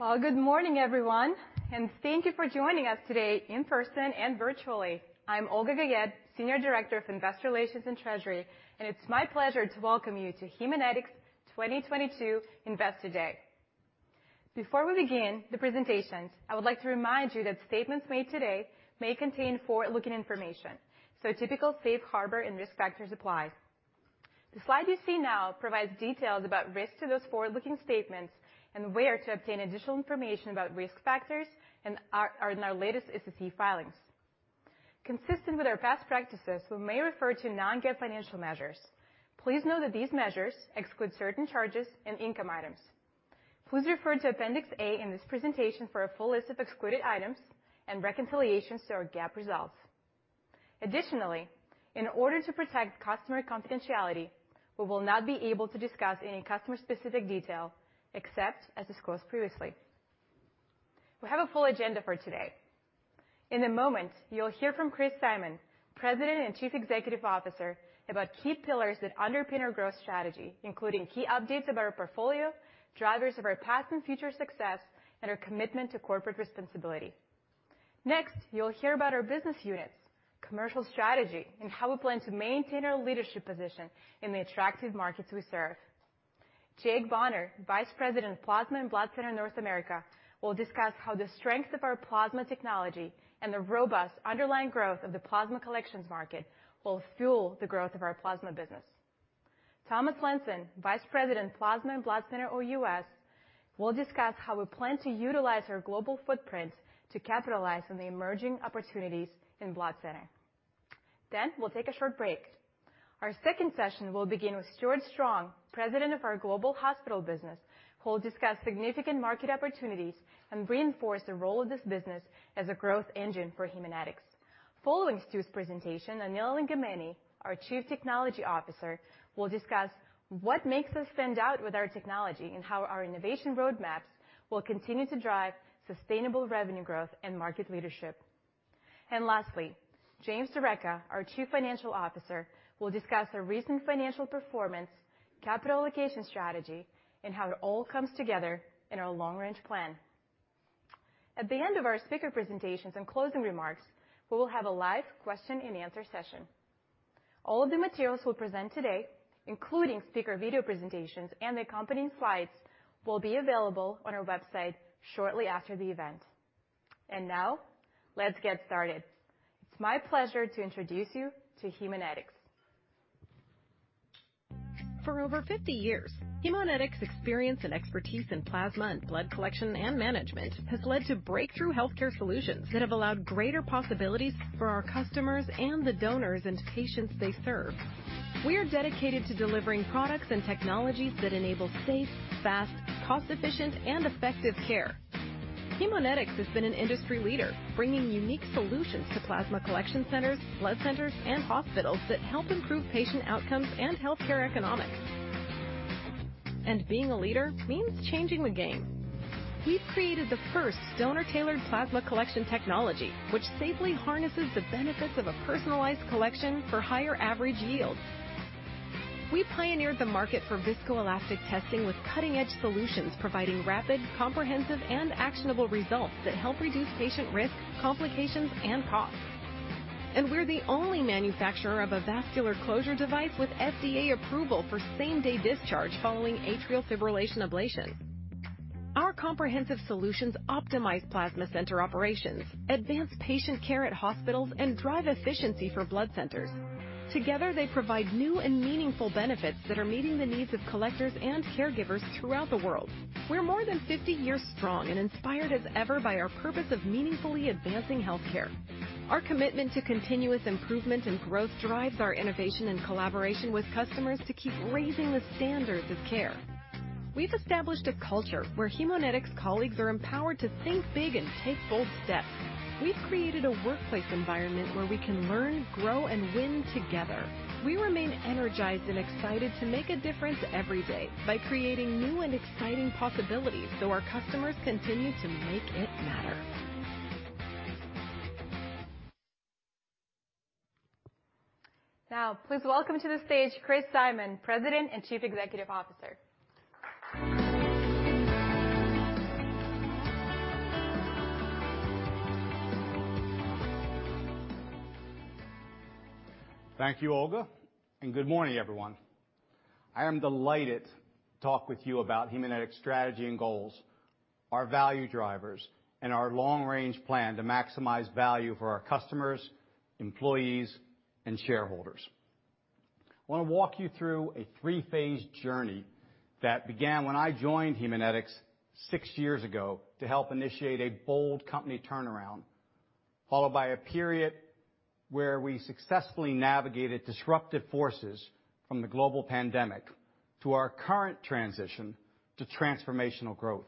Well, good morning everyone, and thank you for joining us today in person and virtually. I'm Olga Guyette, Senior Director of Investor Relations and Treasury, and it's my pleasure to welcome you to Haemonetics' 2022 Investor Day. Before we begin the presentations, I would like to remind you that statements made today may contain forward-looking information, so typical safe harbor and risk factors apply. The slide you see now provides details about risks to those forward-looking statements and where to obtain additional information about risk factors, and they are in our latest SEC filings. Consistent with our best practices, we may refer to non-GAAP financial measures. Please know that these measures exclude certain charges and income items. Please refer to Appendix A in this presentation for a full list of excluded items and reconciliations to our GAAP results. Additionally, in order to protect customer confidentiality, we will not be able to discuss any customer-specific detail except as disclosed previously. We have a full agenda for today. In a moment, you'll hear from Chris Simon, President and Chief Executive Officer, about key pillars that underpin our growth strategy, including key updates about our portfolio, drivers of our past and future success, and our commitment to corporate responsibility. Next, you'll hear about our business units, commercial strategy, and how we plan to maintain our leadership position in the attractive markets we serve. Jake Bonner, Vice President of Plasma and Blood Center North America, will discuss how the strength of our plasma technology and the robust underlying growth of the plasma collections market will fuel the growth of our plasma business. Thomas Lenzen, Vice President, Plasma and Blood Center OUS, will discuss how we plan to utilize our global footprint to capitalize on the emerging opportunities in blood center. Then we'll take a short break. Our second session will begin with Stewart Strong, President of our Global Hospital business, who will discuss significant market opportunities and reinforce the role of this business as a growth engine for Haemonetics. Following Stew's presentation, Anila Lingamneni, our Chief Technology Officer, will discuss what makes us stand out with our technology and how our innovation roadmaps will continue to drive sustainable revenue growth and market leadership. Lastly, James D'Arecca, our Chief Financial Officer, will discuss our recent financial performance, capital allocation strategy, and how it all comes together in our long-range plan. At the end of our speaker presentations and closing remarks, we will have a live question-and-answer session. All of the materials we'll present today, including speaker video presentations and accompanying slides, will be available on our website shortly after the event. Now let's get started. It's my pleasure to introduce you to Haemonetics. For over 50 years, Haemonetics' experience and expertise in plasma and blood collection and management has led to breakthrough healthcare solutions that have allowed greater possibilities for our customers and the donors and patients they serve. We are dedicated to delivering products and technologies that enable safe, fast, cost-efficient, and effective care. Haemonetics has been an industry leader, bringing unique solutions to plasma collection centers, blood centers, and hospitals that help improve patient outcomes and healthcare economics. Being a leader means changing the game. We've created the first donor-tailored plasma collection technology, which safely harnesses the benefits of a personalized collection for higher average yields. We pioneered the market for viscoelastic testing with cutting-edge solutions, providing rapid, comprehensive, and actionable results that help reduce patient risk, complications, and costs. We're the only manufacturer of a vascular closure device with FDA approval for same-day discharge following atrial fibrillation ablation. Our comprehensive solutions optimize plasma center operations, advance patient care at hospitals, and drive efficiency for blood centers. Together, they provide new and meaningful benefits that are meeting the needs of collectors and caregivers throughout the world. We're more than 50 years strong and inspired as ever by our purpose of meaningfully advancing healthcare. Our commitment to continuous improvement and growth drives our innovation and collaboration with customers to keep raising the standards of care. We've established a culture where Haemonetics colleagues are empowered to think big and take bold steps. We've created a workplace environment where we can learn, grow, and win together. We remain energized and excited to make a difference every day by creating new and exciting possibilities so our customers continue to make it matter. Now, please welcome to the stage Chris Simon, President and Chief Executive Officer. Thank you, Olga, and good morning, everyone. I am delighted to talk with you about Haemonetics' strategy and goals, our value drivers, and our long-range plan to maximize value for our customers, employees, and shareholders. I wanna walk you through a three-phase journey that began when I joined Haemonetics six years ago to help initiate a bold company turnaround, followed by a period where we successfully navigated disruptive forces from the global pandemic to our current transition to transformational growth.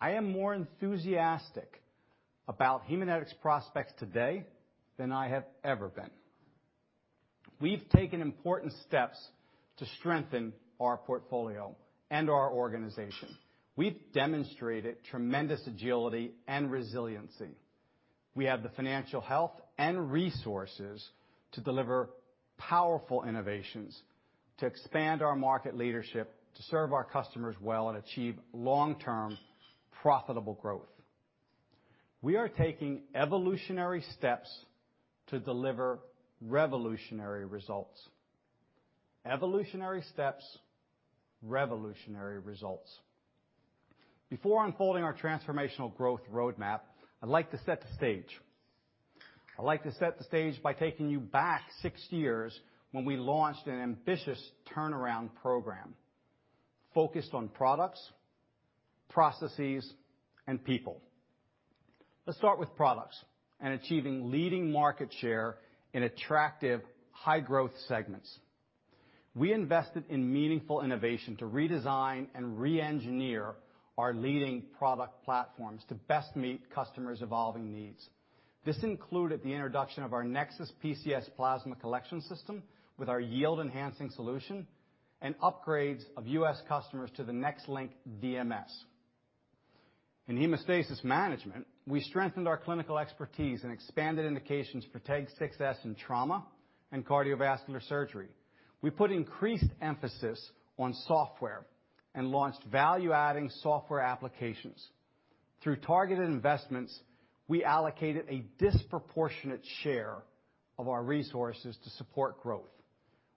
I am more enthusiastic about Haemonetics' prospects today than I have ever been. We've taken important steps to strengthen our portfolio and our organization. We've demonstrated tremendous agility and resiliency. We have the financial health and resources to deliver powerful innovations to expand our market leadership to serve our customers well and achieve long-term profitable growth. We are taking evolutionary steps to deliver revolutionary results. Evolutionary steps, revolutionary results. Before unfolding our transformational growth roadmap, I'd like to set the stage by taking you back six years when we launched an ambitious turnaround program focused on products, processes, and people. Let's start with products and achieving leading market share in attractive high growth segments. We invested in meaningful innovation to redesign and re-engineer our leading product platforms to best meet customers' evolving needs. This included the introduction of our NexSys PCS plasma collection system with our yield-enhancing solution and upgrades of US customers to the NexLynk DMS. In hemostasis management, we strengthened our clinical expertise and expanded indications for TEG 6s in trauma and cardiovascular surgery. We put increased emphasis on software and launched value-adding software applications. Through targeted investments, we allocated a disproportionate share of our resources to support growth.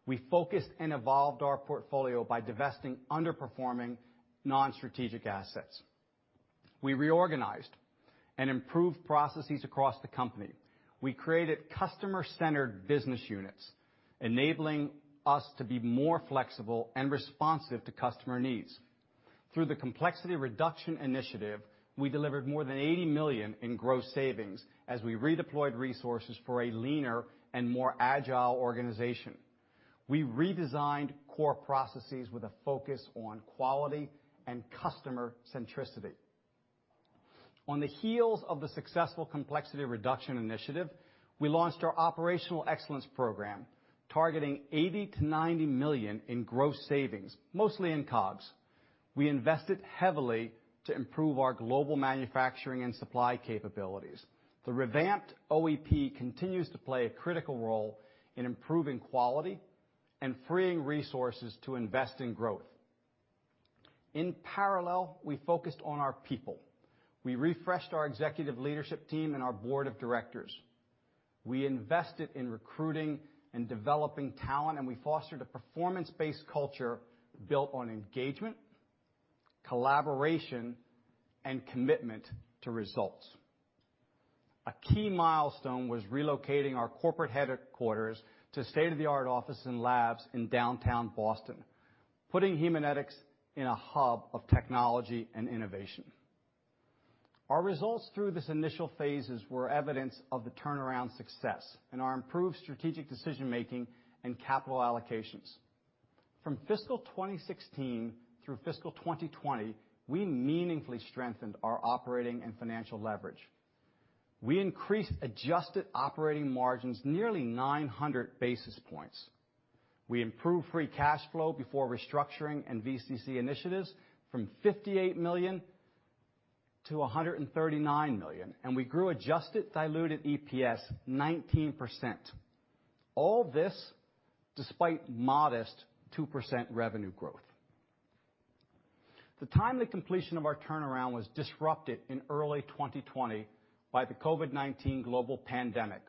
We focused and evolved our portfolio by divesting underperforming non-strategic assets. We reorganized and improved processes across the company. We created customer-centered business units, enabling us to be more flexible and responsive to customer needs. Through the complexity reduction initiative, we delivered more than $80 million in gross savings as we redeployed resources for a leaner and more agile organization. We redesigned core processes with a focus on quality and customer centricity. On the heels of the successful complexity reduction initiative, we launched our operational excellence program, targeting $80 million-$90 million in gross savings, mostly in COGS. We invested heavily to improve our global manufacturing and supply capabilities. The revamped OEP continues to play a critical role in improving quality and freeing resources to invest in growth. In parallel, we focused on our people. We refreshed our executive leadership team and our board of directors. We invested in recruiting and developing talent, and we fostered a performance-based culture built on engagement, collaboration, and commitment to results. A key milestone was relocating our corporate headquarters to state-of-the-art office and labs in downtown Boston, putting Haemonetics in a hub of technology and innovation. Our results through this initial phases were evidence of the turnaround success and our improved strategic decision-making and capital allocations. From fiscal 2016 through fiscal 2020, we meaningfully strengthened our operating and financial leverage. We increased adjusted operating margins nearly 900 basis points. We improved free cash flow before restructuring and VCC initiatives from $58 million to $139 million, and we grew adjusted diluted EPS 19%. All this despite modest 2% revenue growth. The timely completion of our turnaround was disrupted in early 2020 by the COVID-19 global pandemic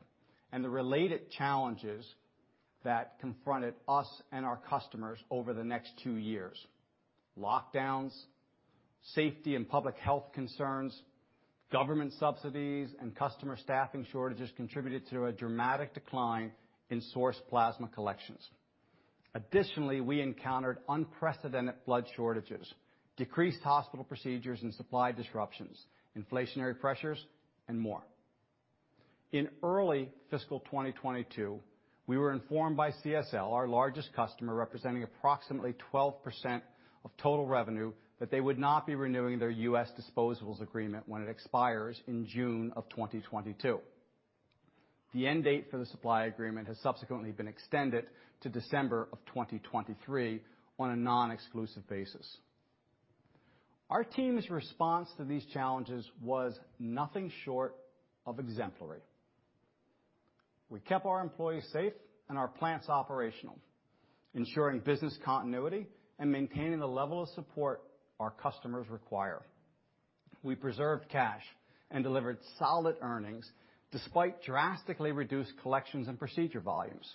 and the related challenges that confronted us and our customers over the next two years. Lockdowns, safety and public health concerns, government subsidies, and customer staffing shortages contributed to a dramatic decline in source plasma collections. Additionally, we encountered unprecedented blood shortages, decreased hospital procedures and supply disruptions, inflationary pressures, and more. In early fiscal 2022, we were informed by CSL, our largest customer, representing approximately 12% of total revenue, that they would not be renewing their US disposables agreement when it expires in June 2022. The end date for the supply agreement has subsequently been extended to December 2023 on a non-exclusive basis. Our team's response to these challenges was nothing short of exemplary. We kept our employees safe and our plants operational, ensuring business continuity and maintaining the level of support our customers require. We preserved cash and delivered solid earnings despite drastically reduced collections and procedure volumes.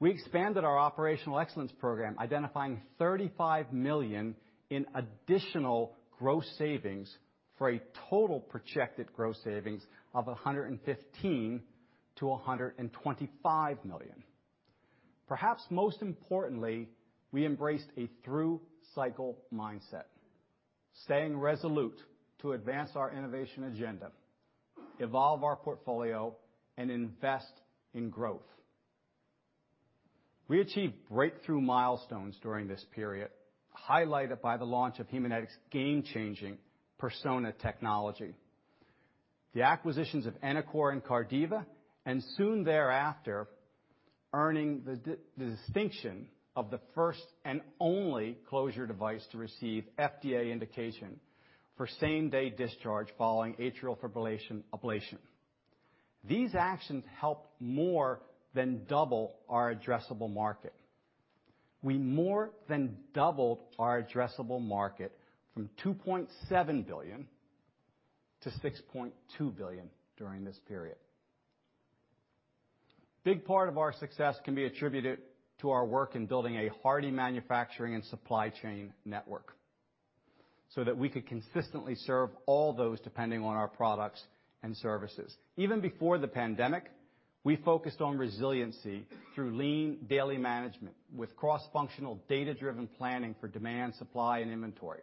We expanded our operational excellence program, identifying $35 million in additional gross savings for a total projected gross savings of $115 million-$125 million. Perhaps most importantly, we embraced a through-cycle mindset, staying resolute to advance our innovation agenda, evolve our portfolio, and invest in growth. We achieved breakthrough milestones during this period, highlighted by the launch of Haemonetics' game-changing Persona technology. The acquisitions of Enicor and Cardiva, and soon thereafter, the distinction of the first and only closure device to receive FDA indication for same-day discharge following atrial fibrillation ablation. These actions helped more than double our addressable market. We more than doubled our addressable market from $2.7 billion-$6.2 billion during this period. Big part of our success can be attributed to our work in building a hardy manufacturing and supply chain network so that we could consistently serve all those depending on our products and services. Even before the pandemic, we focused on resiliency through lean daily management with cross-functional data-driven planning for demand, supply, and inventory.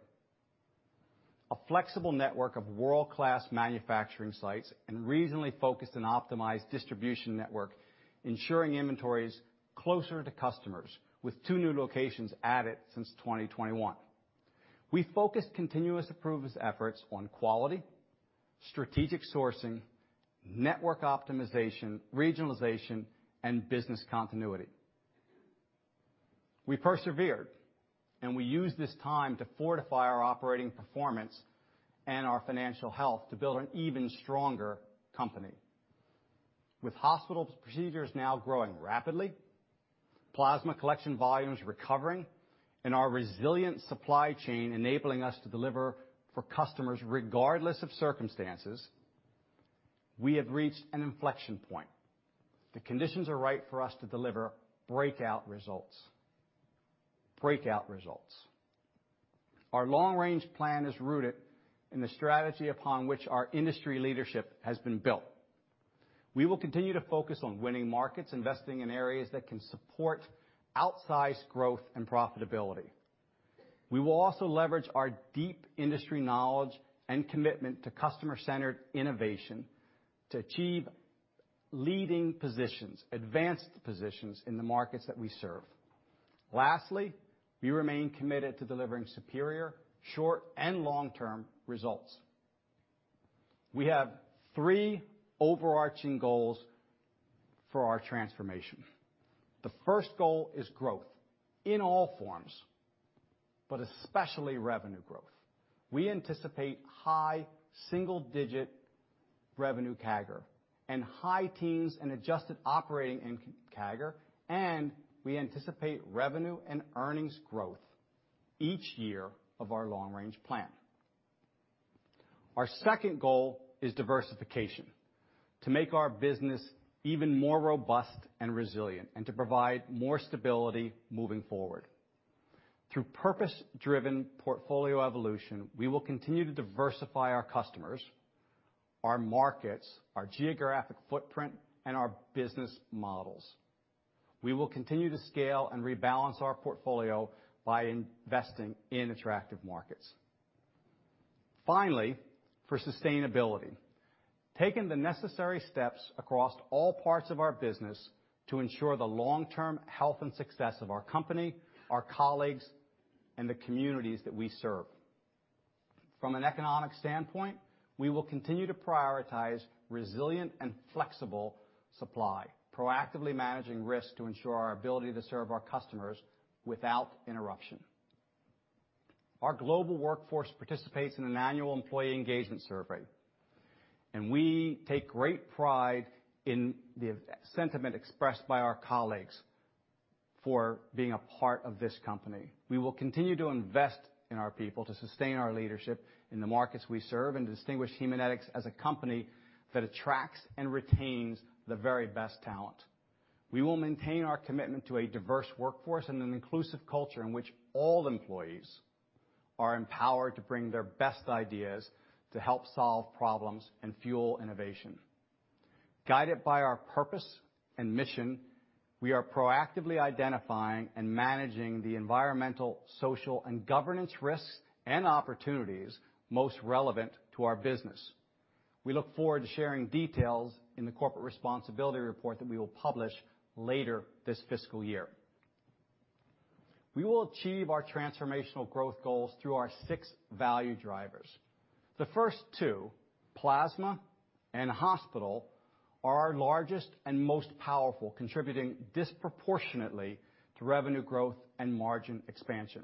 A flexible network of world-class manufacturing sites and reasonably focused and optimized distribution network ensuring inventories closer to customers with two new locations added since 2021. We focused continuous improvements efforts on quality, strategic sourcing, network optimization, regionalization, and business continuity. We persevered, and we used this time to fortify our operating performance and our financial health to build an even stronger company. With hospital procedures now growing rapidly, plasma collection volumes recovering, and our resilient supply chain enabling us to deliver for customers regardless of circumstances, we have reached an inflection point. The conditions are right for us to deliver breakout results. Breakout results. Our long-range plan is rooted in the strategy upon which our industry leadership has been built. We will continue to focus on winning markets, investing in areas that can support outsized growth and profitability. We will also leverage our deep industry knowledge and commitment to customer-centered innovation to achieve leading positions, advanced positions in the markets that we serve. Lastly, we remain committed to delivering superior short- and long-term results. We have three overarching goals for our transformation. The first goal is growth in all forms, but especially revenue growth. We anticipate high single-digit revenue CAGR and high teens in adjusted operating income CAGR, and we anticipate revenue and earnings growth each year of our long-range plan. Our second goal is diversification, to make our business even more robust and resilient and to provide more stability moving forward. Through purpose-driven portfolio evolution, we will continue to diversify our customers, our markets, our geographic footprint, and our business models. We will continue to scale and rebalance our portfolio by investing in attractive markets. Finally, for sustainability, taking the necessary steps across all parts of our business to ensure the long-term health and success of our company, our colleagues, and the communities that we serve. From an economic standpoint, we will continue to prioritize resilient and flexible supply, proactively managing risk to ensure our ability to serve our customers without interruption. Our global workforce participates in an annual employee engagement survey, and we take great pride in the sentiment expressed by our colleagues for being a part of this company. We will continue to invest in our people to sustain our leadership in the markets we serve and to distinguish Haemonetics as a company that attracts and retains the very best talent. We will maintain our commitment to a diverse workforce and an inclusive culture in which all employees are empowered to bring their best ideas to help solve problems and fuel innovation. Guided by our purpose and mission, we are proactively identifying and managing the environmental, social, and governance risks and opportunities most relevant to our business. We look forward to sharing details in the corporate responsibility report that we will publish later this fiscal year. We will achieve our transformational growth goals through our six value drivers. The first two, plasma and hospital, are our largest and most powerful, contributing disproportionately to revenue growth and margin expansion.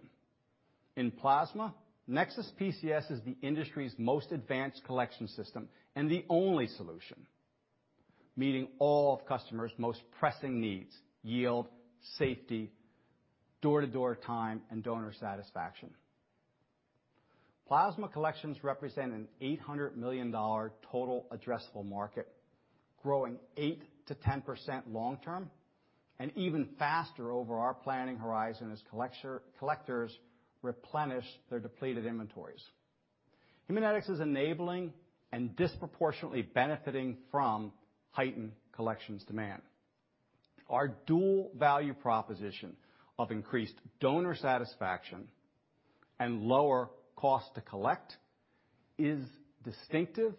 In plasma, NexSys PCS is the industry's most advanced collection system and the only solution meeting all of customers' most pressing needs, yield, safety, door-to-door time, and donor satisfaction. Plasma collections represent an $800 million total addressable market, growing 8%-10% long term, and even faster over our planning horizon as collectors replenish their depleted inventories. Haemonetics is enabling and disproportionately benefiting from heightened collections demand. Our dual value proposition of increased donor satisfaction and lower cost to collect is distinctive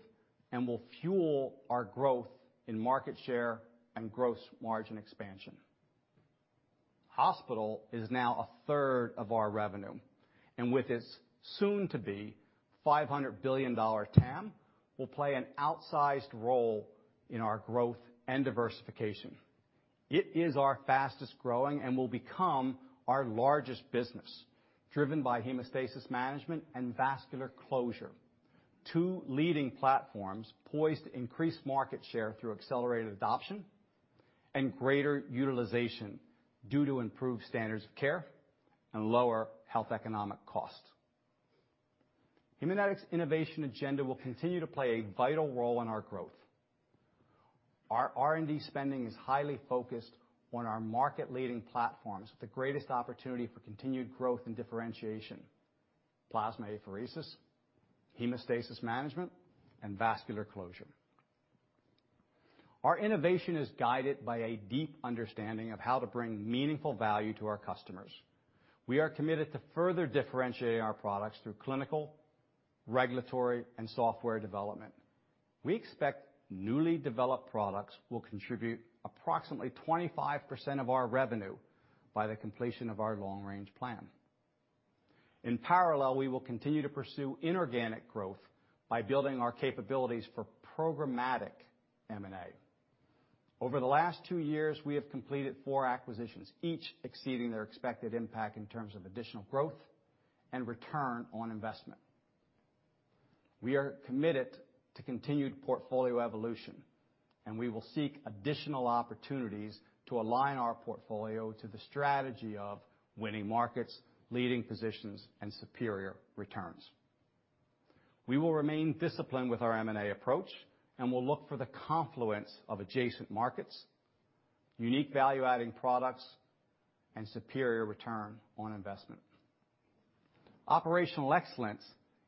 and will fuel our growth in market share and gross margin expansion. Hospital is now a third of our revenue, and with its soon-to-be $500 billion TAM, will play an outsized role in our growth and diversification. It is our fastest growing and will become our largest business, driven by hemostasis management and vascular closure. Two leading platforms poised to increase market share through accelerated adoption and greater utilization due to improved standards of care and lower health economic costs. Haemonetics' innovation agenda will continue to play a vital role in our growth. Our R&D spending is highly focused on our market-leading platforms with the greatest opportunity for continued growth and differentiation, plasma apheresis, hemostasis management, and vascular closure. Our innovation is guided by a deep understanding of how to bring meaningful value to our customers. We are committed to further differentiating our products through clinical, regulatory, and software development. We expect newly developed products will contribute approximately 25% of our revenue by the completion of our long-range plan. In parallel, we will continue to pursue inorganic growth by building our capabilities for programmatic M&A. Over the last two years, we have completed four acquisitions, each exceeding their expected impact in terms of additional growth and return on investment. We are committed to continued portfolio evolution, and we will seek additional opportunities to align our portfolio to the strategy of winning markets, leading positions, and superior returns. We will remain disciplined with our M&A approach and will look for the confluence of adjacent markets, unique value-adding products, and superior return on investment. Operational excellence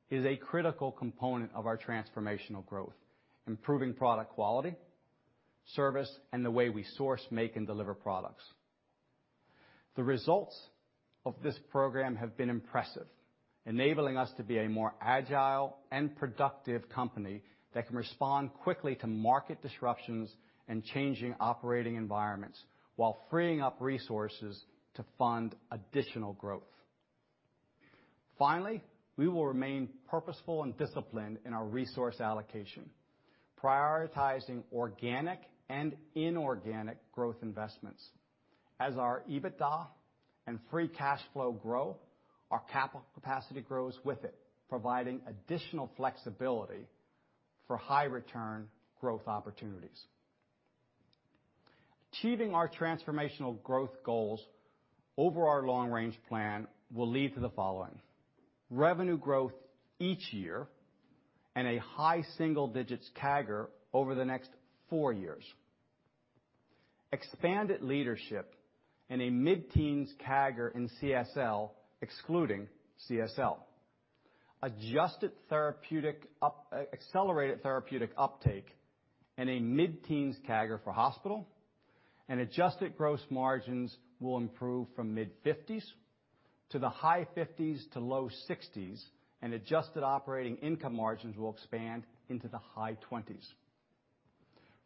is a critical component of our transformational growth, improving product quality, service, and the way we source, make, and deliver products. The results of this program have been impressive, enabling us to be a more agile and productive company that can respond quickly to market disruptions and changing operating environments while freeing up resources to fund additional growth. Finally, we will remain purposeful and disciplined in our resource allocation, prioritizing organic and inorganic growth investments. As our EBITDA and free cash flow grow, our capital capacity grows with it, providing additional flexibility for high-return growth opportunities. Achieving our transformational growth goals over our long range plan will lead to the following. Revenue growth each year and a high single-digits% CAGR over the next four years. Expanded leadership and a mid-teens% CAGR in CSL, excluding CSL. Adjusted therapeutic, accelerated therapeutic uptake and a mid-teens% CAGR for hospital. Adjusted gross margins will improve from mid-50s% to the high 50s% to low 60s%. Adjusted operating income margins will expand into the high 20s%.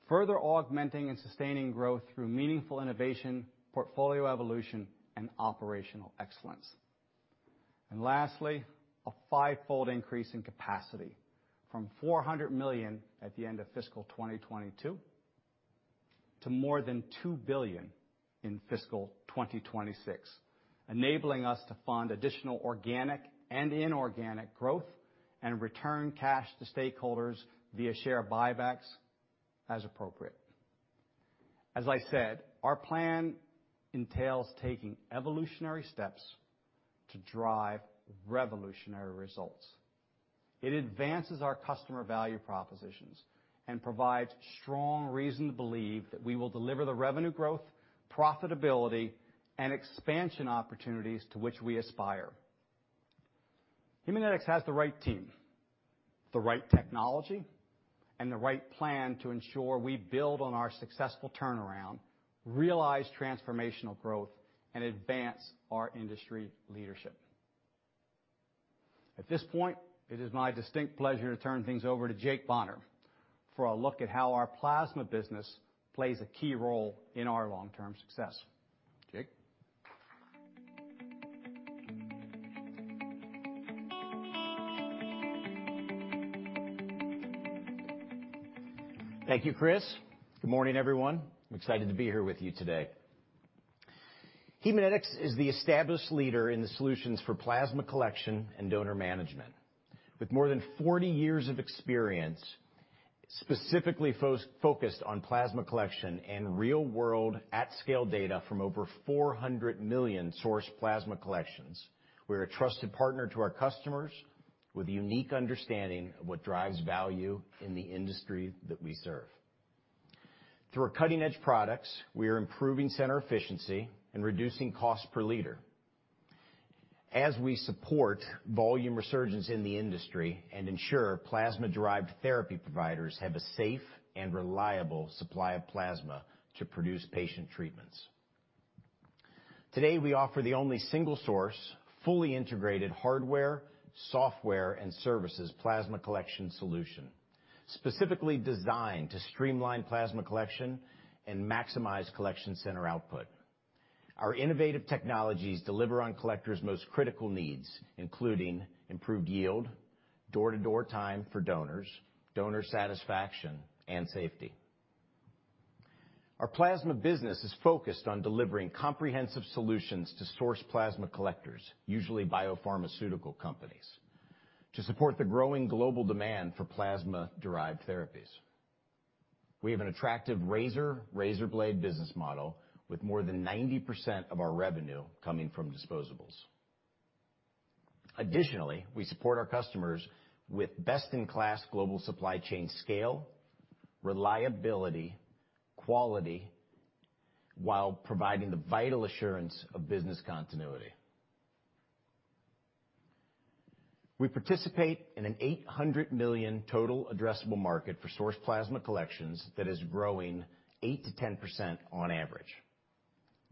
Further augmenting and sustaining growth through meaningful innovation, portfolio evolution, and operational excellence. Lastly, a five-fold increase in capacity from 400 million at the end of fiscal 2022 to more than 2 billion in fiscal 2026, enabling us to fund additional organic and inorganic growth and return cash to stakeholders via share buybacks as appropriate. As I said, our plan entails taking evolutionary steps to drive revolutionary results. It advances our customer value propositions and provides strong reason to believe that we will deliver the revenue growth, profitability, and expansion opportunities to which we aspire. Haemonetics has the right team, the right technology, and the right plan to ensure we build on our successful turnaround, realize transformational growth, and advance our industry leadership. At this point, it is my distinct pleasure to turn things over to Jake Bonner for a look at how our plasma business plays a key role in our long-term success. Jake? Thank you, Chris. Good morning, everyone. I'm excited to be here with you today. Haemonetics is the established leader in the solutions for plasma collection and donor management. With more than 40 years of experience, specifically focused on plasma collection and real-world at-scale data from over 400 million sourced plasma collections, we're a trusted partner to our customers with a unique understanding of what drives value in the industry that we serve. Through our cutting-edge products, we are improving center efficiency and reducing cost per liter. As we support volume resurgence in the industry and ensure plasma-derived therapy providers have a safe and reliable supply of plasma to produce patient treatments. Today, we offer the only single source, fully integrated hardware, software, and services plasma collection solution. Specifically designed to streamline plasma collection and maximize collection center output. Our innovative technologies deliver on collectors' most critical needs, including improved yield, door-to-door time for donors, donor satisfaction, and safety. Our plasma business is focused on delivering comprehensive solutions to source plasma collectors, usually biopharmaceutical companies, to support the growing global demand for plasma-derived therapies. We have an attractive razor-razor blade business model with more than 90% of our revenue coming from disposables. Additionally, we support our customers with best-in-class global supply chain scale, reliability, quality, while providing the vital assurance of business continuity. We participate in an $800 million total addressable market for sourced plasma collections that is growing 8%-10% on average.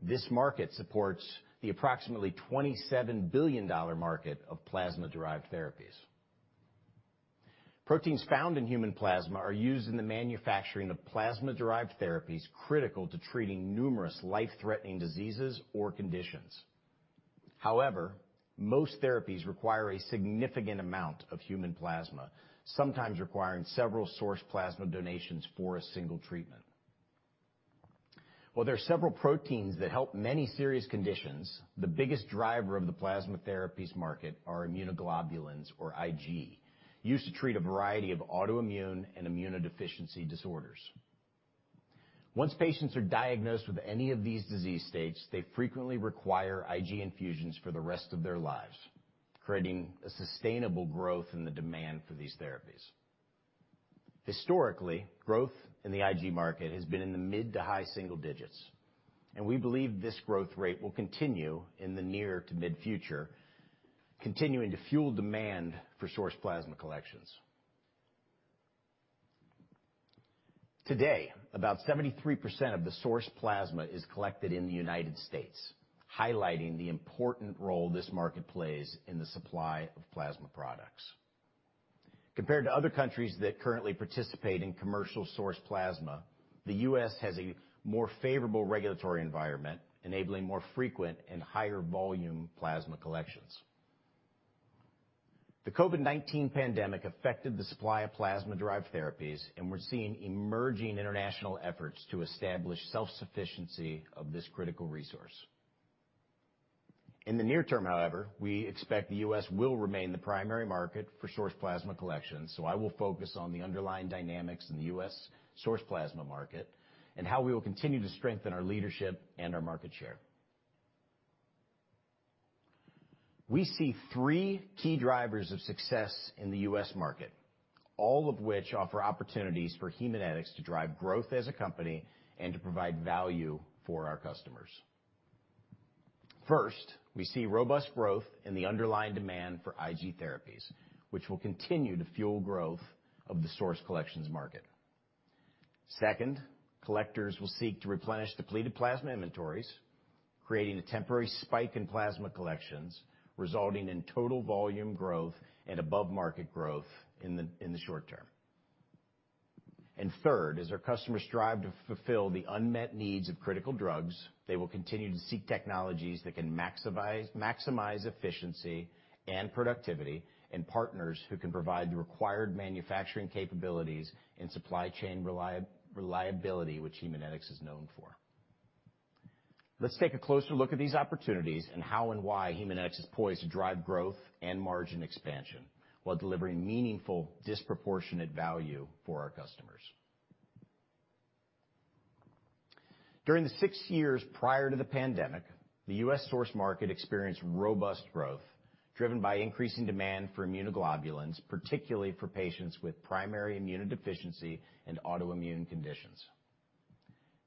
This market supports the approximately $27 billion market of plasma-derived therapies. Proteins found in human plasma are used in the manufacturing of plasma-derived therapies critical to treating numerous life-threatening diseases or conditions. However, most therapies require a significant amount of human plasma, sometimes requiring several sourced plasma donations for a single treatment. While there are several proteins that help many serious conditions, the biggest driver of the plasma therapies market are immunoglobulins, or IG, used to treat a variety of autoimmune and immunodeficiency disorders. Once patients are diagnosed with any of these disease states, they frequently require IG infusions for the rest of their lives, creating a sustainable growth in the demand for these therapies. Historically, growth in the IG market has been in the mid to high single digits, and we believe this growth rate will continue in the near to mid-future, continuing to fuel demand for sourced plasma collections. Today, about 73% of the sourced plasma is collected in the United States, highlighting the important role this market plays in the supply of plasma products. Compared to other countries that currently participate in commercial sourced plasma, the US has a more favorable regulatory environment, enabling more frequent and higher volume plasma collections. The COVID-19 pandemic affected the supply of plasma-derived therapies, and we're seeing emerging international efforts to establish self-sufficiency of this critical resource. In the near term, however, we expect the US will remain the primary market for sourced plasma collections, so I will focus on the underlying dynamics in the US sourced plasma market and how we will continue to strengthen our leadership and our market share. We see three key drivers of success in the US market, all of which offer opportunities for Haemonetics to drive growth as a company and to provide value for our customers. First, we see robust growth in the underlying demand for IG therapies, which will continue to fuel growth of the source collections market. Second, collectors will seek to replenish depleted plasma inventories, creating a temporary spike in plasma collections, resulting in total volume growth and above-market growth in the short term. Third, as our customers strive to fulfill the unmet needs of critical drugs, they will continue to seek technologies that can maximize efficiency and productivity, and partners who can provide the required manufacturing capabilities and supply chain reliability, which Haemonetics is known for. Let's take a closer look at these opportunities and how and why Haemonetics is poised to drive growth and margin expansion while delivering meaningful disproportionate value for our customers. During the six years prior to the pandemic, the US source market experienced robust growth driven by increasing demand for immunoglobulins, particularly for patients with primary immunodeficiency and autoimmune conditions.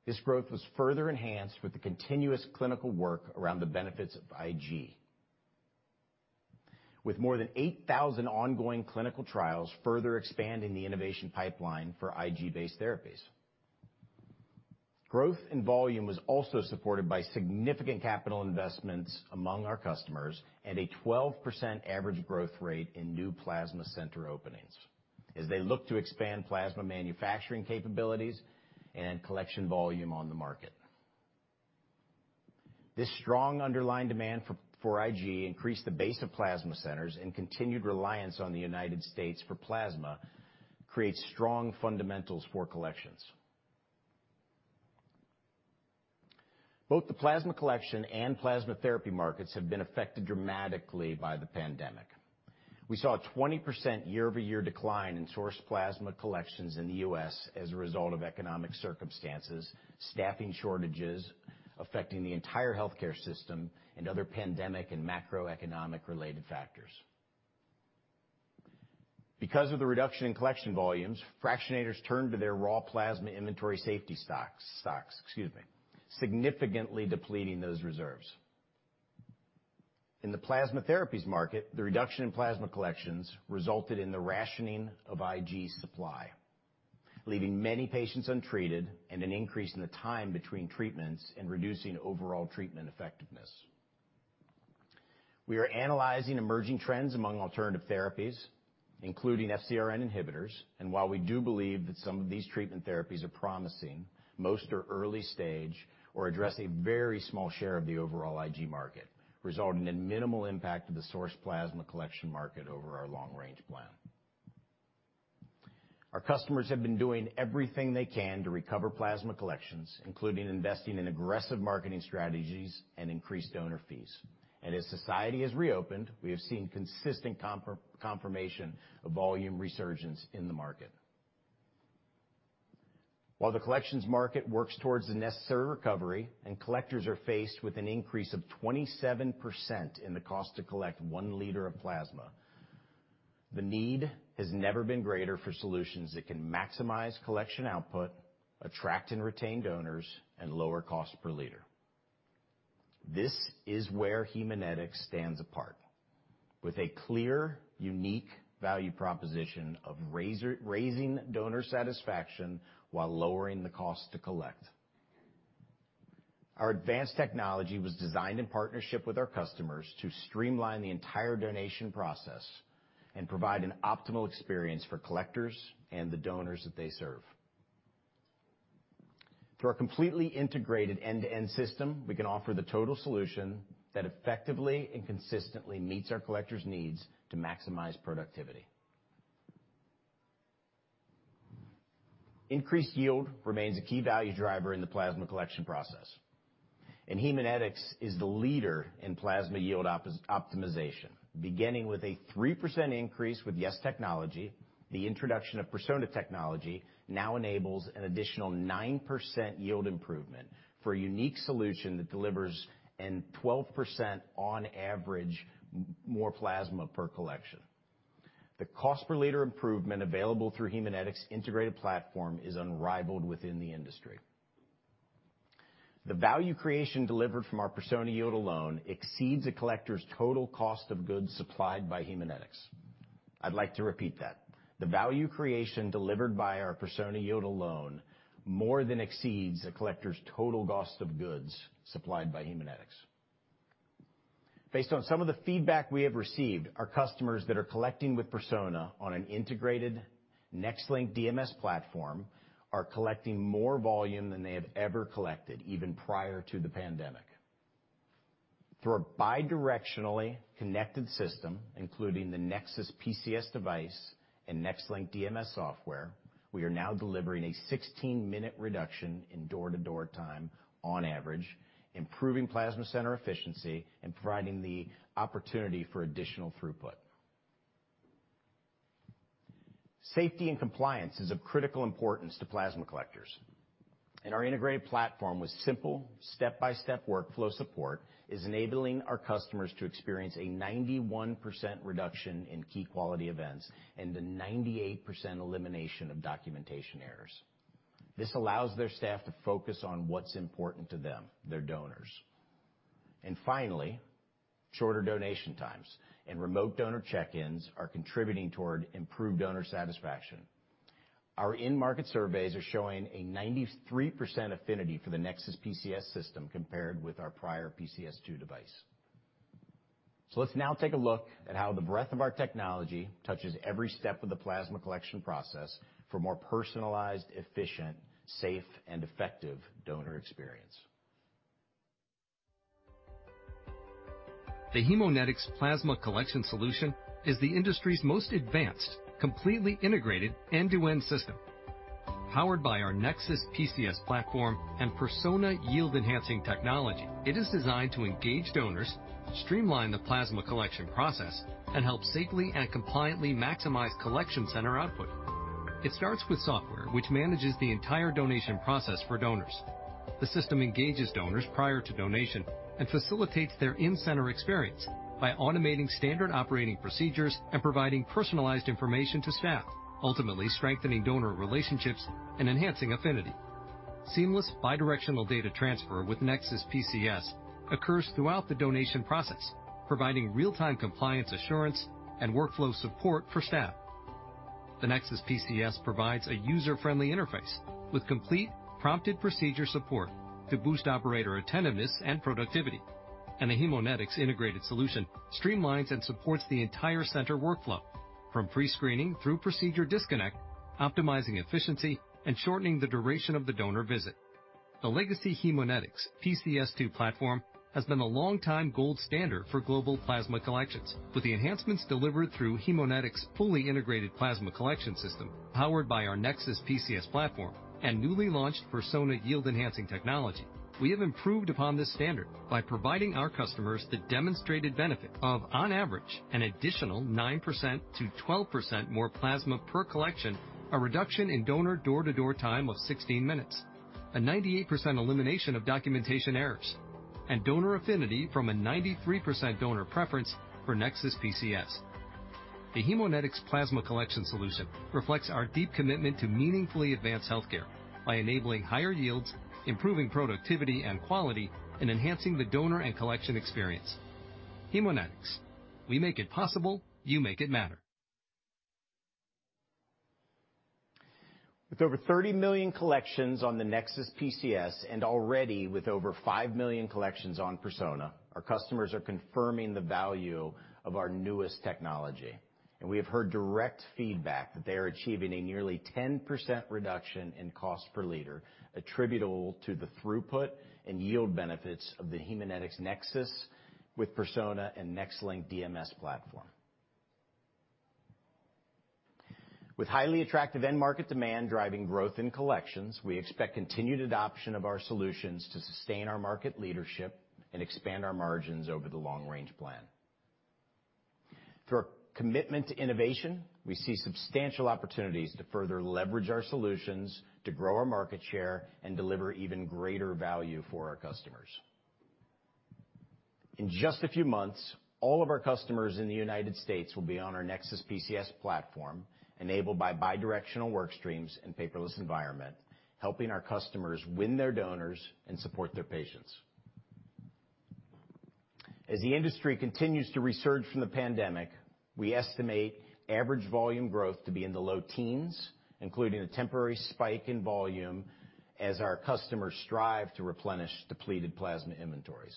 This growth was further enhanced with the continuous clinical work around the benefits of IG. With more than 8,000 ongoing clinical trials further expanding the innovation pipeline for IG-based therapies. Growth and volume was also supported by significant capital investments among our customers and a 12% average growth rate in new plasma center openings as they look to expand plasma manufacturing capabilities and collection volume on the market. This strong underlying demand for IG increased the base of plasma centers and continued reliance on the United States for plasma creates strong fundamentals for collections. Both the plasma collection and plasma therapy markets have been affected dramatically by the pandemic. We saw a 20% year-over-year decline in sourced plasma collections in the US as a result of economic circumstances, staffing shortages affecting the entire healthcare system, and other pandemic and macroeconomic related factors. Because of the reduction in collection volumes, fractionators turned to their raw plasma inventory safety stocks, excuse me, significantly depleting those reserves. In the plasma therapies market, the reduction in plasma collections resulted in the rationing of IG supply, leaving many patients untreated and an increase in the time between treatments and reducing overall treatment effectiveness. We are analyzing emerging trends among alternative therapies, including FcRn inhibitors. While we do believe that some of these treatment therapies are promising, most are early stage or address a very small share of the overall IG market, resulting in minimal impact to the source plasma collection market over our long-range plan. Our customers have been doing everything they can to recover plasma collections, including investing in aggressive marketing strategies and increased donor fees. As society has reopened, we have seen consistent confirmation of volume resurgence in the market. While the collections market works towards the necessary recovery and collectors are faced with an increase of 27% in the cost to collect one liter of plasma, the need has never been greater for solutions that can maximize collection output, attract and retain donors, and lower cost per liter. This is where Haemonetics stands apart with a clear, unique value proposition of raising donor satisfaction while lowering the cost to collect. Our advanced technology was designed in partnership with our customers to streamline the entire donation process and provide an optimal experience for collectors and the donors that they serve. Through our completely integrated end-to-end system, we can offer the total solution that effectively and consistently meets our collectors' needs to maximize productivity. Increased yield remains a key value driver in the plasma collection process, and Haemonetics is the leader in plasma yield optimization. Beginning with a 3% increase with YES Technology, the introduction of Persona technology now enables an additional 9% yield improvement for a unique solution that delivers a 12% on average more plasma per collection. The cost per liter improvement available through Haemonetics' integrated platform is unrivaled within the industry. The value creation delivered from our Persona yield alone exceeds a collector's total cost of goods supplied by Haemonetics. I'd like to repeat that. The value creation delivered by our Persona yield alone more than exceeds a collector's total cost of goods supplied by Haemonetics. Based on some of the feedback we have received, our customers that are collecting with Persona on an integrated NexLynk DMS platform are collecting more volume than they have ever collected, even prior to the pandemic. Through a bi-directionally connected system, including the NexSys PCS device and NexLynk DMS software, we are now delivering a 16-minute reduction in door-to-door time on average, improving plasma center efficiency, and providing the opportunity for additional throughput. Safety and compliance is of critical importance to plasma collectors, and our integrated platform with simple step-by-step workflow support is enabling our customers to experience a 91% reduction in key quality events and a 98% elimination of documentation errors. This allows their staff to focus on what's important to them, their donors. Shorter donation times and remote donor check-ins are contributing toward improved donor satisfaction. Our in-market surveys are showing a 93% affinity for the NexSys PCS system compared with our prior PCS2 device. Let's now take a look at how the breadth of our technology touches every step of the plasma collection process for more personalized, efficient, safe, and effective donor experience. The Haemonetics Plasma Collection Solution is the industry's most advanced, completely integrated end-to-end system. Powered by our NexSys PCS platform and Persona yield-enhancing technology, it is designed to engage donors, streamline the plasma collection process, and help safely and compliantly maximize collection center output. It starts with software which manages the entire donation process for donors. The system engages donors prior to donation and facilitates their in-center experience by automating standard operating procedures and providing personalized information to staff, ultimately strengthening donor relationships and enhancing affinity. Seamless bidirectional data transfer with NexSys PCS occurs throughout the donation process, providing real-time compliance assurance and workflow support for staff. The NexSys PCS provides a user-friendly interface with complete prompted procedure support to boost operator attentiveness and productivity. The Haemonetics integrated solution streamlines and supports the entire center workflow from pre-screening through procedure disconnect, optimizing efficiency and shortening the duration of the donor visit. The legacy Haemonetics PCS2 platform has been a long time gold standard for global plasma collections. With the enhancements delivered through Haemonetics' fully integrated plasma collection system powered by our NexSys PCS platform and newly launched Persona yield-enhancing technology, we have improved upon this standard by providing our customers the demonstrated benefit of, on average, an additional 9%-12% more plasma per collection, a reduction in donor door-to-door time of 16 minutes, a 98% elimination of documentation errors, and donor affinity from a 93% donor preference for NexSys PCS. The Haemonetics plasma collection solution reflects our deep commitment to meaningfully advance healthcare by enabling higher yields, improving productivity and quality, and enhancing the donor and collection experience. Haemonetics, we make it possible, you make it matter. With over 30 million collections on the NexSys PCS, and already with over 5 million collections on Persona, our customers are confirming the value of our newest technology. We have heard direct feedback that they are achieving a nearly 10% reduction in cost per liter attributable to the throughput and yield benefits of the Haemonetics NexSys with Persona and NexLynk DMS platform. With highly attractive end-market demand driving growth in collections, we expect continued adoption of our solutions to sustain our market leadership and expand our margins over the long-range plan. Through our commitment to innovation, we see substantial opportunities to further leverage our solutions to grow our market share and deliver even greater value for our customers. In just a few months, all of our customers in the United States will be on our NexSys PCS platform, enabled by bidirectional work streams and paperless environment, helping our customers win their donors and support their patients. As the industry continues to resurge from the pandemic, we estimate average volume growth to be in the low teens, including a temporary spike in volume as our customers strive to replenish depleted plasma inventories.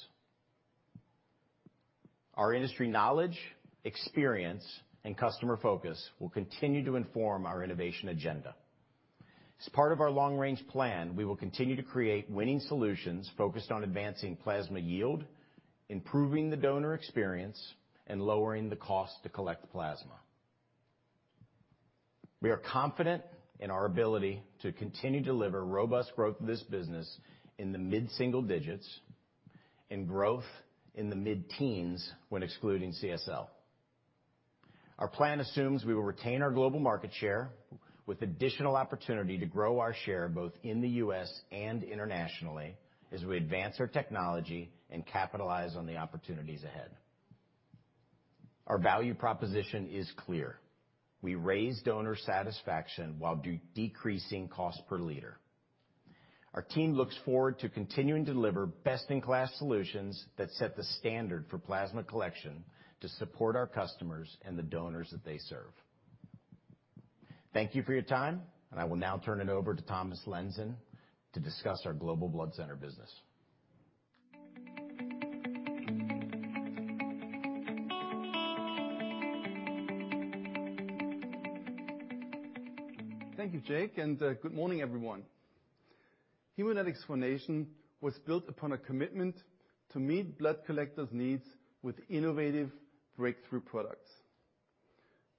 Our industry knowledge, experience, and customer focus will continue to inform our innovation agenda. As part of our long-range plan, we will continue to create winning solutions focused on advancing plasma yield, improving the donor experience, and lowering the cost to collect plasma. We are confident in our ability to continue to deliver robust growth of this business in the mid-single digits% and growth in the mid-teens% when excluding CSL. Our plan assumes we will retain our global market share with additional opportunity to grow our share, both in the US and internationally, as we advance our technology and capitalize on the opportunities ahead. Our value proposition is clear. We raise donor satisfaction while decreasing cost per liter. Our team looks forward to continuing to deliver best-in-class solutions that set the standard for plasma collection to support our customers and the donors that they serve. Thank you for your time, and I will now turn it over to Thomas Lenzen to discuss our Global Blood Center business. Thank you, Jake, and good morning, everyone. Haemonetics' foundation was built upon a commitment to meet blood collectors' needs with innovative breakthrough products.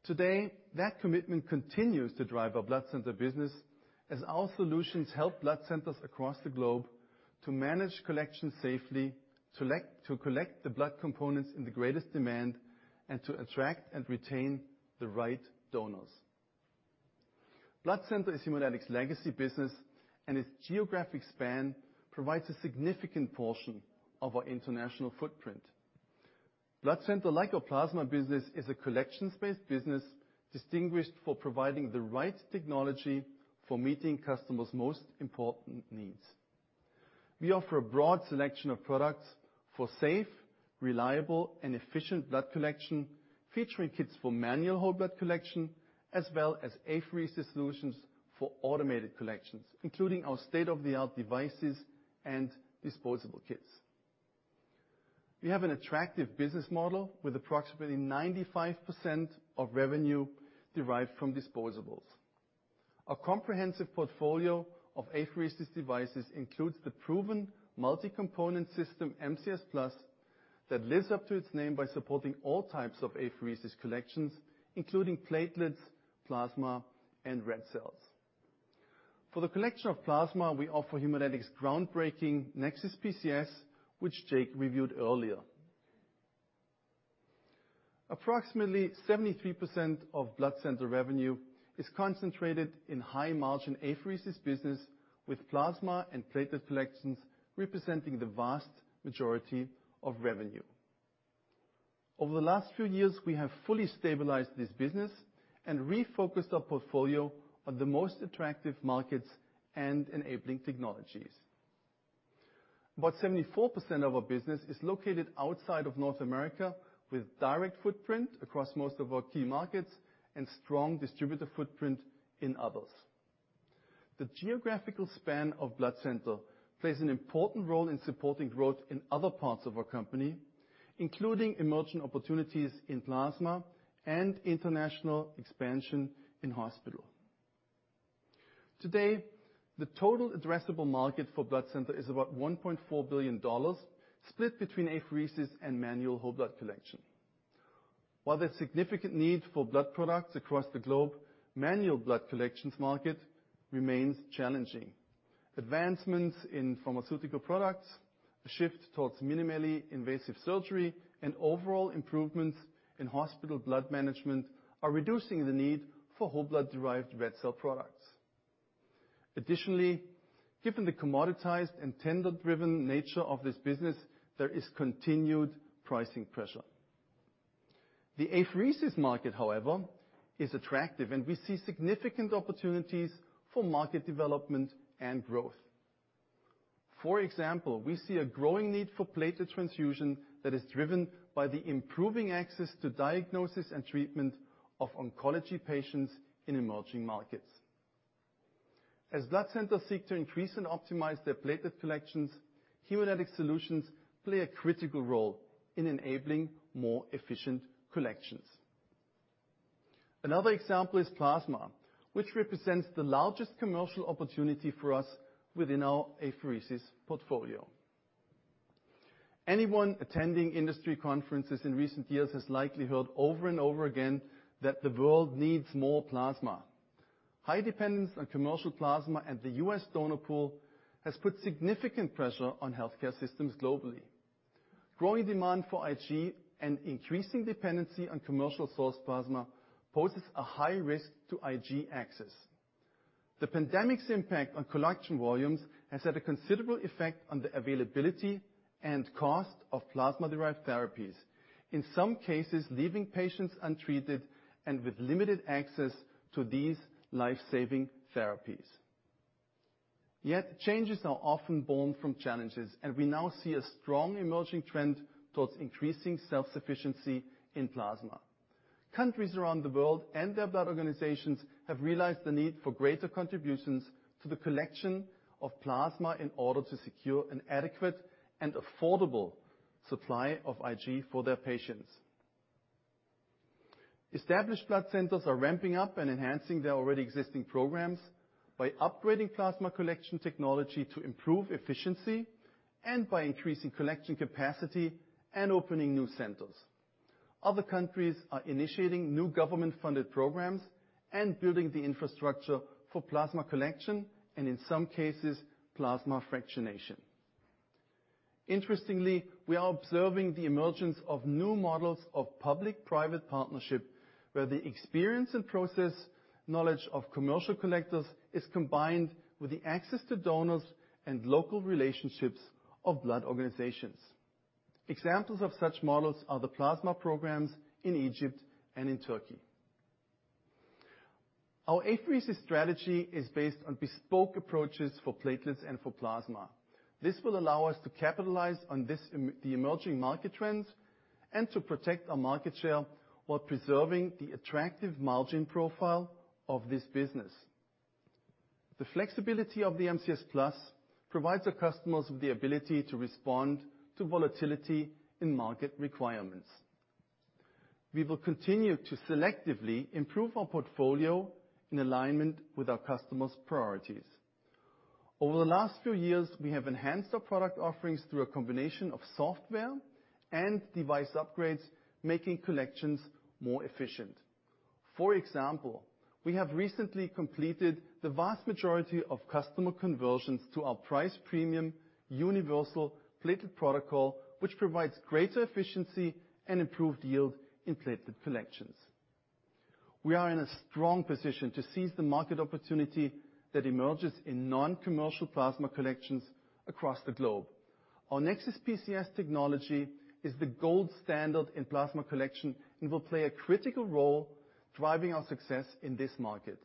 Today, that commitment continues to drive our blood center business as our solutions help blood centers across the globe to manage collections safely, to collect the blood components in the greatest demand, and to attract and retain the right donors. Blood center is Haemonetics' legacy business, and its geographic span provides a significant portion of our international footprint. Blood center, like our plasma business, is a collections-based business distinguished for providing the right technology for meeting customers' most important needs. We offer a broad selection of products for safe, reliable, and efficient blood collection, featuring kits for manual whole blood collection, as well as apheresis solutions for automated collections, including our state-of-the-art devices and disposable kits. We have an attractive business model with approximately 95% of revenue derived from disposables. Our comprehensive portfolio of apheresis devices includes the proven Multi-Component System, MCS Plus, that lives up to its name by supporting all types of apheresis collections, including platelets, plasma, and red cells. For the collection of plasma, we offer Haemonetics' groundbreaking NexSys PCS, which Jake reviewed earlier. Approximately 73% of blood center revenue is concentrated in high-margin apheresis business, with plasma and platelet collections representing the vast majority of revenue. Over the last few years, we have fully stabilized this business and refocused our portfolio on the most attractive markets and enabling technologies. About 74% of our business is located outside of North America, with direct footprint across most of our key markets and strong distributor footprint in others. The geographical span of Blood Center plays an important role in supporting growth in other parts of our company, including emerging opportunities in Plasma and international expansion in Hospital. Today, the total addressable market for Blood Center is about $1.4 billion, split between apheresis and manual whole blood collection. While there's significant need for blood products across the globe, manual blood collections market remains challenging. Advancements in pharmaceutical products, a shift towards minimally invasive surgery, and overall improvements in hospital blood management are reducing the need for whole blood-derived red cell products. Additionally, given the commoditized and tender-driven nature of this business, there is continued pricing pressure. The apheresis market, however, is attractive, and we see significant opportunities for market development and growth. For example, we see a growing need for platelet transfusion that is driven by the improving access to diagnosis and treatment of oncology patients in emerging markets. As blood centers seek to increase and optimize their platelet collections, Haemonetics solutions play a critical role in enabling more efficient collections. Another example is plasma, which represents the largest commercial opportunity for us within our apheresis portfolio. Anyone attending industry conferences in recent years has likely heard over and over again that the world needs more plasma. High dependence on commercial plasma and the US donor pool has put significant pressure on healthcare systems globally. Growing demand for IG and increasing dependency on commercial source plasma poses a high risk to IG access. The pandemic's impact on collection volumes has had a considerable effect on the availability and cost of plasma-derived therapies, in some cases, leaving patients untreated and with limited access to these life-saving therapies. Yet, changes are often born from challenges, and we now see a strong emerging trend towards increasing self-sufficiency in plasma. Countries around the world and their blood organizations have realized the need for greater contributions to the collection of plasma in order to secure an adequate and affordable supply of IG for their patients. Established blood centers are ramping up and enhancing their already existing programs by upgrading plasma collection technology to improve efficiency and by increasing collection capacity and opening new centers. Other countries are initiating new government-funded programs and building the infrastructure for plasma collection and, in some cases, plasma fractionation. Interestingly, we are observing the emergence of new models of public-private partnership, where the experience and process knowledge of commercial collectors is combined with the access to donors and local relationships of blood organizations. Examples of such models are the plasma programs in Egypt and in Turkey. Our apheresis strategy is based on bespoke approaches for platelets and for plasma. This will allow us to capitalize on the emerging market trends and to protect our market share while preserving the attractive margin profile of this business. The flexibility of the MCS+ provides our customers with the ability to respond to volatility in market requirements. We will continue to selectively improve our portfolio in alignment with our customers' priorities. Over the last few years, we have enhanced our product offerings through a combination of software and device upgrades, making collections more efficient. For example, we have recently completed the vast majority of customer conversions to our price premium universal platelet protocol, which provides greater efficiency and improved yield in platelet collections. We are in a strong position to seize the market opportunity that emerges in non-commercial plasma collections across the globe. Our NexSys PCS technology is the gold standard in plasma collection and will play a critical role driving our success in this market.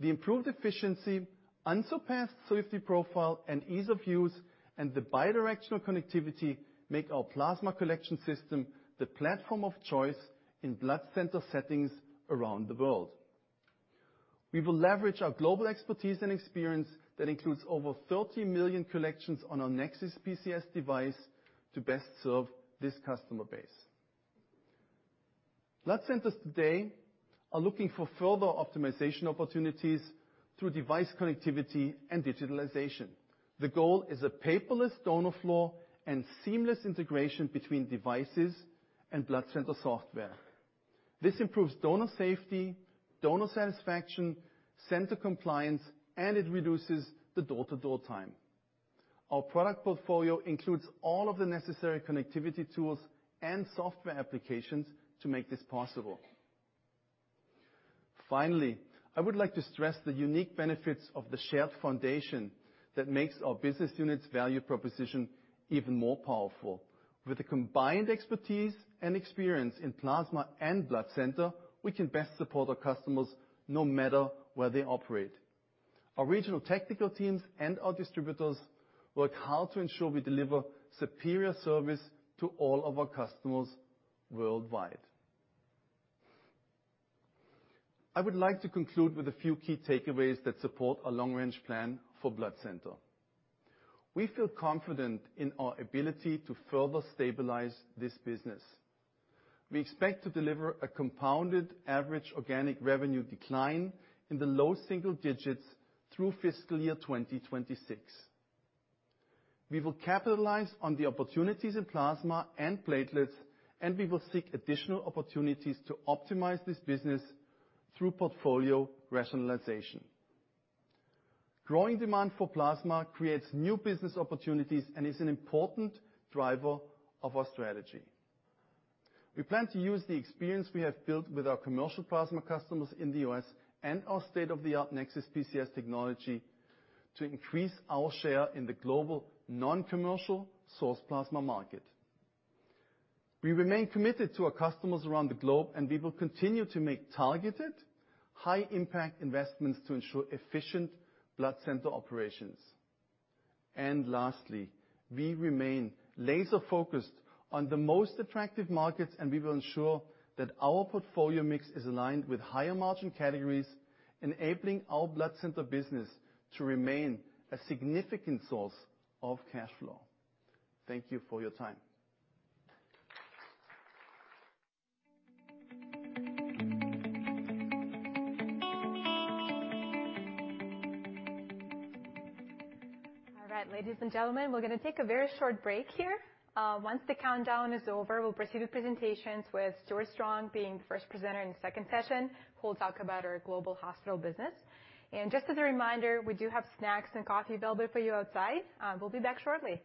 The improved efficiency, unsurpassed safety profile, and ease of use, and the bidirectional connectivity make our plasma collection system the platform of choice in blood center settings around the world. We will leverage our global expertise and experience that includes over 30 million collections on our NexSys PCS device to best serve this customer base. Blood centers today are looking for further optimization opportunities through device connectivity and digitalization. The goal is a paperless donor floor and seamless integration between devices and blood center software. This improves donor safety, donor satisfaction, center compliance, and it reduces the door-to-door time. Our product portfolio includes all of the necessary connectivity tools and software applications to make this possible. Finally, I would like to stress the unique benefits of the shared foundation that makes our business unit's value proposition even more powerful. With the combined expertise and experience in plasma and blood center, we can best support our customers no matter where they operate. Our regional technical teams and our distributors work hard to ensure we deliver superior service to all of our customers worldwide. I would like to conclude with a few key takeaways that support our long-range plan for blood center. We feel confident in our ability to further stabilize this business. We expect to deliver a compounded average organic revenue decline in the low single digits through FY2026. We will capitalize on the opportunities in plasma and platelets, and we will seek additional opportunities to optimize this business through portfolio rationalization. Growing demand for plasma creates new business opportunities and is an important driver of our strategy. We plan to use the experience we have built with our commercial plasma customers in the US and our state-of-the-art NexSys PCS technology to increase our share in the global non-commercial source plasma market. We remain committed to our customers around the globe, and we will continue to make targeted high-impact investments to ensure efficient blood center operations. Lastly, we remain laser-focused on the most attractive markets, and we will ensure that our portfolio mix is aligned with higher margin categories, enabling our blood center business to remain a significant source of cash flow. Thank you for your time. All right, ladies and gentlemen, we're gonna take a very short break here. Once the countdown is over, we'll proceed with presentations with Stewart Strong being the first presenter in the second session, who will talk about our global hospital business. Just as a reminder, we do have snacks and coffee available for you outside. We'll be back shortly.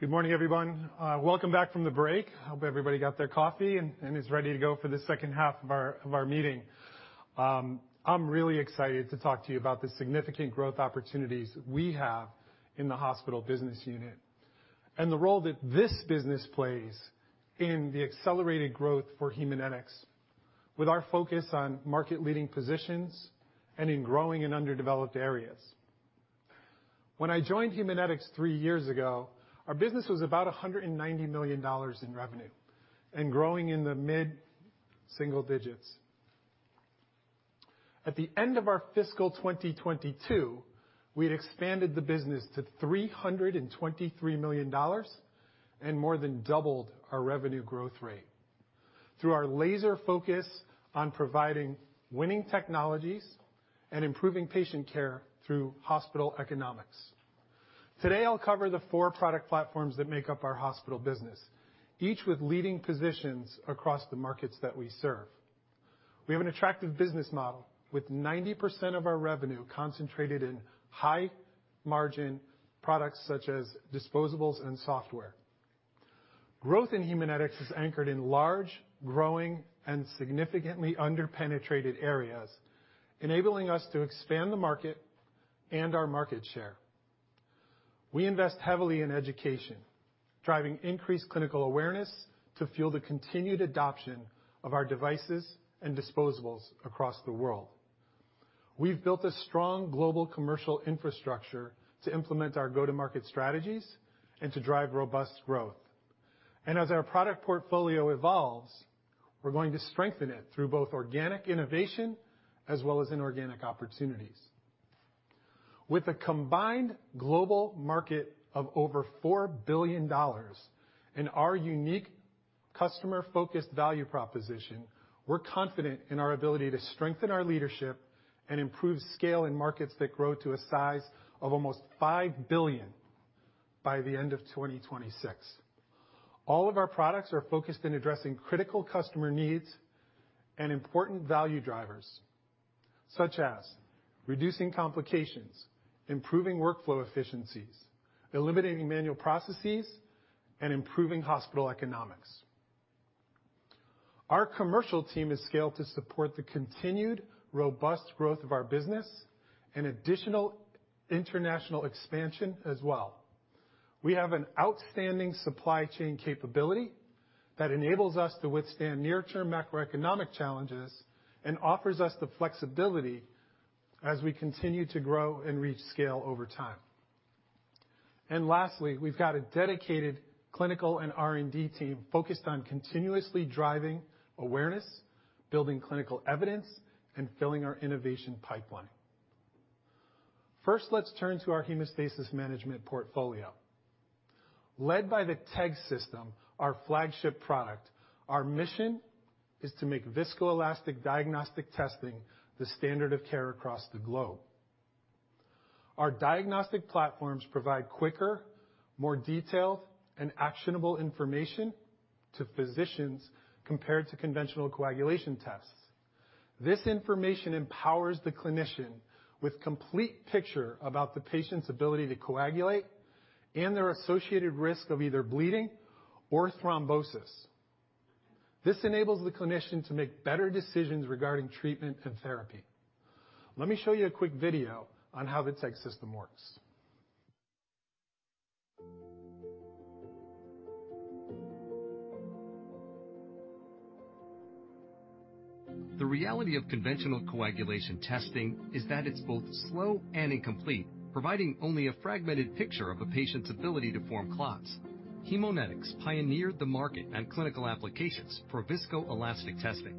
Good morning, everyone. Welcome back from the break. I hope everybody got their coffee and is ready to go for the H2 of our meeting. I'm really excited to talk to you about the significant growth opportunities we have in the hospital business unit and the role that this business plays in the accelerated growth for Haemonetics, with our focus on market-leading positions and in growing in underdeveloped areas. When I joined Haemonetics three years ago, our business was about $190 million in revenue and growing in the mid-single digits%. At the end of our fiscal 2022, we had expanded the business to $323 million and more than doubled our revenue growth rate through our laser focus on providing winning technologies and improving patient care through hospital economics. Today, I'll cover the four product platforms that make up our hospital business, each with leading positions across the markets that we serve. We have an attractive business model, with 90% of our revenue concentrated in high-margin products such as disposables and software. Growth in Haemonetics is anchored in large, growing, and significantly under-penetrated areas, enabling us to expand the market and our market share. We invest heavily in education, driving increased clinical awareness to fuel the continued adoption of our devices and disposables across the world. We've built a strong global commercial infrastructure to implement our go-to-market strategies and to drive robust growth. As our product portfolio evolves, we're going to strengthen it through both organic innovation as well as inorganic opportunities. With a combined global market of over $4 billion and our unique customer-focused value proposition, we're confident in our ability to strengthen our leadership and improve scale in markets that grow to a size of almost $5 billion by the end of 2026. All of our products are focused in addressing critical customer needs and important value drivers, such as reducing complications, improving workflow efficiencies, eliminating manual processes, and improving hospital economics. Our commercial team is scaled to support the continued robust growth of our business and additional international expansion as well. We have an outstanding supply chain capability that enables us to withstand near-term macroeconomic challenges and offers us the flexibility as we continue to grow and reach scale over time. Lastly, we've got a dedicated clinical and R&D team focused on continuously driving awareness, building clinical evidence, and filling our innovation pipeline. First, let's turn to our hemostasis management portfolio. Led by the TEG System, our flagship product, our mission is to make viscoelastic diagnostic testing the standard of care across the globe. Our diagnostic platforms provide quicker, more detailed, and actionable information to physicians compared to conventional coagulation tests. This information empowers the clinician with complete picture about the patient's ability to coagulate and their associated risk of either bleeding or thrombosis. This enables the clinician to make better decisions regarding treatment and therapy. Let me show you a quick video on how the TEG System works. The reality of conventional coagulation testing is that it's both slow and incomplete, providing only a fragmented picture of a patient's ability to form clots. Haemonetics pioneered the market on clinical applications for viscoelastic testing.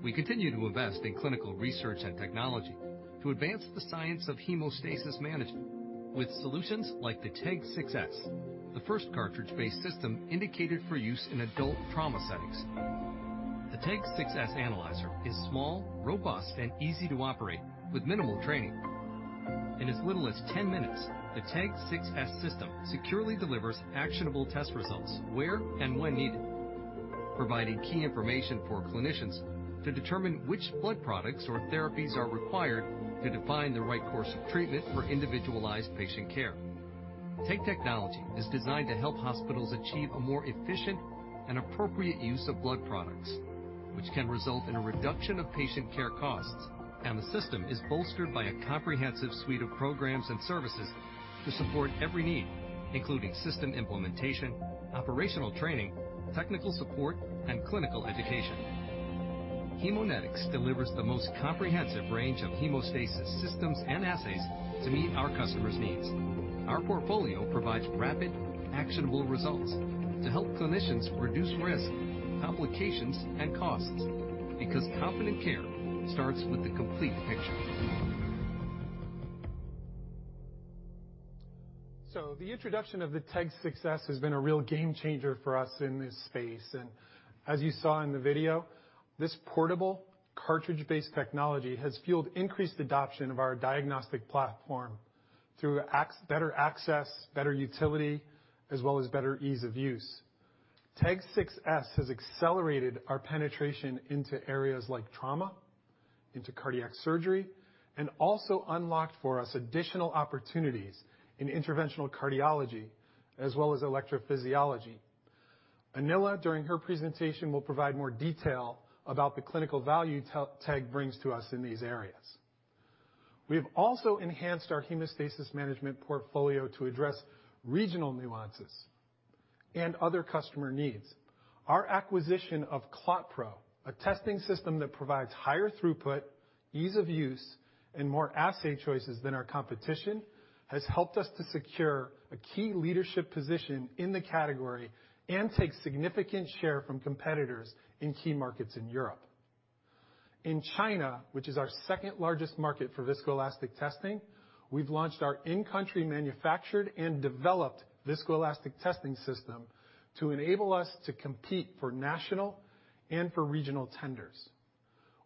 We continue to invest in clinical research and technology to advance the science of hemostasis management with solutions like the TEG 6s, the first cartridge-based system indicated for use in adult trauma settings. The TEG 6s analyzer is small, robust, and easy to operate with minimal training. In as little as 10 minutes, the TEG 6s system securely delivers actionable test results where and when needed, providing key information for clinicians to determine which blood products or therapies are required to define the right course of treatment for individualized patient care. TEG technology is designed to help hospitals achieve a more efficient and appropriate use of blood products, which can result in a reduction of patient care costs, and the system is bolstered by a comprehensive suite of programs and services to support every need, including system implementation, operational training, technical support, and clinical education. Haemonetics delivers the most comprehensive range of hemostasis systems and assays to meet our customers' needs. Our portfolio provides rapid, actionable results to help clinicians reduce risk, complications, and costs because confident care starts with the complete picture. The introduction of the TEG 6s has been a real game changer for us in this space. As you saw in the video, this portable cartridge-based technology has fueled increased adoption of our diagnostic platform through better access, better utility, as well as better ease of use. TEG 6s has accelerated our penetration into areas like trauma, into cardiac surgery, and also unlocked for us additional opportunities in interventional cardiology as well as electrophysiology. Anila, during her presentation, will provide more detail about the clinical value TEG brings to us in these areas. We have also enhanced our hemostasis management portfolio to address regional nuances and other customer needs. Our acquisition of ClotPro, a testing system that provides higher throughput, ease of use, and more assay choices than our competition, has helped us to secure a key leadership position in the category and take significant share from competitors in key markets in Europe. In China, which is our second-largest market for viscoelastic testing, we've launched our in-country manufactured and developed viscoelastic testing system to enable us to compete for national and for regional tenders.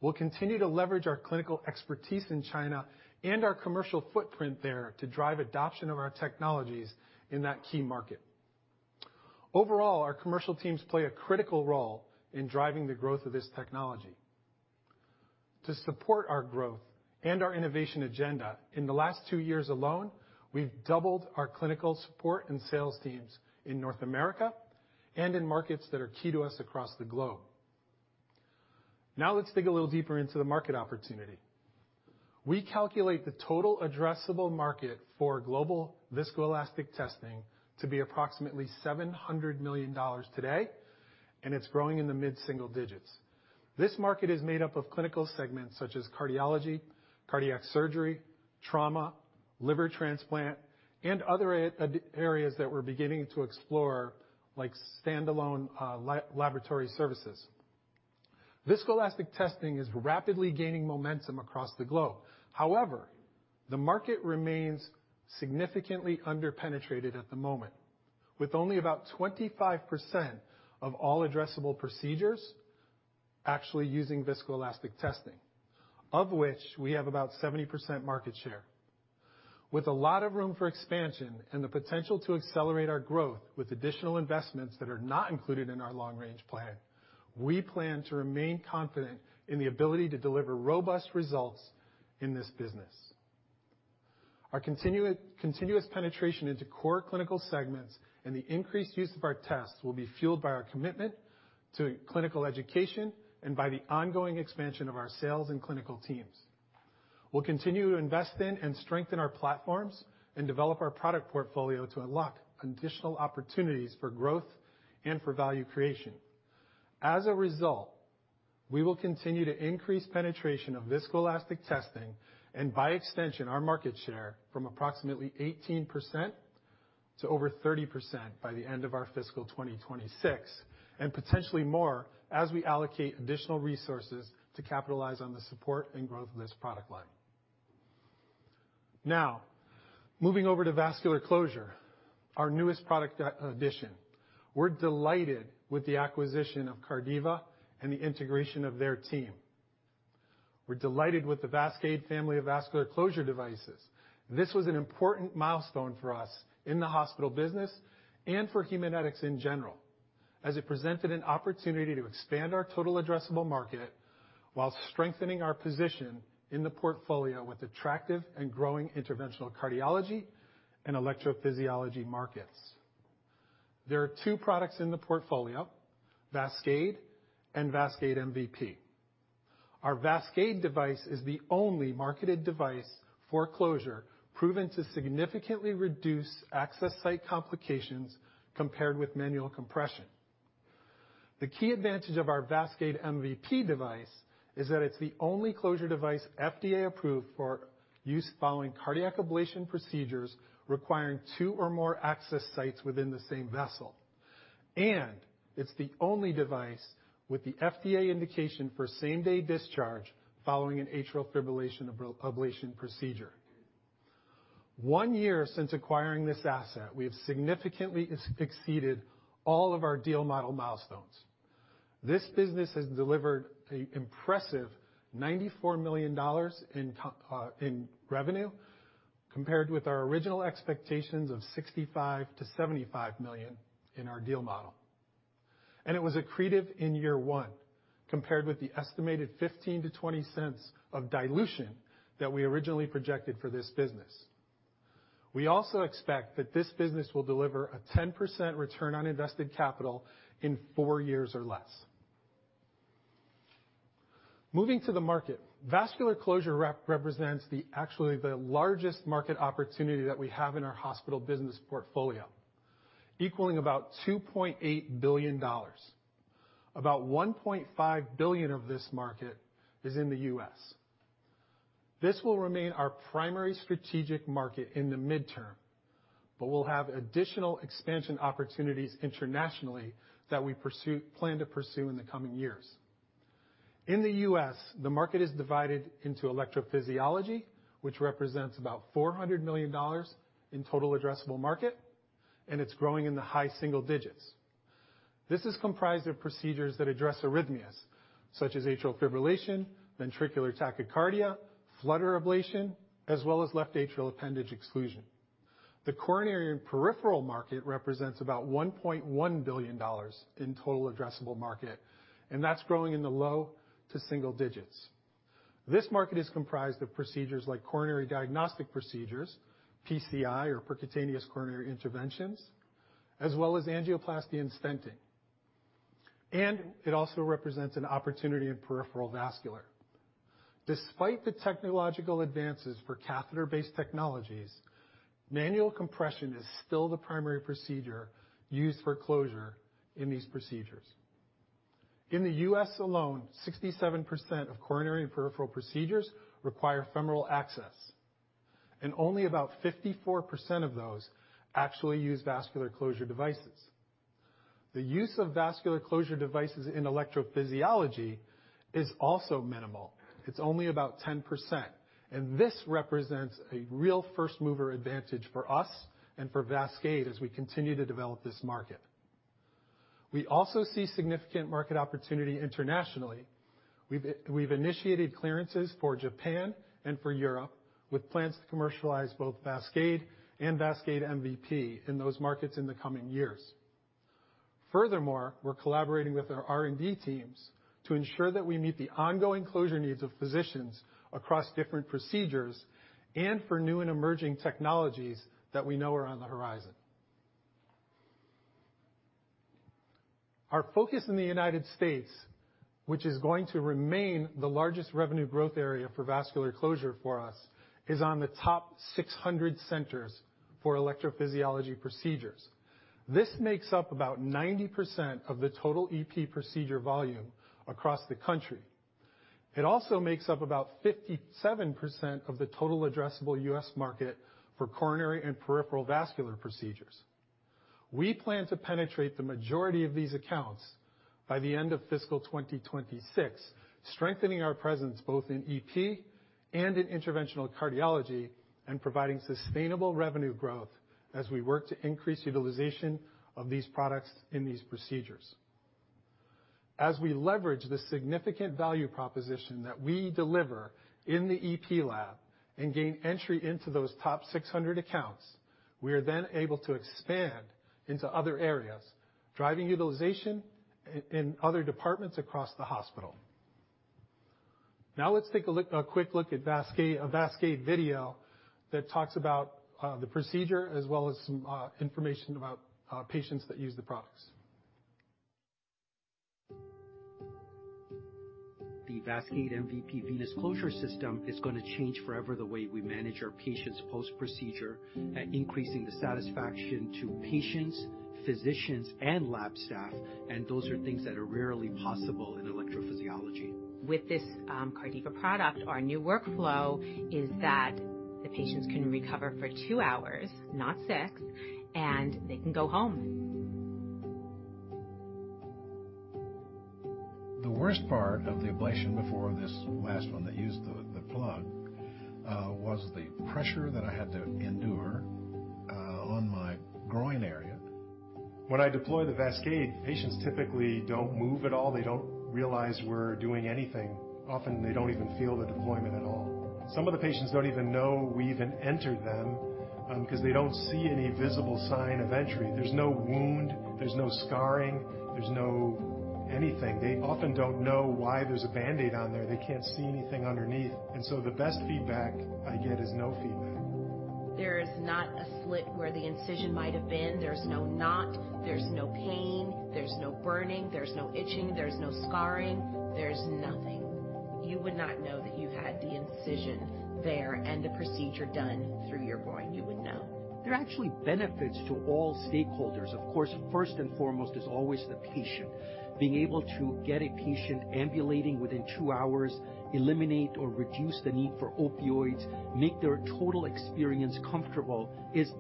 We'll continue to leverage our clinical expertise in China and our commercial footprint there to drive adoption of our technologies in that key market. Overall, our commercial teams play a critical role in driving the growth of this technology. To support our growth and our innovation agenda, in the last two years alone, we've doubled our clinical support and sales teams in North America and in markets that are key to us across the globe. Now let's dig a little deeper into the market opportunity. We calculate the total addressable market for global viscoelastic testing to be approximately $700 million today, and it's growing in the mid-single digits%. This market is made up of clinical segments such as cardiology, cardiac surgery, trauma, liver transplant, and other areas that we're beginning to explore, like standalone laboratory services. Viscoelastic testing is rapidly gaining momentum across the globe. However, the market remains significantly under-penetrated at the moment, with only about 25% of all addressable procedures actually using viscoelastic testing, of which we have about 70% market share. With a lot of room for expansion and the potential to accelerate our growth with additional investments that are not included in our long-range plan, we plan to remain confident in the ability to deliver robust results in this business. Our continuous penetration into core clinical segments and the increased use of our tests will be fueled by our commitment to clinical education and by the ongoing expansion of our sales and clinical teams. We'll continue to invest in and strengthen our platforms and develop our product portfolio to unlock additional opportunities for growth and for value creation. As a result, we will continue to increase penetration of viscoelastic testing and, by extension, our market share from approximately 18% to over 30% by the end of our fiscal 2026, and potentially more as we allocate additional resources to capitalize on the support and growth of this product line. Now, moving over to vascular closure, our newest product addition. We're delighted with the acquisition of Cardiva and the integration of their team. We're delighted with the Vascade family of vascular closure devices. This was an important milestone for us in the hospital business and for Haemonetics in general, as it presented an opportunity to expand our total addressable market while strengthening our position in the portfolio with attractive and growing interventional cardiology and electrophysiology markets. There are two products in the portfolio, Vascade and Vascade MVP. Our Vascade device is the only marketed device for closure proven to significantly reduce access site complications compared with manual compression. The key advantage of our Vascade MVP device is that it's the only closure device FDA approved for use following cardiac ablation procedures requiring two or more access sites within the same vessel. It's the only device with the FDA indication for same-day discharge following an atrial fibrillation ablation procedure. One year since acquiring this asset, we have significantly exceeded all of our deal model milestones. This business has delivered an impressive $94 million in revenue, compared with our original expectations of $65 million-$75 million in our deal model. It was accretive in year one, compared with the estimated $0.15-$0.20 of dilution that we originally projected for this business. We also expect that this business will deliver a 10% return on invested capital in four years or less. Moving to the market, vascular closure represents actually the largest market opportunity that we have in our hospital business portfolio, equaling about $2.8 billion. About $1.5 billion of this market is in the US. This will remain our primary strategic market in the midterm, but we'll have additional expansion opportunities internationally that we plan to pursue in the coming years. In the US, the market is divided into electrophysiology, which represents about $400 million in total addressable market, and it's growing in the high single digits. This is comprised of procedures that address arrhythmias, such as atrial fibrillation, ventricular tachycardia, flutter ablation, as well as left atrial appendage exclusion. The coronary and peripheral market represents about $1.1 billion in total addressable market, and that's growing in the low to single digits. This market is comprised of procedures like coronary diagnostic procedures, PCI, or percutaneous coronary interventions, as well as angioplasty and stenting. It also represents an opportunity in peripheral vascular. Despite the technological advances for catheter-based technologies, manual compression is still the primary procedure used for closure in these procedures. In the US alone, 67% of coronary and peripheral procedures require femoral access, and only about 54% of those actually use vascular closure devices. The use of vascular closure devices in electrophysiology is also minimal. It's only about 10%, and this represents a real first-mover advantage for us and for Vascade as we continue to develop this market. We also see significant market opportunity internationally. We've initiated clearances for Japan and for Europe, with plans to commercialize both Vascade and Vascade MVP in those markets in the coming years. Furthermore, we're collaborating with our R&D teams to ensure that we meet the ongoing closure needs of physicians across different procedures and for new and emerging technologies that we know are on the horizon. Our focus in the United States, which is going to remain the largest revenue growth area for vascular closure for us, is on the top 600 centers for electrophysiology procedures. This makes up about 90% of the total EP procedure volume across the country. It also makes up about 57% of the total addressable US market for coronary and peripheral vascular procedures. We plan to penetrate the majority of these accounts by the end of fiscal 2026, strengthening our presence both in EP and in interventional cardiology, and providing sustainable revenue growth as we work to increase utilization of these products in these procedures. As we leverage the significant value proposition that we deliver in the EP lab and gain entry into those top 600 accounts, we are then able to expand into other areas, driving utilization in other departments across the hospital. Now let's take a quick look at Vascade, a Vascade video that talks about the procedure as well as some information about patients that use the products. The Vascade MVP venous closure system is going to change forever the way we manage our patients post-procedure, increasing the satisfaction to patients, physicians, and lab staff. Those are things that are rarely possible in electrophysiology. With this, Cardiva product, our new workflow is that the patients can recover for two hours, not six, and they can go home. The worst part of the ablation before this last one, they used the plug, was the pressure that I had to endure on my groin area. When I deploy the Vascade, patients typically don't move at all. They don't realize we're doing anything. Often, they don't even feel the deployment at all. Some of the patients don't even know we even entered them, 'cause they don't see any visible sign of entry. There's no wound, there's no scarring, there's no anything. They often don't know why there's a Band-Aid on there. They can't see anything underneath. The best feedback I get is no feedback. There is not a slit where the incision might have been. There's no knot. There's no pain, there's no burning, there's no itching, there's no scarring, there's nothing. You would not know that you've had the incision there and the procedure done through your groin. You wouldn't know. There are actually benefits to all stakeholders. Of course, first and foremost is always the patient. Being able to get a patient ambulating within two hours, eliminate or reduce the need for opioids, make their total experience comfortable is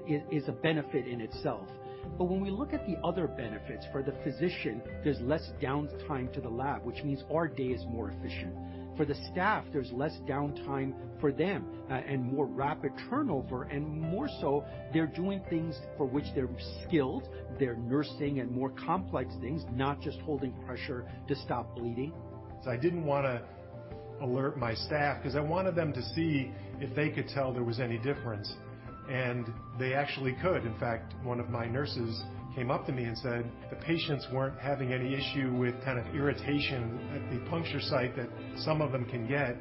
a benefit in itself. When we look at the other benefits for the physician, there's less downtime to the lab, which means our day is more efficient. For the staff, there's less downtime for them, and more rapid turnover, and more so they're doing things for which they're skilled, they're nursing and more complex things, not just holding pressure to stop bleeding. I didn't wanna alert my staff 'cause I wanted them to see if they could tell there was any difference, and they actually could. In fact, one of my nurses came up to me and said the patients weren't having any issue with kind of irritation at the puncture site that some of them can get,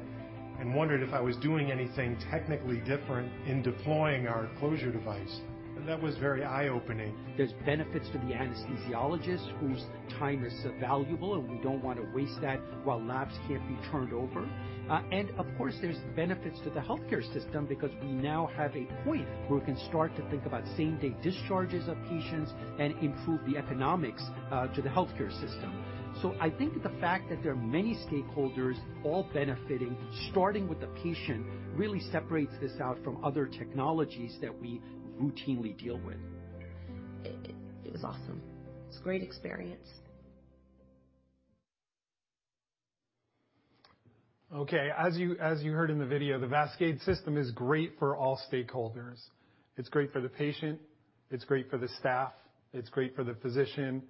and wondered if I was doing anything technically different in deploying our closure device. That was very eye-opening. There's benefits for the anesthesiologist, whose time is so valuable, and we don't wanna waste that while labs can't be turned over. Of course, there's benefits to the healthcare system because we now have a point where we can start to think about same-day discharges of patients and improve the economics to the healthcare system. I think the fact that there are many stakeholders all benefiting, starting with the patient, really separates this out from other technologies that we routinely deal with. It was awesome. It's a great experience. Okay. As you heard in the video, the Vascade system is great for all stakeholders. It's great for the patient, it's great for the staff, it's great for the physician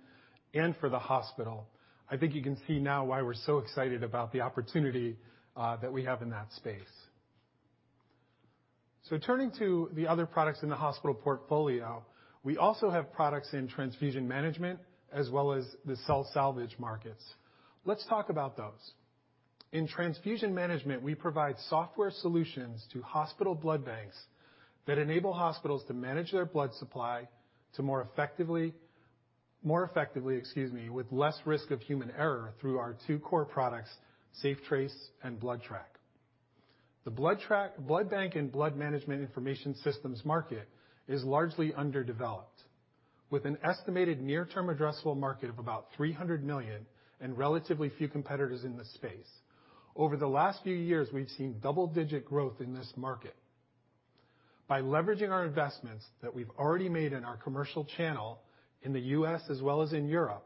and for the hospital. I think you can see now why we're so excited about the opportunity that we have in that space. Turning to the other products in the hospital portfolio, we also have products in transfusion management as well as the cell salvage markets. Let's talk about those. In transfusion management, we provide software solutions to hospital blood banks that enable hospitals to manage their blood supply more effectively, excuse me, with less risk of human error through our two core products, SafeTrace and BloodTrack. The blood bank and blood management information systems market is largely underdeveloped. With an estimated near-term addressable market of about $300 million and relatively few competitors in the space. Over the last few years, we've seen double-digit growth in this market. By leveraging our investments that we've already made in our commercial channel in the US as well as in Europe,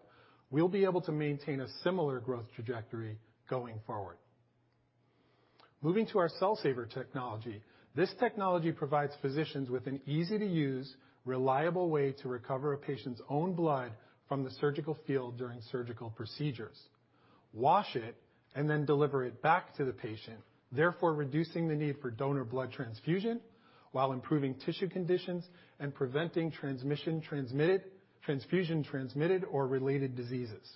we'll be able to maintain a similar growth trajectory going forward. Moving to our CellSaver technology. This technology provides physicians with an easy-to-use, reliable way to recover a patient's own blood from the surgical field during surgical procedures, wash it, and then deliver it back to the patient. Therefore, reducing the need for donor blood transfusion while improving tissue conditions and preventing transfusion-transmitted or related diseases.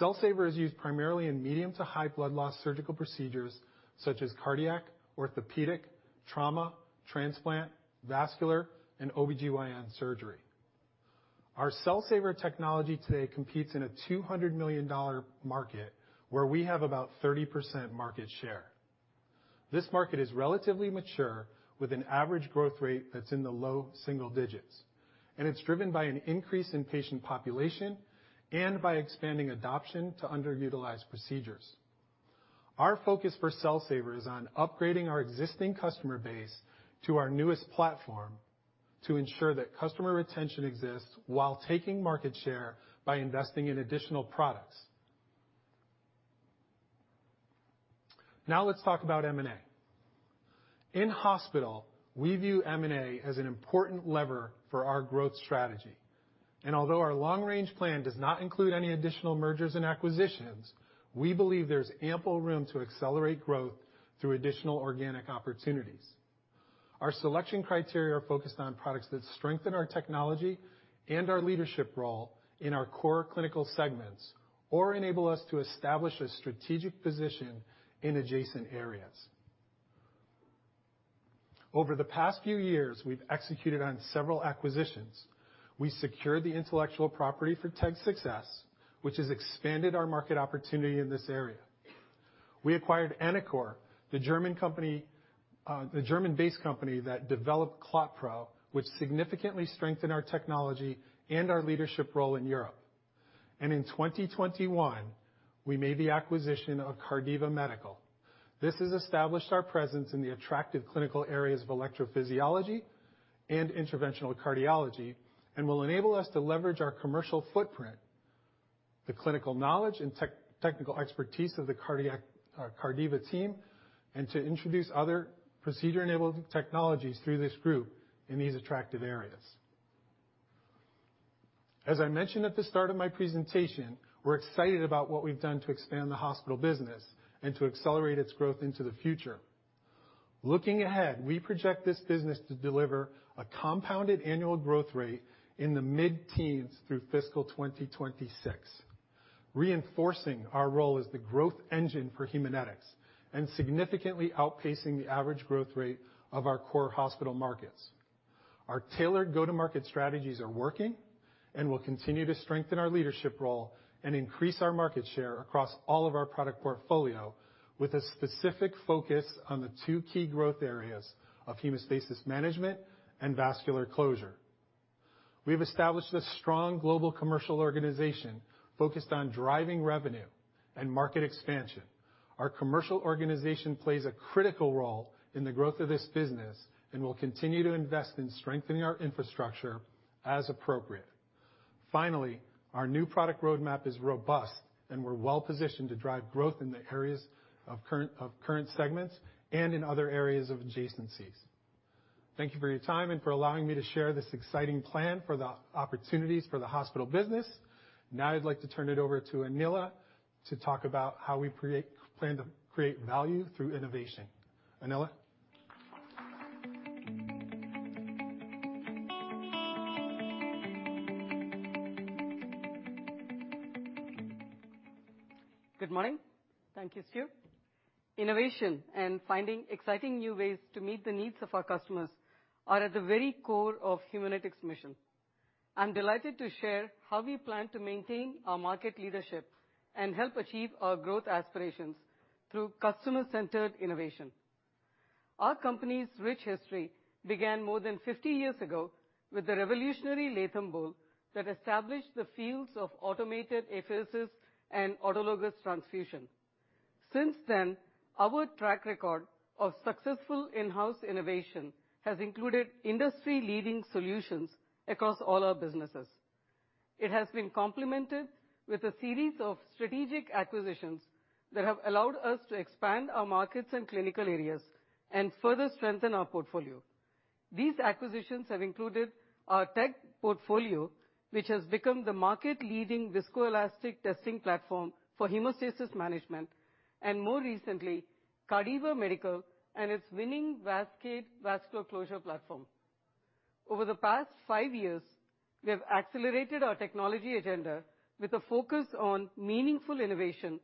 CellSaver is used primarily in medium to high blood loss surgical procedures such as cardiac, orthopedic, trauma, transplant, vascular, and OBGYN surgery. Our Cell Saver technology today competes in a $200 million market where we have about 30% market share. This market is relatively mature with an average growth rate that's in the low single digits%, and it's driven by an increase in patient population and by expanding adoption to underutilized procedures. Our focus for Cell Saver is on upgrading our existing customer base to our newest platform to ensure that customer retention exists while taking market share by investing in additional products. Now let's talk about M&A. In hospital, we view M&A as an important lever for our growth strategy. Although our long range plan does not include any additional mergers and acquisitions, we believe there's ample room to accelerate growth through additional organic opportunities. Our selection criteria are focused on products that strengthen our technology and our leadership role in our core clinical segments or enable us to establish a strategic position in adjacent areas. Over the past few years, we've executed on several acquisitions. We secured the intellectual property for TEG 6s, which has expanded our market opportunity in this area. We acquired enicor, the German company, the German-based company that developed ClotPro, which significantly strengthened our technology and our leadership role in Europe. In 2021, we made the acquisition of Cardiva Medical. This has established our presence in the attractive clinical areas of electrophysiology and interventional cardiology and will enable us to leverage our commercial footprint, the clinical knowledge and technical expertise of the cardiac, Cardiva team, and to introduce other procedure-enabled technologies through this group in these attractive areas. As I mentioned at the start of my presentation, we're excited about what we've done to expand the hospital business and to accelerate its growth into the future. Looking ahead, we project this business to deliver a compounded annual growth rate in the mid-teens% through fiscal 2026, reinforcing our role as the growth engine for Haemonetics and significantly outpacing the average growth rate of our core hospital markets. Our tailored go-to-market strategies are working and will continue to strengthen our leadership role and increase our market share across all of our product portfolio with a specific focus on the two key growth areas of hemostasis management and vascular closure. We have established a strong global commercial organization focused on driving revenue and market expansion. Our commercial organization plays a critical role in the growth of this business, and we'll continue to invest in strengthening our infrastructure as appropriate. Finally, our new product roadmap is robust, and we're well-positioned to drive growth in the areas of current segments and in other areas of adjacencies. Thank you for your time and for allowing me to share this exciting plan for the opportunities for the hospital business. Now I'd like to turn it over to Anila to talk about how we plan to create value through innovation. Anila? Good morning. Thank you, Stew. Innovation and finding exciting new ways to meet the needs of our customers are at the very core of Haemonetics' mission. I'm delighted to share how we plan to maintain our market leadership and help achieve our growth aspirations through customer-centered innovation. Our company's rich history began more than 50 years ago with the revolutionary Latham Bowl that established the fields of automated apheresis and autologous transfusion. Since then, our track record of successful in-house innovation has included industry-leading solutions across all our businesses. It has been complemented with a series of strategic acquisitions that have allowed us to expand our markets and clinical areas and further strengthen our portfolio. These acquisitions have included our TEG portfolio, which has become the market-leading viscoelastic testing platform for hemostasis management, and more recently, Cardiva Medical and its winning Vascade vascular closure platform. Over the past five years, we have accelerated our technology agenda with a focus on meaningful innovation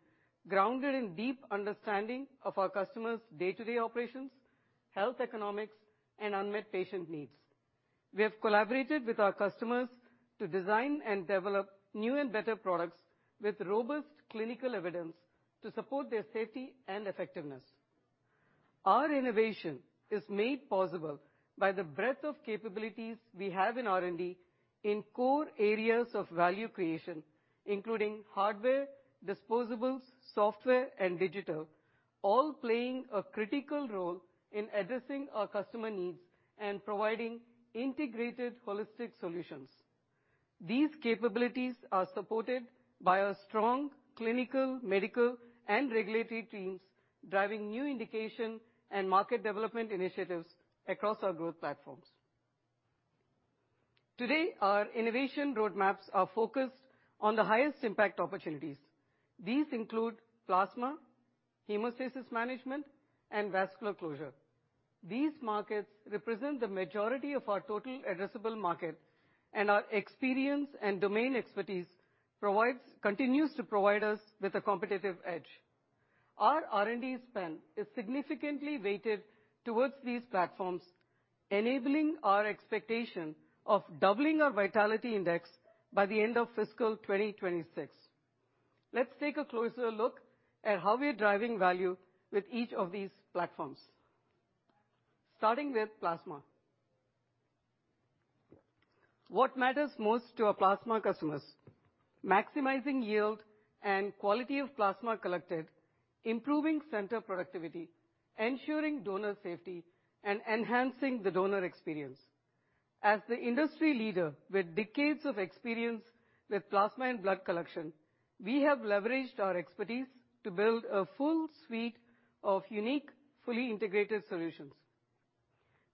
grounded in deep understanding of our customers' day-to-day operations, health economics, and unmet patient needs. We have collaborated with our customers to design and develop new and better products with robust clinical evidence to support their safety and effectiveness. Our innovation is made possible by the breadth of capabilities we have in R&D in core areas of value creation, including hardware, disposables, software, and digital, all playing a critical role in addressing our customer needs and providing integrated holistic solutions. These capabilities are supported by our strong clinical, medical, and regulatory teams, driving new indication and market development initiatives across our growth platforms. Today, our innovation roadmaps are focused on the highest impact opportunities. These include plasma, hemostasis management, and vascular closure. These markets represent the majority of our total addressable market, and our experience and domain expertise continues to provide us with a competitive edge. Our R&D spend is significantly weighted towards these platforms, enabling our expectation of doubling our Vitality Index by the end of fiscal 2026. Let's take a closer look at how we are driving value with each of these platforms. Starting with plasma. What matters most to our plasma customers? Maximizing yield and quality of plasma collected, improving center productivity, ensuring donor safety, and enhancing the donor experience. As the industry leader with decades of experience with plasma and blood collection, we have leveraged our expertise to build a full suite of unique, fully integrated solutions.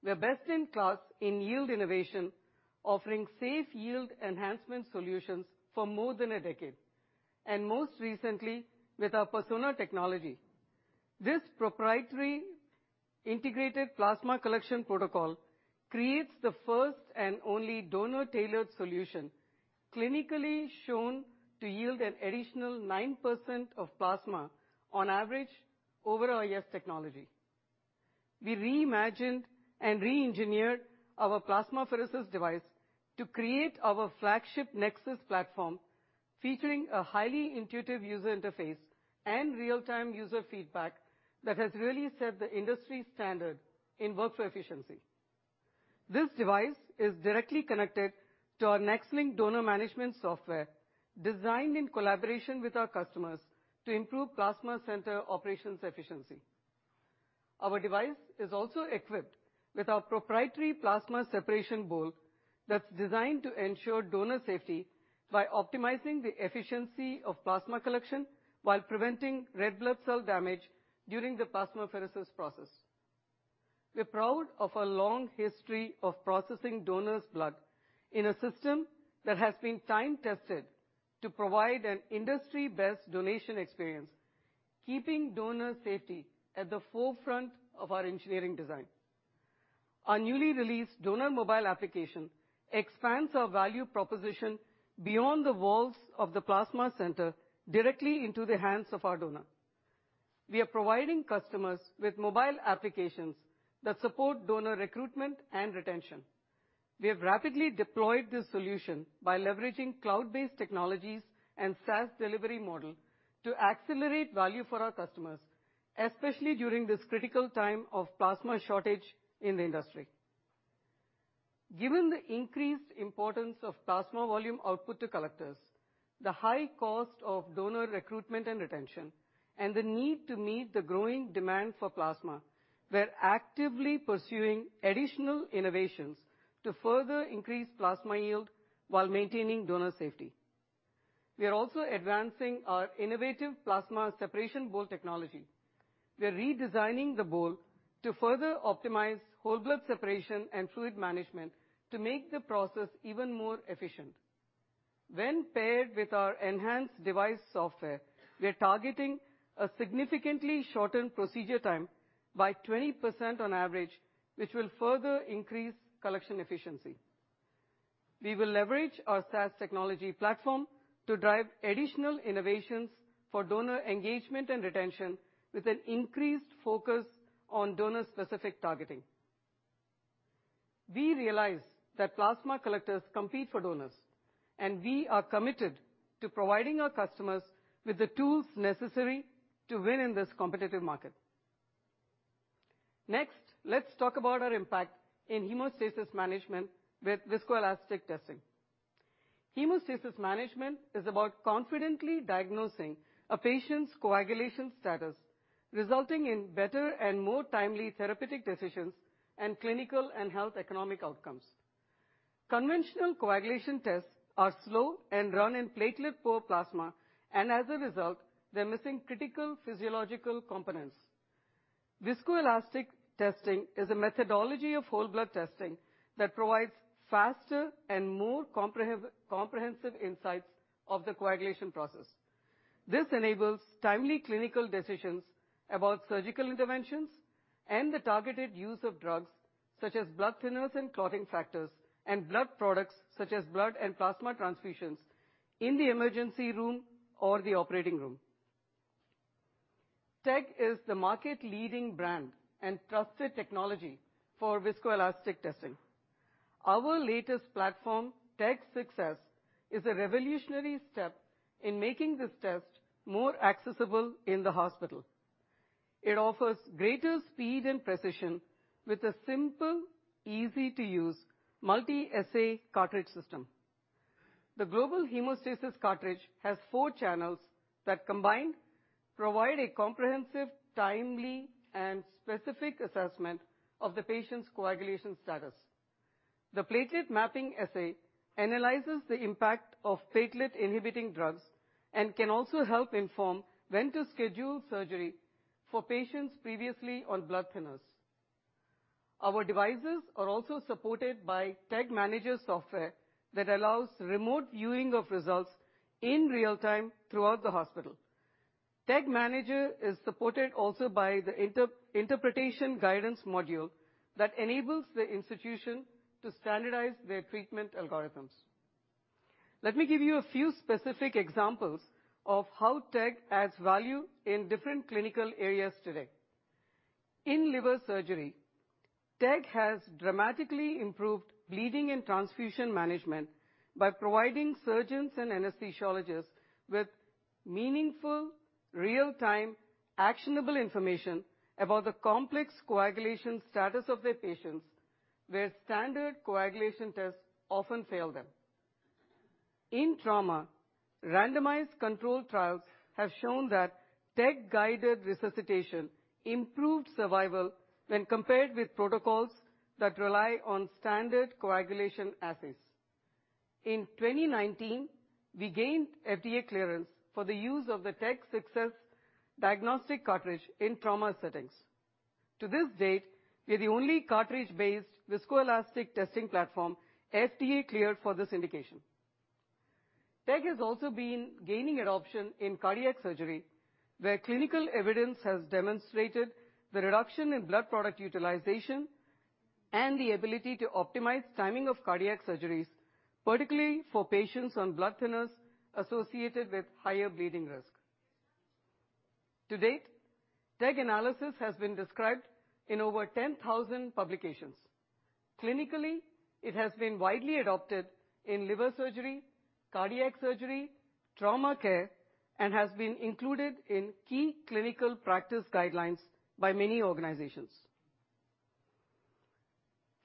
We are best in class in yield innovation, offering safe yield enhancement solutions for more than a decade, and most recently with our Persona technology. This proprietary integrated plasma collection protocol creates the first and only donor-tailored solution, clinically shown to yield an additional 9% of plasma on average over our AS technology. We reimagined and re-engineered our plasmapheresis device to create our flagship NexSys platform, featuring a highly intuitive user interface and real-time user feedback that has really set the industry standard in workflow efficiency. This device is directly connected to our NexLynk donor management software, designed in collaboration with our customers to improve plasma center operations efficiency. Our device is also equipped with our proprietary Plasma Bowl that's designed to ensure donor safety by optimizing the efficiency of plasma collection while preventing red blood cell damage during the plasmapheresis process. We're proud of our long history of processing donors' blood in a system that has been time-tested to provide an industry-best donation experience, keeping donor safety at the forefront of our engineering design. Our newly released donor mobile application expands our value proposition beyond the walls of the plasma center directly into the hands of our donor. We are providing customers with mobile applications that support donor recruitment and retention. We have rapidly deployed this solution by leveraging cloud-based technologies and SaaS delivery model to accelerate value for our customers, especially during this critical time of plasma shortage in the industry. Given the increased importance of plasma volume output to collectors, the high cost of donor recruitment and retention, and the need to meet the growing demand for plasma, we're actively pursuing additional innovations to further increase plasma yield while maintaining donor safety. We are also advancing our innovative plasma separation bowl technology. We are redesigning the bowl to further optimize whole blood separation and fluid management to make the process even more efficient. When paired with our enhanced device software, we are targeting a significantly shortened procedure time by 20% on average, which will further increase collection efficiency. We will leverage our SaaS technology platform to drive additional innovations for donor engagement and retention with an increased focus on donor-specific targeting. We realize that plasma collectors compete for donors, and we are committed to providing our customers with the tools necessary to win in this competitive market. Next, let's talk about our impact in hemostasis management with viscoelastic testing. Hemostasis management is about confidently diagnosing a patient's coagulation status, resulting in better and more timely therapeutic decisions and clinical and health economic outcomes. Conventional coagulation tests are slow and run in platelet-poor plasma, and as a result, they're missing critical physiological components. Viscoelastic testing is a methodology of whole blood testing that provides faster and more comprehensive insights of the coagulation process. This enables timely clinical decisions about surgical interventions and the targeted use of drugs, such as blood thinners and clotting factors, and blood products, such as blood and plasma transfusions in the emergency room or the operating room. TEG is the market leading brand and trusted technology for viscoelastic testing. Our latest platform, TEG 6s, is a revolutionary step in making this test more accessible in the hospital. It offers greater speed and precision with a simple, easy-to-use multi-assay cartridge system. The global hemostasis cartridge has four channels that combined provide a comprehensive, timely, and specific assessment of the patient's coagulation status. The platelet mapping assay analyzes the impact of platelet-inhibiting drugs and can also help inform when to schedule surgery for patients previously on blood thinners. Our devices are also supported by TEG Manager software that allows remote viewing of results in real-time throughout the hospital. TEG Manager is supported also by the interpretation guidance module that enables the institution to standardize their treatment algorithms. Let me give you a few specific examples of how TEG adds value in different clinical areas today. In liver surgery, TEG has dramatically improved bleeding and transfusion management by providing surgeons and anesthesiologists with meaningful, real-time, actionable information about the complex coagulation status of their patients, where standard coagulation tests often fail them. In trauma, randomized controlled trials have shown that TEG guided resuscitation improved survival when compared with protocols that rely on standard coagulation assays. In 2019, we gained FDA clearance for the use of the TEG 6s diagnostic cartridge in trauma settings. To this date, we're the only cartridge-based viscoelastic testing platform FDA cleared for this indication. TEG has also been gaining adoption in cardiac surgery, where clinical evidence has demonstrated the reduction in blood product utilization and the ability to optimize timing of cardiac surgeries, particularly for patients on blood thinners associated with higher bleeding risk. To date, TEG analysis has been described in over 10,000 publications. Clinically, it has been widely adopted in liver surgery, cardiac surgery, trauma care, and has been included in key clinical practice guidelines by many organizations.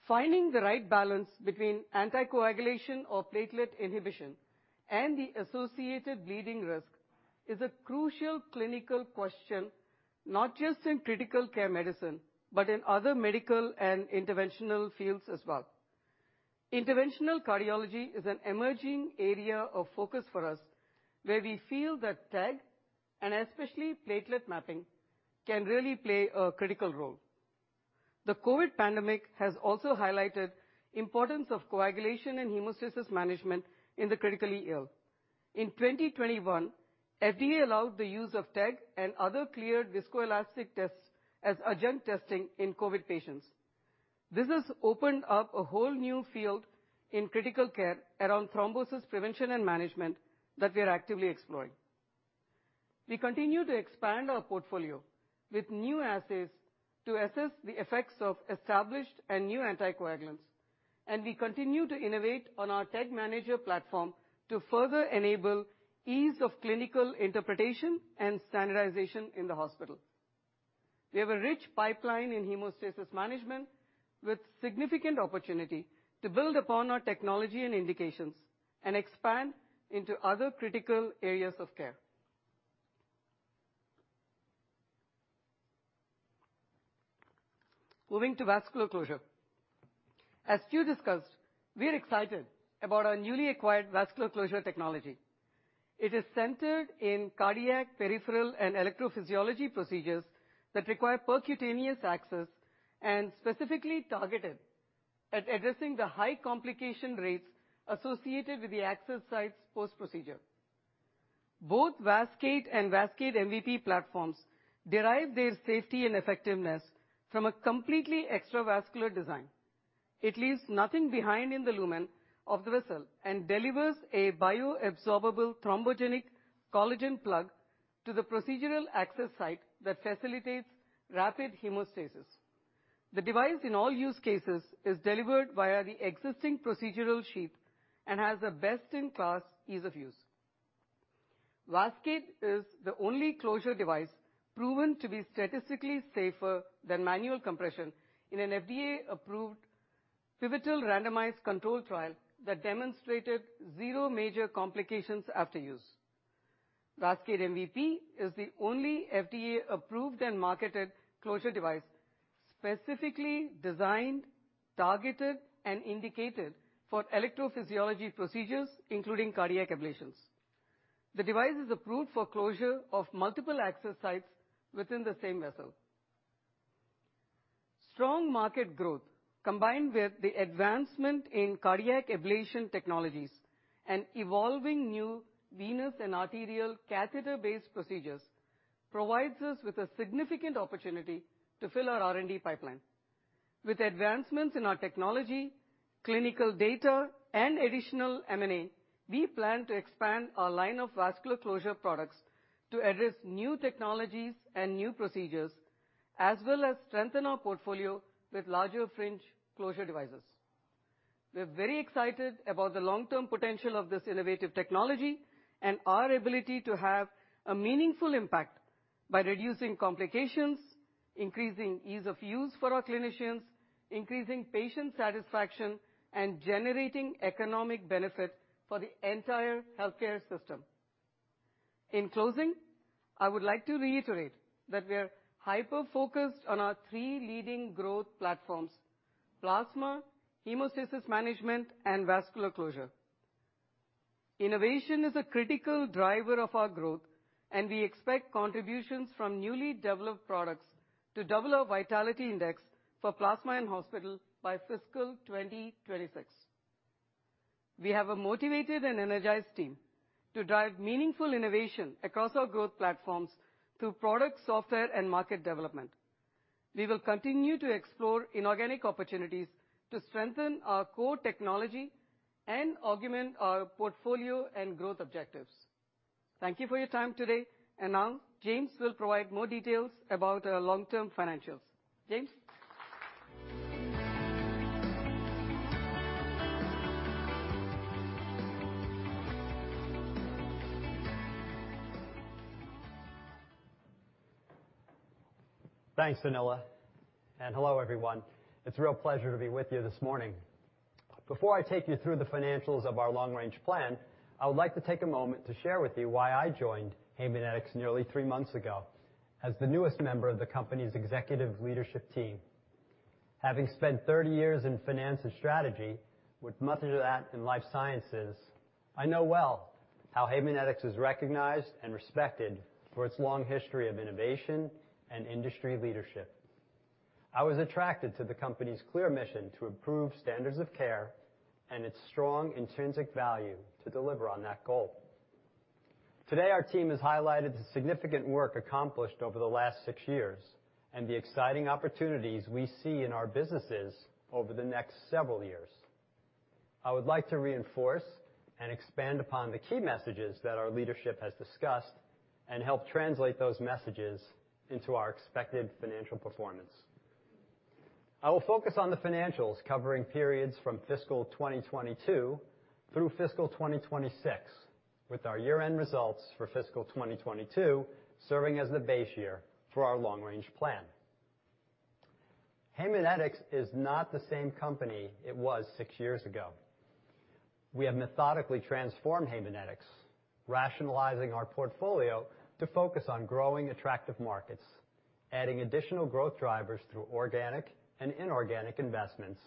Finding the right balance between anticoagulation or platelet inhibition and the associated bleeding risk is a crucial clinical question, not just in critical care medicine, but in other medical and interventional fields as well. Interventional cardiology is an emerging area of focus for us, where we feel that TEG, and especially platelet mapping, can really play a critical role. The COVID pandemic has also highlighted importance of coagulation and hemostasis management in the critically ill. In 2021, FDA allowed the use of TEG and other cleared viscoelastic tests as adjunct testing in COVID patients. This has opened up a whole new field in critical care around thrombosis prevention and management that we are actively exploring. We continue to expand our portfolio with new assays to assess the effects of established and new anticoagulants, and we continue to innovate on our TEG Manager platform to further enable ease of clinical interpretation and standardization in the hospital. We have a rich pipeline in hemostasis management with significant opportunity to build upon our technology and indications and expand into other critical areas of care. Moving to vascular closure. As Stuart discussed, we are excited about our newly acquired vascular closure technology. It is centered in cardiac, peripheral, and electrophysiology procedures that require percutaneous access and specifically targeted at addressing the high complication rates associated with the access sites post-procedure. Both Vascade and Vascade MVP platforms derive their safety and effectiveness from a completely extravascular design. It leaves nothing behind in the lumen of the vessel and delivers a bioabsorbable thrombogenic collagen plug to the procedural access site that facilitates rapid hemostasis. The device in all use cases is delivered via the existing procedural sheath and has a best-in-class ease of use. Vascade is the only closure device proven to be statistically safer than manual compression in an FDA-approved pivotal randomized controlled trial that demonstrated zero major complications after use. Vascade MVP is the only FDA-approved and marketed closure device specifically designed, targeted, and indicated for electrophysiology procedures, including cardiac ablations. The device is approved for closure of multiple access sites within the same vessel. Strong market growth, combined with the advancement in cardiac ablation technologies and evolving new venous and arterial catheter-based procedures, provides us with a significant opportunity to fill our R&D pipeline. With advancements in our technology, clinical data, and additional M&A, we plan to expand our line of vascular closure products to address new technologies and new procedures, as well as strengthen our portfolio with larger femoral closure devices. We are very excited about the long-term potential of this innovative technology and our ability to have a meaningful impact by reducing complications, increasing ease of use for our clinicians, increasing patient satisfaction, and generating economic benefit for the entire healthcare system. In closing, I would like to reiterate that we are hyper-focused on our three leading growth platforms: plasma, hemostasis management, and vascular closure. Innovation is a critical driver of our growth, and we expect contributions from newly developed products to double our Vitality Index for plasma and hospital by fiscal 2026. We have a motivated and energized team to drive meaningful innovation across our growth platforms through product, software, and market development. We will continue to explore inorganic opportunities to strengthen our core technology and augment our portfolio and growth objectives. Thank you for your time today. Now James will provide more details about our long-term financials. James? Thanks, Anila. Hello, everyone. It's a real pleasure to be with you this morning. Before I take you through the financials of our long-range plan, I would like to take a moment to share with you why I joined Haemonetics nearly three months ago as the newest member of the company's executive leadership team. Having spent 30 years in finance and strategy, with much of that in life sciences, I know well how Haemonetics is recognized and respected for its long history of innovation and industry leadership. I was attracted to the company's clear mission to improve standards of care and its strong intrinsic value to deliver on that goal. Today, our team has highlighted the significant work accomplished over the last six years, and the exciting opportunities we see in our businesses over the next several years. I would like to reinforce and expand upon the key messages that our leadership has discussed, and help translate those messages into our expected financial performance. I will focus on the financials covering periods from fiscal 2022 through fiscal 2026, with our year-end results for fiscal 2022 serving as the base year for our long-range plan. Haemonetics is not the same company it was six years ago. We have methodically transformed Haemonetics, rationalizing our portfolio to focus on growing attractive markets, adding additional growth drivers through organic and inorganic investments,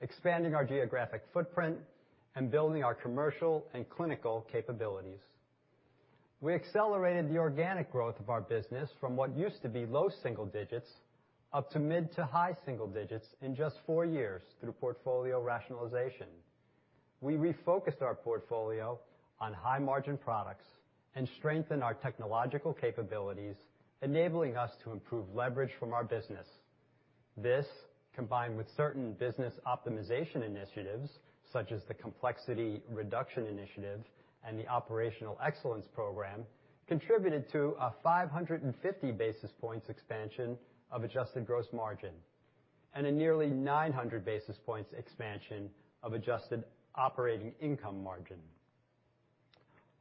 expanding our geographic footprint and building our commercial and clinical capabilities. We accelerated the organic growth of our business from what used to be low single digits up to mid to high single digits in just four years through portfolio rationalization. We refocused our portfolio on high-margin products and strengthened our technological capabilities, enabling us to improve leverage from our business. This, combined with certain business optimization initiatives, such as the complexity reduction initiative and the operational excellence program, contributed to a 550 basis points expansion of adjusted gross margin and a nearly 900 basis points expansion of adjusted operating income margin.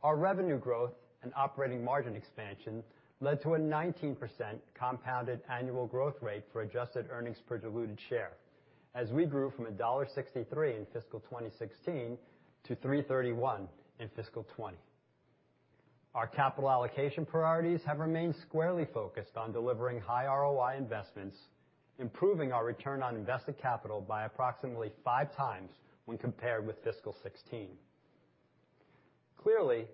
Our revenue growth and operating margin expansion led to a 19% compounded annual growth rate for adjusted earnings per diluted share as we grew from $1.63 in fiscal 2016 to $3.31 in fiscal 2020. Our capital allocation priorities have remained squarely focused on delivering high ROI investments, improving our return on invested capital by approximately five times when compared with fiscal 2016. Clearly,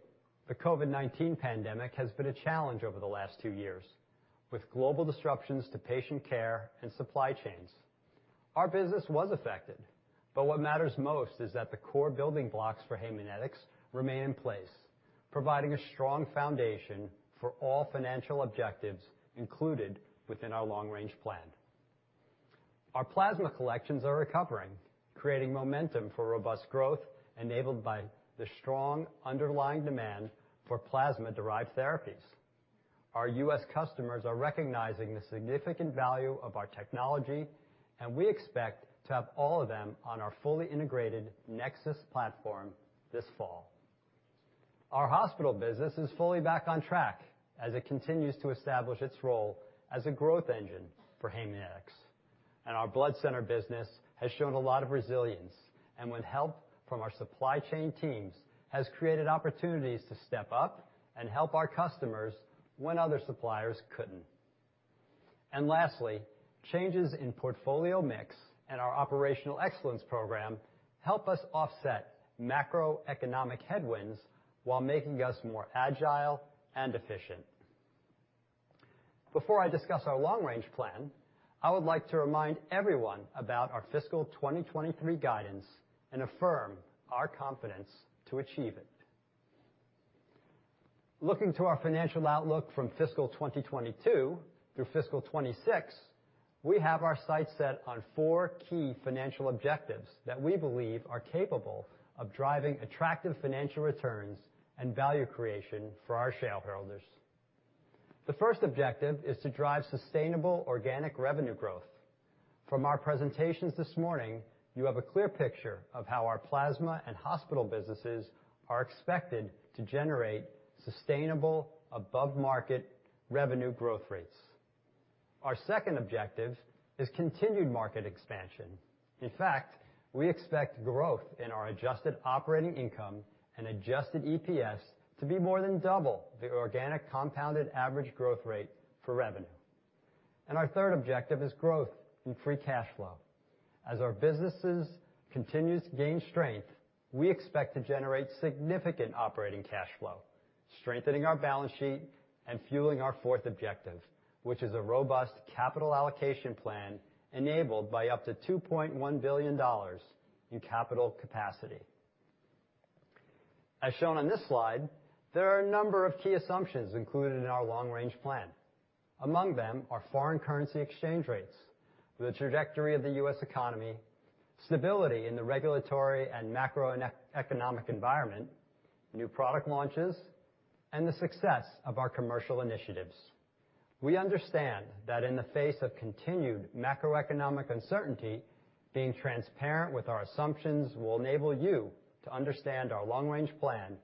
the COVID-19 pandemic has been a challenge over the last two years, with global disruptions to patient care and supply chains. Our business was affected, but what matters most is that the core building blocks for Haemonetics remain in place, providing a strong foundation for all financial objectives included within our long-range plan. Our plasma collections are recovering, creating momentum for robust growth enabled by the strong underlying demand for plasma-derived therapies. Our US customers are recognizing the significant value of our technology, and we expect to have all of them on our fully integrated NexSys platform this fall. Our hospital business is fully back on track as it continues to establish its role as a growth engine for Haemonetics. Our blood center business has shown a lot of resilience, and with help from our supply chain teams, has created opportunities to step up and help our customers when other suppliers couldn't. Lastly, changes in portfolio mix and our operational excellence program help us offset macroeconomic headwinds while making us more agile and efficient. Before I discuss our long-range plan, I would like to remind everyone about our fiscal 2023 guidance and affirm our confidence to achieve it. Looking to our financial outlook from fiscal 2022 through fiscal 2026, we have our sights set on four key financial objectives that we believe are capable of driving attractive financial returns and value creation for our shareholders. The first objective is to drive sustainable organic revenue growth. From our presentations this morning, you have a clear picture of how our plasma and hospital businesses are expected to generate sustainable above-market revenue growth rates. Our second objective is continued market expansion. In fact, we expect growth in our adjusted operating income and adjusted EPS to be more than double the organic compounded average growth rate for revenue. Our third objective is growth in free cash flow. As our businesses continues to gain strength, we expect to generate significant operating cash flow, strengthening our balance sheet and fueling our fourth objective, which is a robust capital allocation plan enabled by up to $2.1 billion in capital capacity. As shown on this slide, there are a number of key assumptions included in our long-range plan. Among them are foreign currency exchange rates, the trajectory of the US economy. Stability in the regulatory and macroeconomic environment, new product launches, and the success of our commercial initiatives. We understand that in the face of continued macroeconomic uncertainty, being transparent with our assumptions will enable you to understand our long-range plan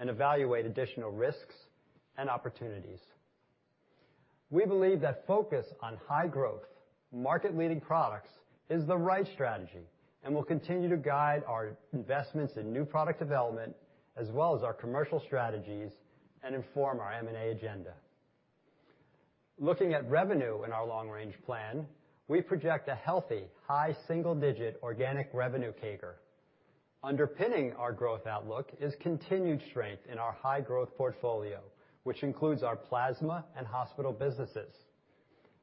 and evaluate additional risks and opportunities. We believe that focus on high growth, market-leading products is the right strategy and will continue to guide our investments in new product development as well as our commercial strategies and inform our M&A agenda. Looking at revenue in our long-range plan, we project a healthy, high single-digit organic revenue CAGR. Underpinning our growth outlook is continued strength in our high-growth portfolio, which includes our plasma and hospital businesses.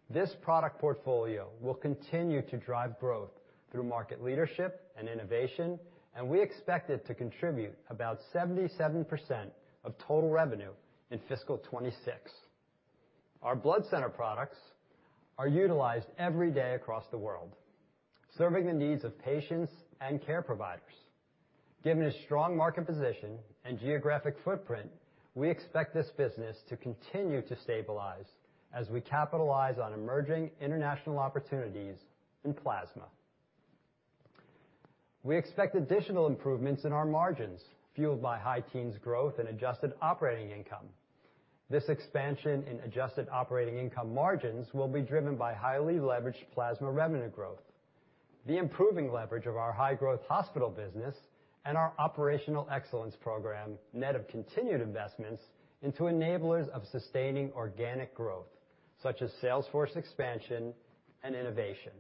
This product portfolio will continue to drive growth through market leadership and innovation, and we expect it to contribute about 77% of total revenue in fiscal 2026. Our blood center products are utilized every day across the world, serving the needs of patients and care providers. Given a strong market position and geographic footprint, we expect this business to continue to stabilize as we capitalize on emerging international opportunities in plasma. We expect additional improvements in our margins, fueled by high teens growth and adjusted operating income. This expansion in adjusted operating income margins will be driven by highly leveraged plasma revenue growth, the improving leverage of our high-growth hospital business, and our operational excellence program, net of continued investments into enablers of sustaining organic growth, such as sales force expansion and innovation.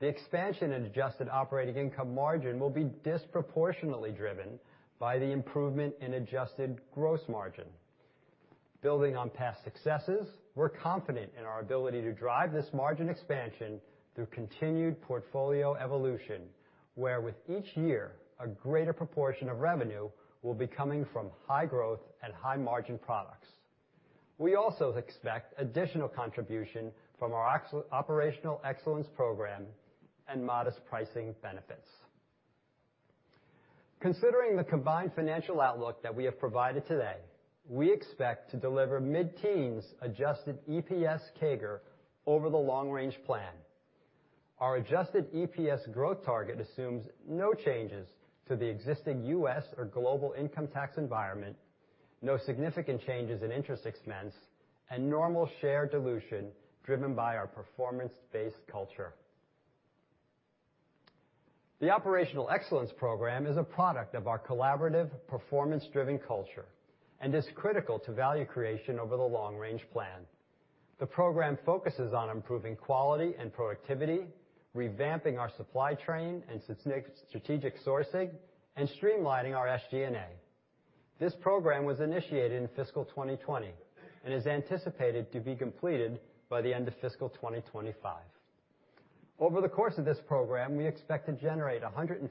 The expansion in adjusted operating income margin will be disproportionately driven by the improvement in adjusted gross margin. Building on past successes, we're confident in our ability to drive this margin expansion through continued portfolio evolution, where with each year, a greater proportion of revenue will be coming from high growth and high margin products. We also expect additional contribution from our operational excellence program and modest pricing benefits. Considering the combined financial outlook that we have provided today, we expect to deliver mid-teens adjusted EPS CAGR over the long range plan. Our adjusted EPS growth target assumes no changes to the existing US or global income tax environment, no significant changes in interest expense, and normal share dilution driven by our performance-based culture. The operational excellence program is a product of our collaborative, performance-driven culture and is critical to value creation over the long range plan. The program focuses on improving quality and productivity, revamping our supply chain and strategic sourcing, and streamlining our SG&A. This program was initiated in fiscal 2020 and is anticipated to be completed by the end of fiscal 2025. Over the course of this program, we expect to generate $115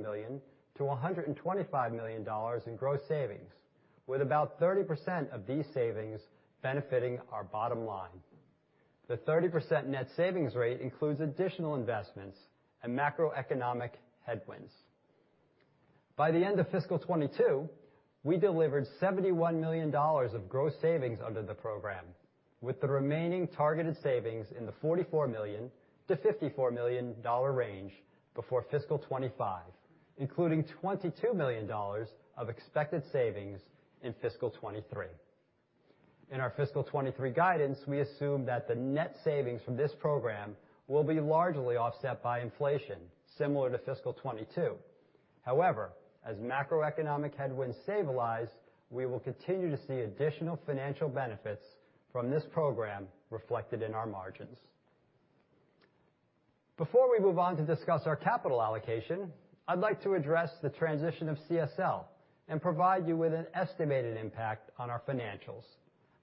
million-$125 million in gross savings, with about 30% of these savings benefiting our bottom line. The 30% net savings rate includes additional investments and macroeconomic headwinds. By the end of fiscal 2022, we delivered $71 million of gross savings under the program, with the remaining targeted savings in the $44 million-$54 million range before fiscal 2025, including $22 million of expected savings in fiscal 2023. In our fiscal 2023 guidance, we assume that the net savings from this program will be largely offset by inflation, similar to fiscal 2022. However, as macroeconomic headwinds stabilize, we will continue to see additional financial benefits from this program reflected in our margins. Before we move on to discuss our capital allocation, I'd like to address the transition of CSL and provide you with an estimated impact on our financials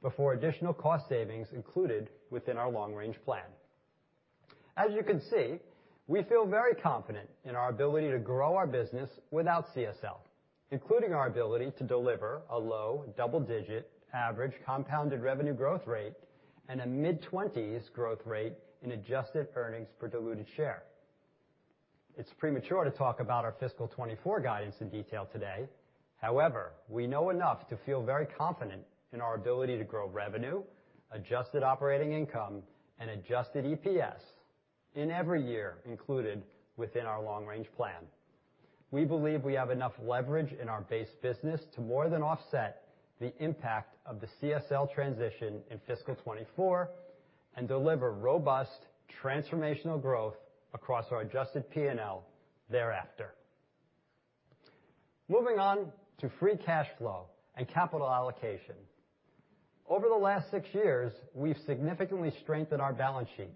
before additional cost savings included within our long-range plan. As you can see, we feel very confident in our ability to grow our business without CSL, including our ability to deliver a low double-digit average compounded revenue growth rate and a mid-twenties growth rate in adjusted earnings per diluted share. It's premature to talk about our fiscal 2024 guidance in detail today. However, we know enough to feel very confident in our ability to grow revenue, adjusted operating income, and adjusted EPS in every year included within our long-range plan. We believe we have enough leverage in our base business to more than offset the impact of the CSL transition in fiscal 2024 and deliver robust transformational growth across our adjusted P&L thereafter. Moving on to free cash flow and capital allocation. Over the last six years, we've significantly strengthened our balance sheet,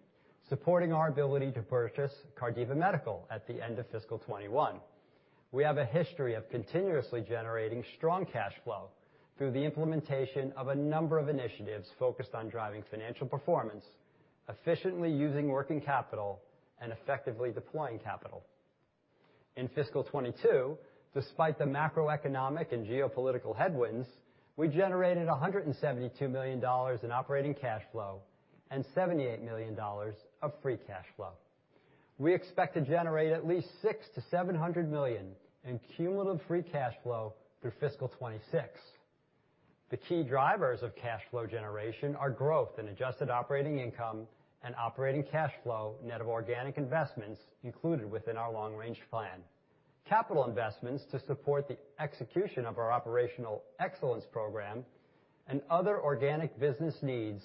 supporting our ability to purchase Cardiva Medical at the end of fiscal 2021. We have a history of continuously generating strong cash flow through the implementation of a number of initiatives focused on driving financial performance, efficiently using working capital, and effectively deploying capital. In fiscal 2022, despite the macroeconomic and geopolitical headwinds, we generated $172 million in operating cash flow and $78 million of free cash flow. We expect to generate at least $600 million-$700 million in cumulative free cash flow through fiscal 2026. The key drivers of cash flow generation are growth in adjusted operating income and operating cash flow net of organic investments included within our long-range plan. Capital investments to support the execution of our operational excellence program and other organic business needs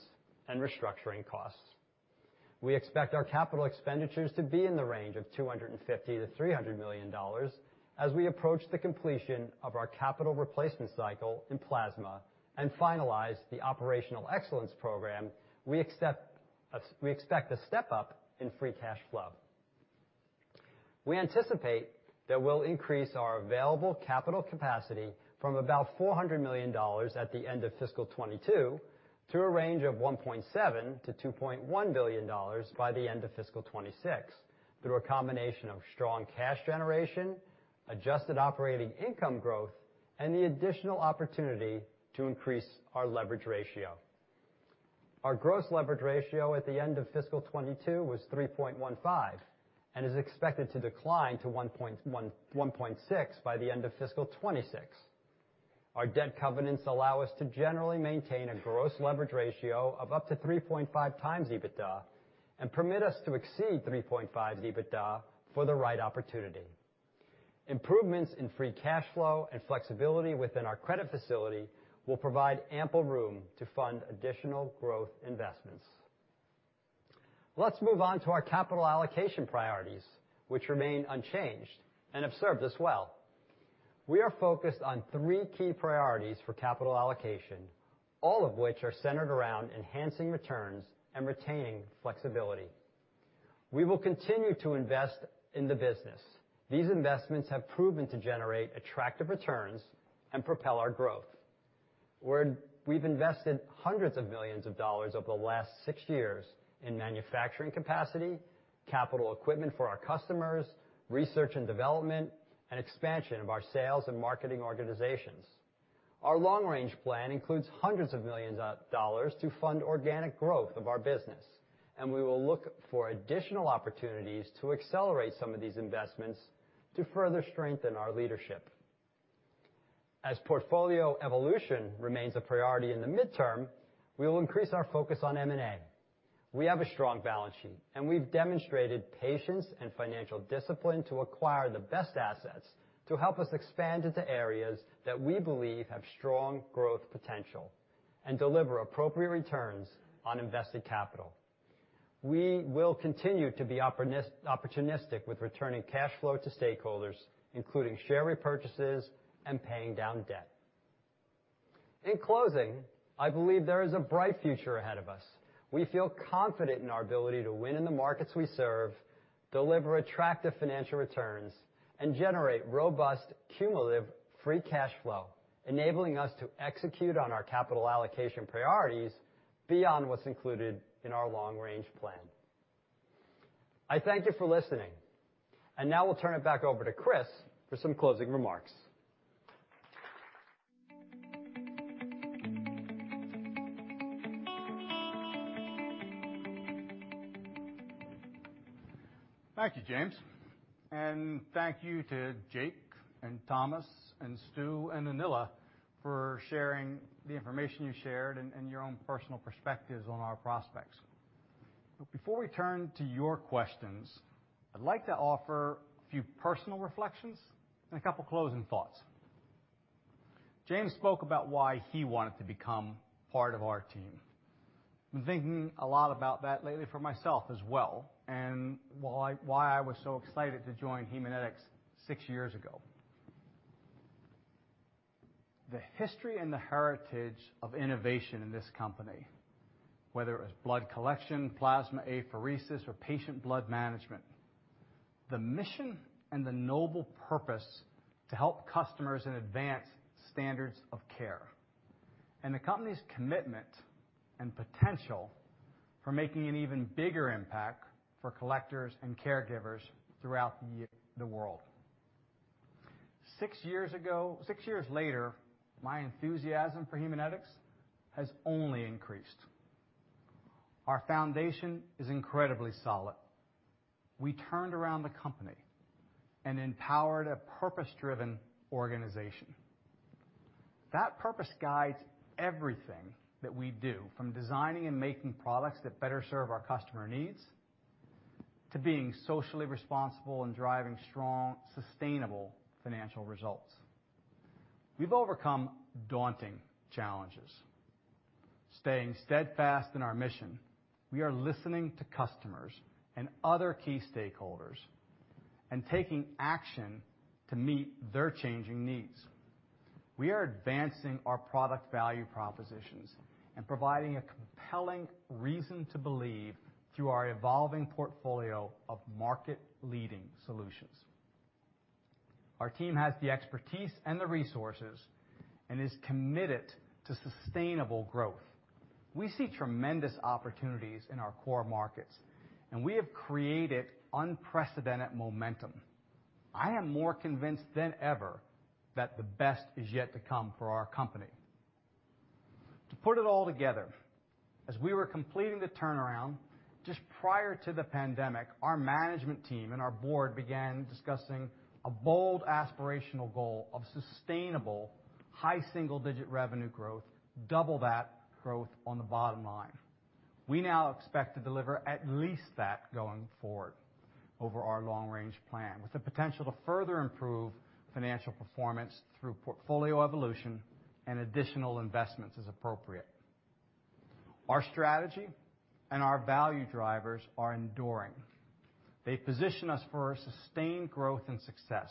and restructuring costs. We expect our capital expenditures to be in the range of $250 million-$300 million. As we approach the completion of our capital replacement cycle in plasma and finalize the operational excellence program, we expect a step up in free cash flow. We anticipate that we'll increase our available capital capacity from about $400 million at the end of fiscal 2022 to a range of $1.7 billion to $2.1 billion by the end of fiscal 2026 through a combination of strong cash generation, adjusted operating income growth, and the additional opportunity to increase our leverage ratio. Our gross leverage ratio at the end of fiscal 2022 was 3.15 and is expected to decline to 1.1 to 1.6 by the end of fiscal 2026. Our debt covenants allow us to generally maintain a gross leverage ratio of up to 3.5 times EBITDA and permit us to exceed 3.5 EBITDA for the right opportunity. Improvements in free cash flow and flexibility within our credit facility will provide ample room to fund additional growth investments. Let's move on to our capital allocation priorities, which remain unchanged and have served us well. We are focused on three key priorities for capital allocation, all of which are centered around enhancing returns and retaining flexibility. We will continue to invest in the business. These investments have proven to generate attractive returns and propel our growth. We've invested hundreds of millions of dollars over the last six years in manufacturing capacity, capital equipment for our customers, research and development, and expansion of our sales and marketing organizations. Our long-range plan includes hundreds of millions of dollars to fund organic growth of our business, and we will look for additional opportunities to accelerate some of these investments to further strengthen our leadership. As portfolio evolution remains a priority in the midterm, we will increase our focus on M&A. We have a strong balance sheet, and we've demonstrated patience and financial discipline to acquire the best assets to help us expand into areas that we believe have strong growth potential and deliver appropriate returns on invested capital. We will continue to be opportunistic with returning cash flow to stakeholders, including share repurchases and paying down debt. In closing, I believe there is a bright future ahead of us. We feel confident in our ability to win in the markets we serve, deliver attractive financial returns, and generate robust cumulative free cash flow, enabling us to execute on our capital allocation priorities beyond what's included in our long-range plan. I thank you for listening, and now we'll turn it back over to Chris for some closing remarks. Thank you, James, and thank you to Jake and Thomas and Stu and Anila for sharing the information you shared and your own personal perspectives on our prospects. Before we turn to your questions, I'd like to offer a few personal reflections and a couple closing thoughts. James spoke about why he wanted to become part of our team. I've been thinking a lot about that lately for myself as well, and why I was so excited to join Haemonetics six years ago. The history and the heritage of innovation in this company, whether it was blood collection, plasma apheresis, or patient blood management, the mission and the noble purpose to help customers and advance standards of care, and the company's commitment and potential for making an even bigger impact for collectors and caregivers throughout the world. Six years later, my enthusiasm for Haemonetics has only increased. Our foundation is incredibly solid. We turned around the company and empowered a purpose-driven organization. That purpose guides everything that we do, from designing and making products that better serve our customer needs to being socially responsible and driving strong, sustainable financial results. We've overcome daunting challenges. Staying steadfast in our mission, we are listening to customers and other key stakeholders and taking action to meet their changing needs. We are advancing our product value propositions and providing a compelling reason to believe through our evolving portfolio of market-leading solutions. Our team has the expertise and the resources and is committed to sustainable growth. We see tremendous opportunities in our core markets, and we have created unprecedented momentum. I am more convinced than ever that the best is yet to come for our company. To put it all together, as we were completing the turnaround just prior to the pandemic, our management team and our board began discussing a bold aspirational goal of sustainable high single-digit revenue growth, double that growth on the bottom line. We now expect to deliver at least that going forward over our long-range plan, with the potential to further improve financial performance through portfolio evolution and additional investments as appropriate. Our strategy and our value drivers are enduring. They position us for sustained growth and success.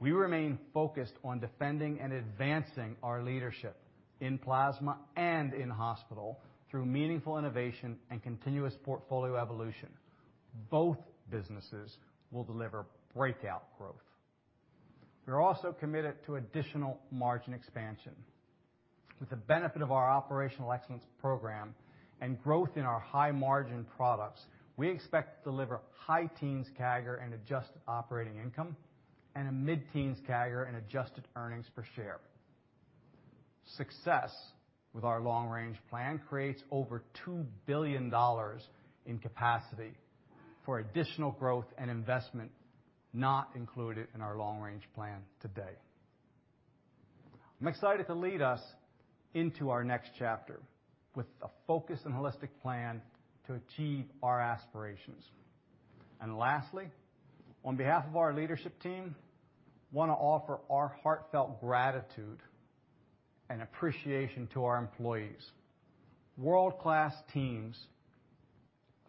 We remain focused on defending and advancing our leadership in Plasma and in Hospital through meaningful innovation and continuous portfolio evolution. Both businesses will deliver breakout growth. We're also committed to additional margin expansion. With the benefit of our operational excellence program and growth in our high-margin products, we expect to deliver high teens CAGR and adjusted operating income and a mid-teens CAGR in adjusted earnings per share. Success with our long-range plan creates over $2 billion in capacity for additional growth and investment not included in our long-range plan today. I'm excited to lead us into our next chapter with a focused and holistic plan to achieve our aspirations. Lastly, on behalf of our leadership team, wanna offer our heartfelt gratitude and appreciation to our employees. World-class teams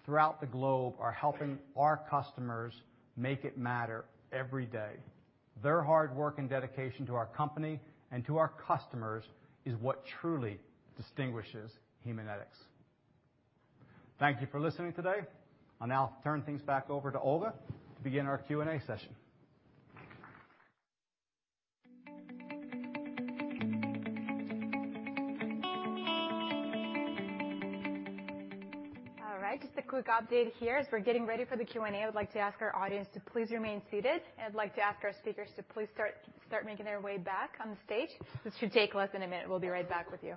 throughout the globe are helping our customers make it matter every day. Their hard work and dedication to our company and to our customers is what truly distinguishes Haemonetics. Thank you for listening today. I'll now turn things back over to Olga to begin our Q&A session. All right, just a quick update here. As we're getting ready for the Q&A, I would like to ask our audience to please remain seated, and I'd like to ask our speakers to please start making their way back on the stage. This should take less than a minute. We'll be right back with you.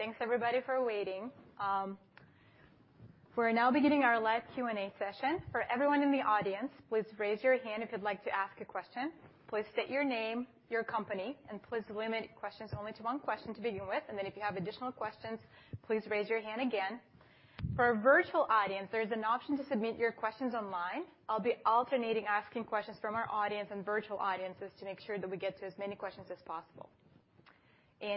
All right. Thanks everybody for waiting. We're now beginning our live Q&A session. For everyone in the audience, please raise your hand if you'd like to ask a question. Please state your name, your company, and please limit questions only to one question to begin with. If you have additional questions, please raise your hand again. For our virtual audience, there's an option to submit your questions online. I'll be alternating asking questions from our audience and virtual audiences to make sure that we get to as many questions as possible.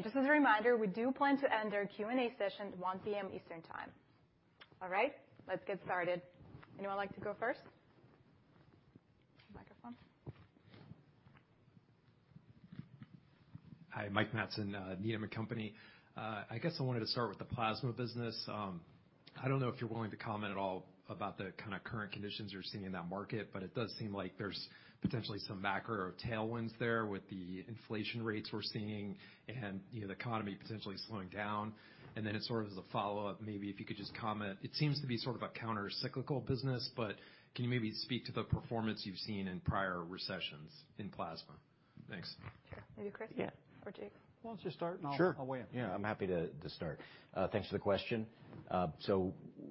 Just as a reminder, we do plan to end our Q&A session at 1:00 P.M. Eastern Time. All right, let's get started. Anyone like to go first? Microphone. Hi, Mike Matson, Needham & Company. I guess I wanted to start with the Plasma business. I don't know if you're willing to comment at all about the kinda current conditions you're seeing in that market, but it does seem like there's potentially some macro tailwinds there with the inflation rates we're seeing and, you know, the economy potentially slowing down. As sort of the follow-up, maybe if you could just comment, it seems to be sort of a counter-cyclical business, but can you maybe speak to the performance you've seen in prior recessions in Plasma? Thanks. Sure. Maybe Chris? Yeah. Jake. Why don't you start, and I'll. Sure. I'll weigh in. I'm happy to start. Thanks for the question.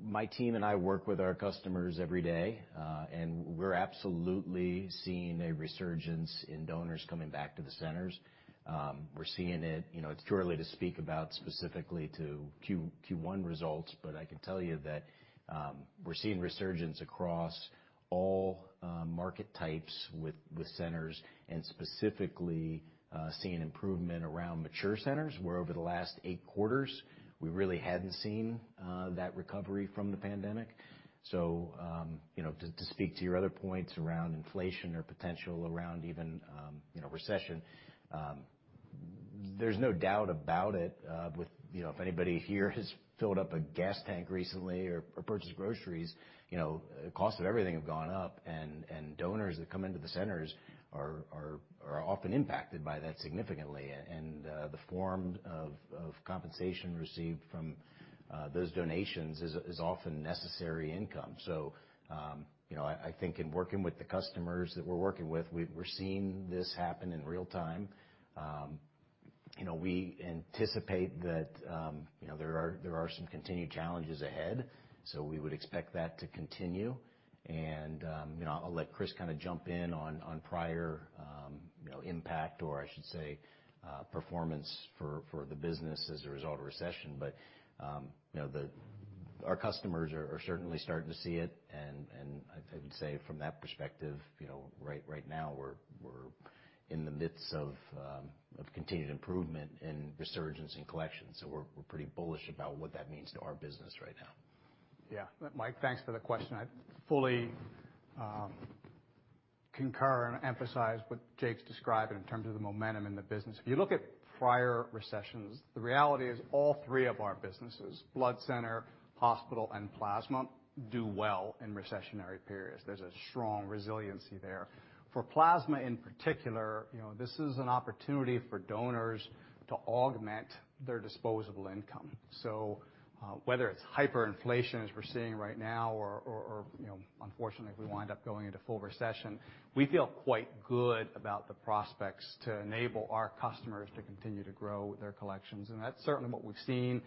My team and I work with our customers every day, and we're absolutely seeing a resurgence in donors coming back to the centers. We're seeing it, you know, it's too early to speak about specifically to Q1 results, but I can tell you that, we're seeing resurgence across all market types with centers and specifically seeing improvement around mature centers, where over the last eight quarters we really hadn't seen that recovery from the pandemic. You know, to speak to your other points around inflation or potential around even, you know, recession. There's no doubt about it, with, you know, if anybody here has filled up a gas tank recently or purchased groceries, you know, cost of everything have gone up, and donors that come into the centers are often impacted by that significantly. The form of compensation received from those donations is often necessary income. You know, I think in working with the customers that we're working with, we're seeing this happen in real time. You know, we anticipate that, you know, there are some continued challenges ahead, so we would expect that to continue. You know, I'll let Chris kind of jump in on prior, you know, impact or I should say, performance for the business as a result of recession. You know, our customers are certainly starting to see it and I would say from that perspective, you know, right now we're in the midst of continued improvement and resurgence in collections. We're pretty bullish about what that means to our business right now. Yeah. Mike, thanks for the question. I fully concur and emphasize what Jake's described in terms of the momentum in the business. If you look at prior recessions, the reality is all three of our businesses, blood center, hospital, and plasma do well in recessionary periods. There's a strong resiliency there. For plasma, in particular, you know, this is an opportunity for donors to augment their disposable income. Whether it's hyperinflation as we're seeing right now or you know, unfortunately, if we wind up going into full recession, we feel quite good about the prospects to enable our customers to continue to grow their collections. That's certainly what we've seen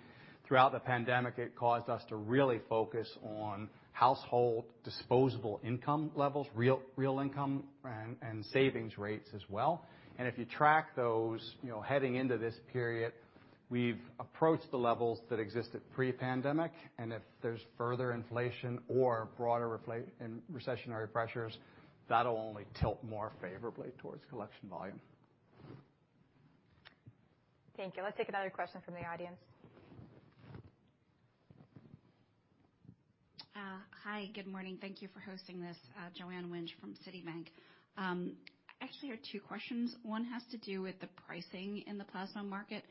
throughout the pandemic. It caused us to really focus on household disposable income levels, real income and savings rates as well. If you track those, you know, heading into this period, we've approached the levels that existed pre-pandemic, and if there's further inflation or broader reflation and recessionary pressures, that'll only tilt more favorably towards collection volume. Thank you. Let's take another question from the audience. Hi, good morning. Thank you for hosting this. Joanne Wuensch from Citi. I actually have two questions. One has to do with the pricing in the plasma market.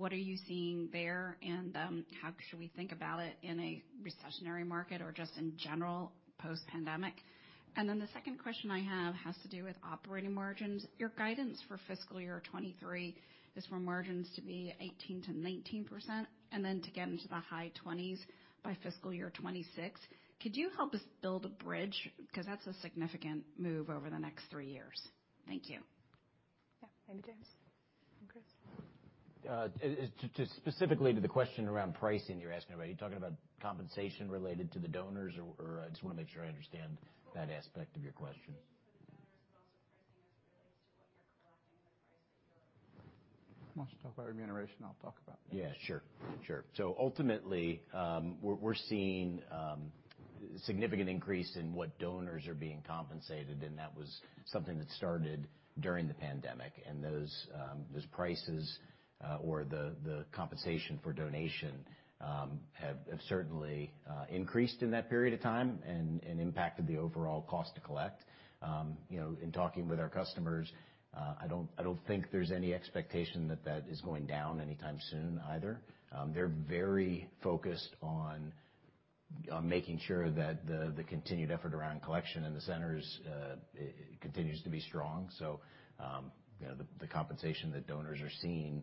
What are you seeing there, and how should we think about it in a recessionary market or just in general, post-pandemic? Then the second question I have has to do with operating margins. Your guidance for fiscal year 2023 is for margins to be 18% to 19% and then to get into the high 20s by FY2026. Could you help us build a bridge? 'Cause that's a significant move over the next three years. Thank you. Yeah. Maybe James and Chris. Specifically to the question around pricing you're asking about, are you talking about compensation related to the donors or I just wanna make sure I understand that aspect of your question. Compensation to the donors, but also pricing as it relates to what you're collecting and the price that you're Why don't you talk about remuneration? Yeah, sure. Sure. Ultimately, we're seeing significant increase in what donors are being compensated, and that was something that started during the pandemic. Those prices, or the compensation for donation, have certainly increased in that period of time and impacted the overall cost to collect. You know, in talking with our customers, I don't think there's any expectation that that is going down anytime soon either. They're very focused on making sure that the continued effort around collection in the centers continues to be strong. You know, the compensation that donors are seeing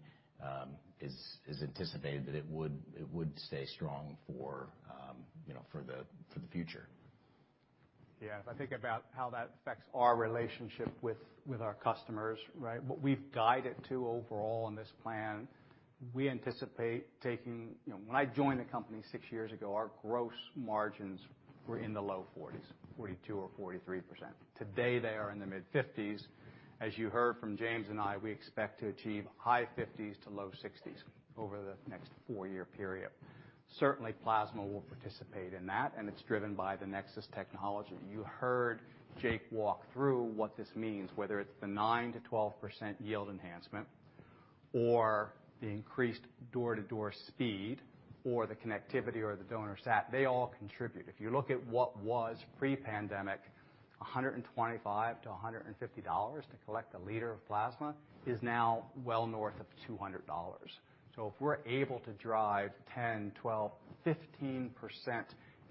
is anticipated that it would stay strong for the future. Yeah. If I think about how that affects our relationship with our customers, right? What we've guided to overall in this plan, we anticipate taking. You know, when I joined the company six years ago, our gross margins were in the low 40s, 42 or 43%. Today, they are in the mid-50s. As you heard from James and I, we expect to achieve high 50s to low 60s over the next four-year period. Certainly, plasma will participate in that, and it's driven by the NexSys technology. You heard Jake walk through what this means, whether it's the 9%-12% yield enhancement or the increased door-to-door speed or the connectivity or the donor sat, they all contribute. If you look at what was pre-pandemic, $125-$150 to collect a liter of plasma is now well north of $200. If we're able to drive 10, 12, 15%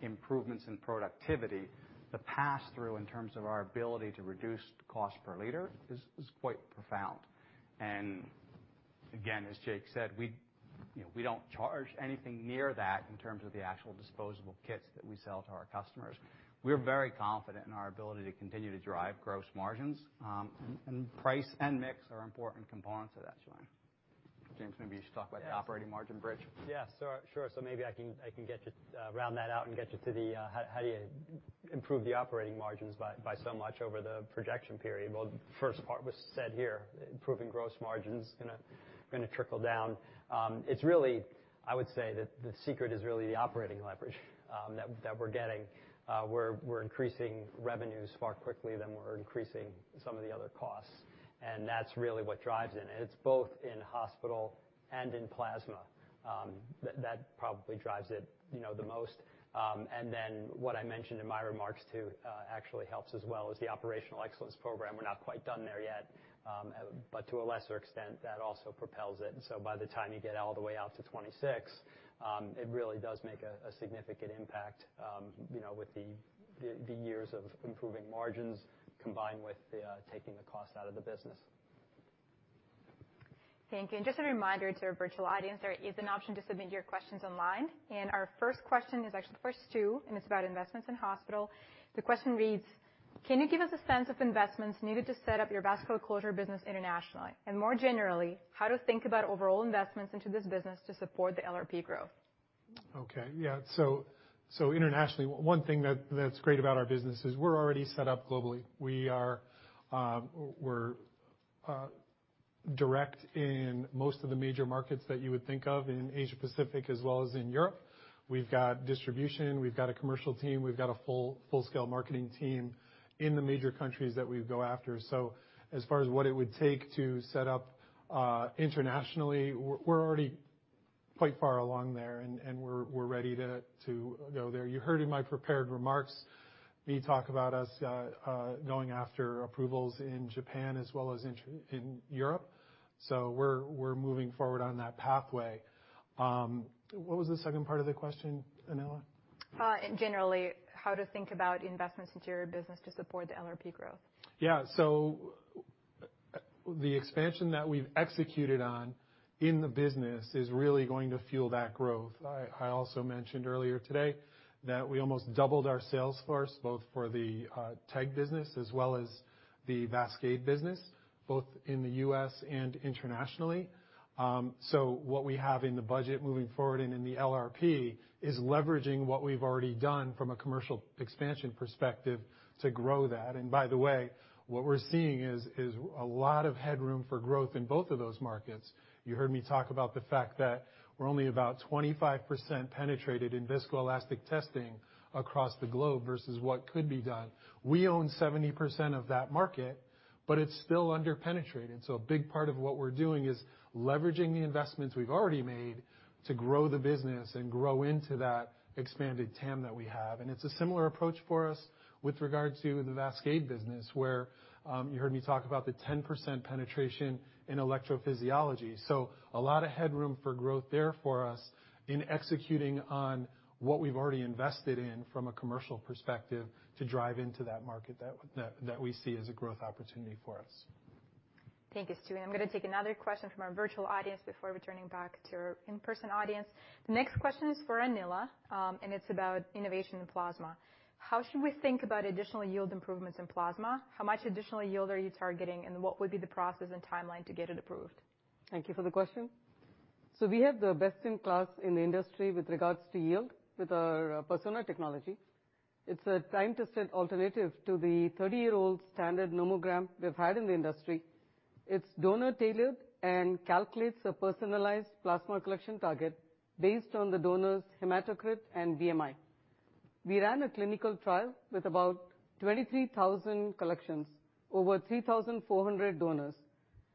improvements in productivity, the pass-through in terms of our ability to reduce cost per liter is quite profound. Again, as Jake said, we, you know, we don't charge anything near that in terms of the actual disposable kits that we sell to our customers. We're very confident in our ability to continue to drive gross margins, and price and mix are important components of that journey. James, maybe you should talk about the operating margin bridge. Yeah. Sure. Maybe I can get you round that out and get you to the how do you improve the operating margins by so much over the projection period? Well, first part was said here, improving gross margins gonna trickle down. It's really, I would say, that the secret is really the operating leverage that we're getting. We're increasing revenues far more quickly than we're increasing some of the other costs, and that's really what drives it. It's both in hospital and in plasma that probably drives it, you know, the most. Then what I mentioned in my remarks too, actually helps as well is the operational excellence program. We're not quite done there yet, but to a lesser extent, that also propels it. By the time you get all the way out to 2026, it really does make a significant impact, you know, with the years of improving margins combined with taking the cost out of the business. Thank you. Just a reminder to our virtual audience, there is an option to submit your questions online. Our first question is actually the first two, and it's about investments in Hospital. The question reads: Can you give us a sense of investments needed to set up your vascular closure business internationally? More generally, how to think about overall investments into this business to support the LRP growth. Yeah. Internationally, one thing that's great about our business is we're already set up globally. We're direct in most of the major markets that you would think of in Asia-Pacific as well as in Europe. We've got distribution, we've got a commercial team, we've got a full-scale marketing team in the major countries that we go after. As far as what it would take to set up internationally, we're already quite far along there, and we're ready to go there. You heard in my prepared remarks me talk about us going after approvals in Japan as well as in Europe, so we're moving forward on that pathway. What was the second part of the question, Anila? Generally, how to think about investments into your business to support the LRP growth? Yeah. The expansion that we've executed on in the business is really going to fuel that growth. I also mentioned earlier today that we almost doubled our sales force, both for the TEG business as well as the Vascade business, both in the US and internationally. What we have in the budget moving forward and in the LRP is leveraging what we've already done from a commercial expansion perspective to grow that. By the way, what we're seeing is a lot of headroom for growth in both of those markets. You heard me talk about the fact that we're only about 25% penetrated in viscoelastic testing across the globe versus what could be done. We own 70% of that market, but it's still under-penetrated. A big part of what we're doing is leveraging the investments we've already made to grow the business and grow into that expanded TAM that we have. It's a similar approach for us with regard to the Vascade business, where you heard me talk about the 10% penetration in electrophysiology. A lot of headroom for growth there for us in executing on what we've already invested in from a commercial perspective to drive into that market that we see as a growth opportunity for us. Thank you, Stew. I'm gonna take another question from our virtual audience before returning back to our in-person audience. The next question is for Anila, and it's about innovation in plasma. How should we think about additional yield improvements in plasma? How much additional yield are you targeting, and what would be the process and timeline to get it approved? Thank you for the question. We have the best-in-class in the industry with regards to yield with our Persona technology. It's a time-tested alternative to the 30-year-old standard nomogram we've had in the industry. It's donor-tailored and calculates a personalized plasma collection target based on the donor's hematocrit and BMI. We ran a clinical trial with about 23,000 collections, over 3,400 donors,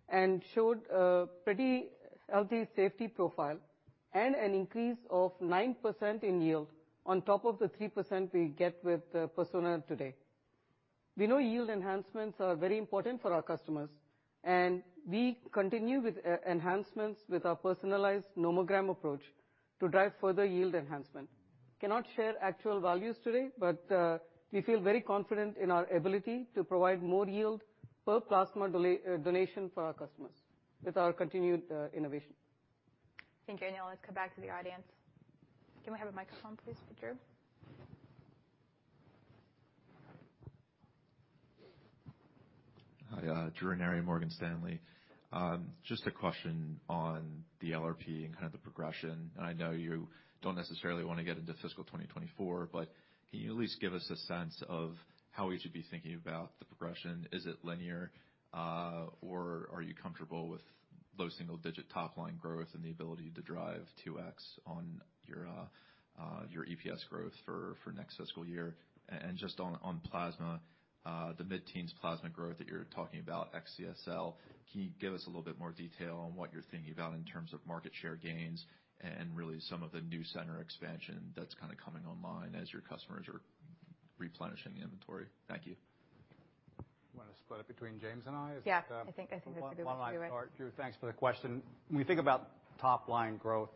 and showed a pretty healthy safety profile and an increase of 9% in yield on top of the 3% we get with Persona today. We know yield enhancements are very important for our customers, and we continue with enhancements with our personalized nomogram approach to drive further yield enhancement. Cannot share actual values today, but we feel very confident in our ability to provide more yield per plasma donation for our customers with our continued innovation. Thank you, Anila. Let's come back to the audience. Can we have a microphone please for Drew? Hi, Drew Ranieri, Morgan Stanley. Just a question on the LRP and kind of the progression. I know you don't necessarily wanna get into fiscal 2024, but can you at least give us a sense of how we should be thinking about the progression? Is it linear, or are you comfortable with low single digit top-line growth and the ability to drive 2x on your EPS growth for next fiscal year? Just on plasma, the mid-teens plasma growth that you're talking about ex CSL, can you give us a little bit more detail on what you're thinking about in terms of market share gains and, really, some of the new center expansion that's kinda coming online as your customers are replenishing the inventory? Thank you. You want to split it between James and I? Is that, Yeah, I think that's a good way to do it. Drew, thanks for the question. When you think about top-line growth,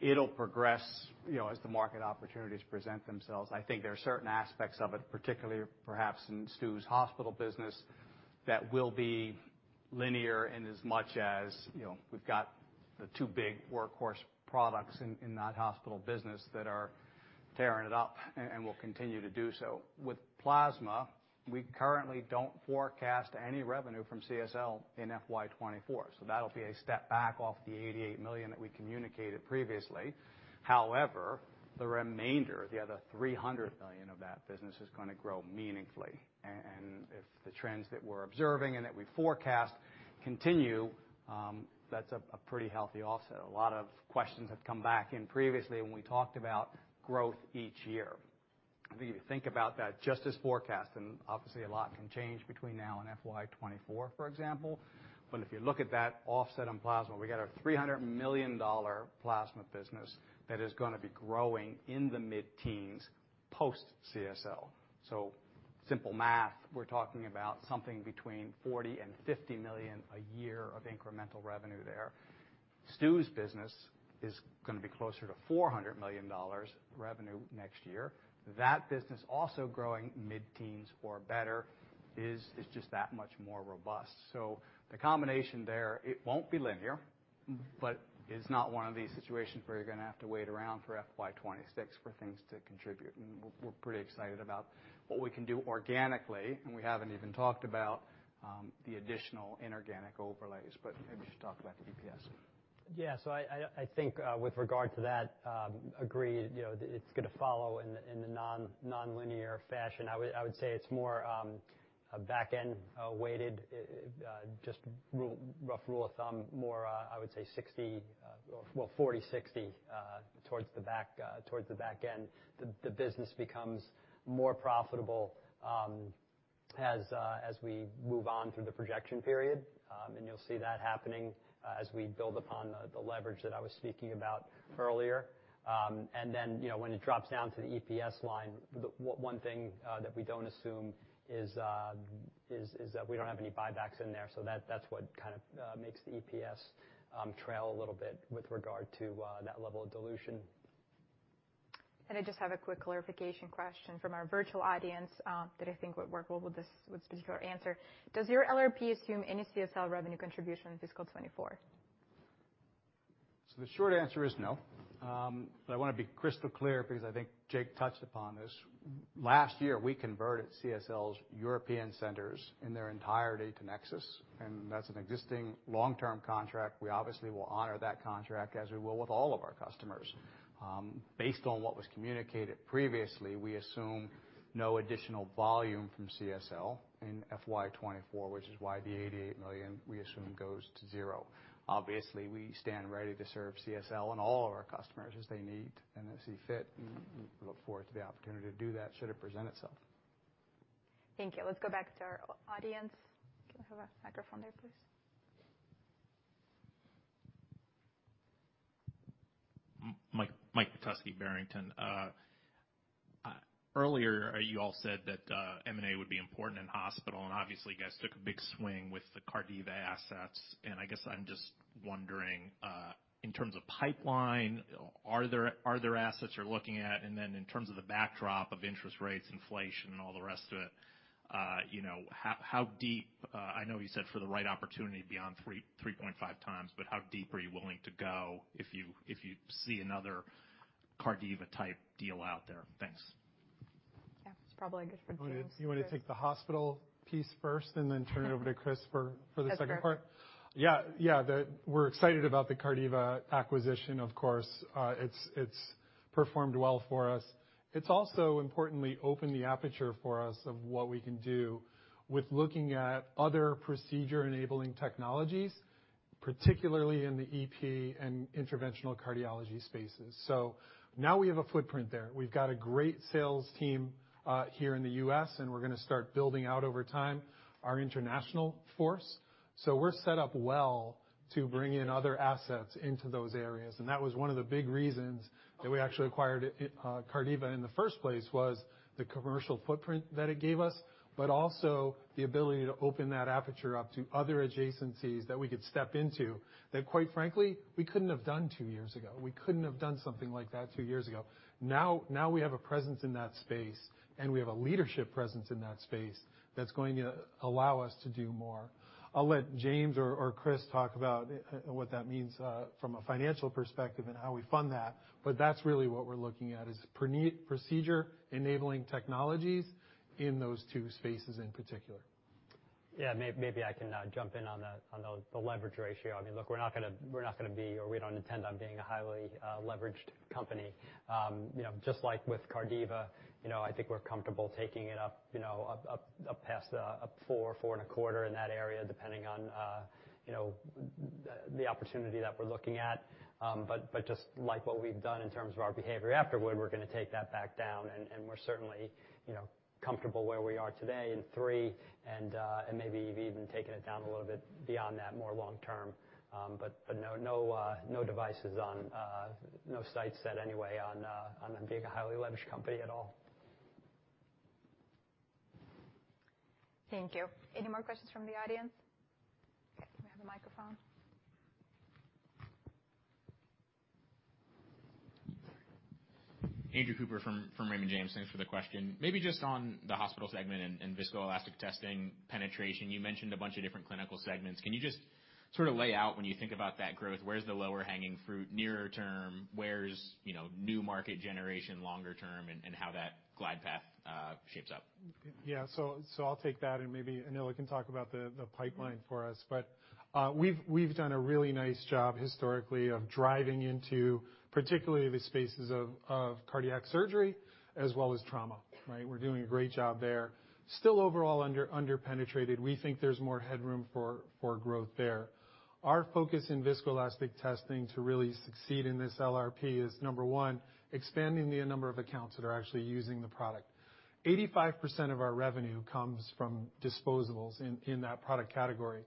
it'll progress, you know, as the market opportunities present themselves. I think there are certain aspects of it, particularly perhaps in Stu's hospital business, that will be linear in as much as, you know, we've got the two big workhorse products in that hospital business that are tearing it up and will continue to do so. With plasma, we currently don't forecast any revenue from CSL in FY2024, so that'll be a step back off the $88 million that we communicated previously. However, the remainder, the other $300 million of that business, is gonna grow meaningfully. If the trends that we're observing and that we forecast continue, that's a pretty healthy offset. A lot of questions have come back in previously when we talked about growth each year. If you think about that just as forecast, and obviously a lot can change between now and FY2024, for example, but if you look at that offset on plasma, we got a $300 million plasma business that is gonna be growing in the mid-teens post CSL. Simple math, we're talking about something between $40 million and $50 million a year of incremental revenue there. Stu's business is gonna be closer to $400 million revenue next year. That business also growing mid-teens or better is just that much more robust. The combination there, it won't be linear, but it's not one of these situations where you're gonna have to wait around for FY2026 for things to contribute. We're pretty excited about what we can do organically, and we haven't even talked about the additional inorganic overlays. Maybe you should talk about the EPS. Yeah, I think with regard to that I agree, you know, it's gonna follow in the non-linear fashion. I would say it's more a back-end weighted rough rule of thumb, more I would say 40-60 towards the back end. The business becomes more profitable as we move on through the projection period. You'll see that happening as we build upon the leverage that I was speaking about earlier. You know, when it drops down to the EPS line. One thing that we don't assume is that we don't have any buybacks in there, so that's what kind of makes the EPS trail a little bit with regard to that level of dilution. I just have a quick clarification question from our virtual audience, that I think would work well with this, with Stewart's answer. Does your LRP assume any CSL revenue contribution in fiscal 2024? The short answer is no. I wanna be crystal clear because I think Jake touched upon this. Last year, we converted CSL's European centers in their entirety to NexSys, and that's an existing long-term contract. We obviously will honor that contract as we will with all of our customers. Based on what was communicated previously, we assume no additional volume from CSL in FY2024, which is why the $88 million, we assume, goes to zero. Obviously, we stand ready to serve CSL and all of our customers as they need and as they see fit, and look forward to the opportunity to do that should it present itself. Thank you. Let's go back to our audience. Can we have a microphone there, please? Michael Petusky, Barrington Research. Earlier, you all said that M&A would be important in hospital, and obviously you guys took a big swing with the Cardiva assets. I guess I'm just wondering, in terms of pipeline, are there assets you're looking at? In terms of the backdrop of interest rates, inflation, and all the rest of it, you know, how deep. I know you said for the right opportunity beyond 3.5 times, but how deep are you willing to go if you see another Cardiva type deal out there? Thanks. Yeah. It's probably good for James first. You wanna take the hospital piece first and then turn it over to Chris for the second part? That's great. We're excited about the Cardiva acquisition, of course. It's performed well for us. It's also importantly opened the aperture for us of what we can do with looking at other procedure-enabling technologies, particularly in the EP and interventional cardiology spaces. Now we have a footprint there. We've got a great sales team here in the US, and we're gonna start building out over time our international force. We're set up well to bring in other assets into those areas, and that was one of the big reasons that we actually acquired Cardiva in the first place, was the commercial footprint that it gave us, but also the ability to open that aperture up to other adjacencies that we could step into that quite frankly, we couldn't have done two years ago. We couldn't have done something like that two years ago. Now we have a presence in that space, and we have a leadership presence in that space that's going to allow us to do more. I'll let James or Chris talk about what that means from a financial perspective and how we fund that, but that's really what we're looking at, is procedure-enabling technologies in those two spaces in particular. Yeah. Maybe I can jump in on the leverage ratio. I mean, look, we're not gonna be, or we don't intend on being a highly leveraged company. You know, just like with Cardiva, you know, I think we're comfortable taking it up past four-four and a quarter, in that area, depending on the opportunity that we're looking at. But just like what we've done in terms of our behavior afterward, we're gonna take that back down, and we're certainly, you know, comfortable where we are today in three and maybe even taking it down a little bit beyond that more long term. No sights set anyway on being a highly leveraged company at all. Thank you. Any more questions from the audience? Okay, can we have the microphone? Andrew Cooper from Raymond James. Thanks for the question. Maybe just on the hospital segment and viscoelastic testing penetration, you mentioned a bunch of different clinical segments. Can you just sort of lay out when you think about that growth, where's the lower hanging fruit nearer term? Where's, you know, new market generation longer term and how that glide path shapes up? I'll take that, and maybe Anila can talk about the pipeline for us. We've done a really nice job historically of driving into particularly the spaces of cardiac surgery as well as trauma, right? We're doing a great job there. Still overall under-penetrated. We think there's more headroom for growth there. Our focus in viscoelastic testing to really succeed in this LRP is, number one, expanding the number of accounts that are actually using the product. 85% of our revenue comes from disposables in that product category.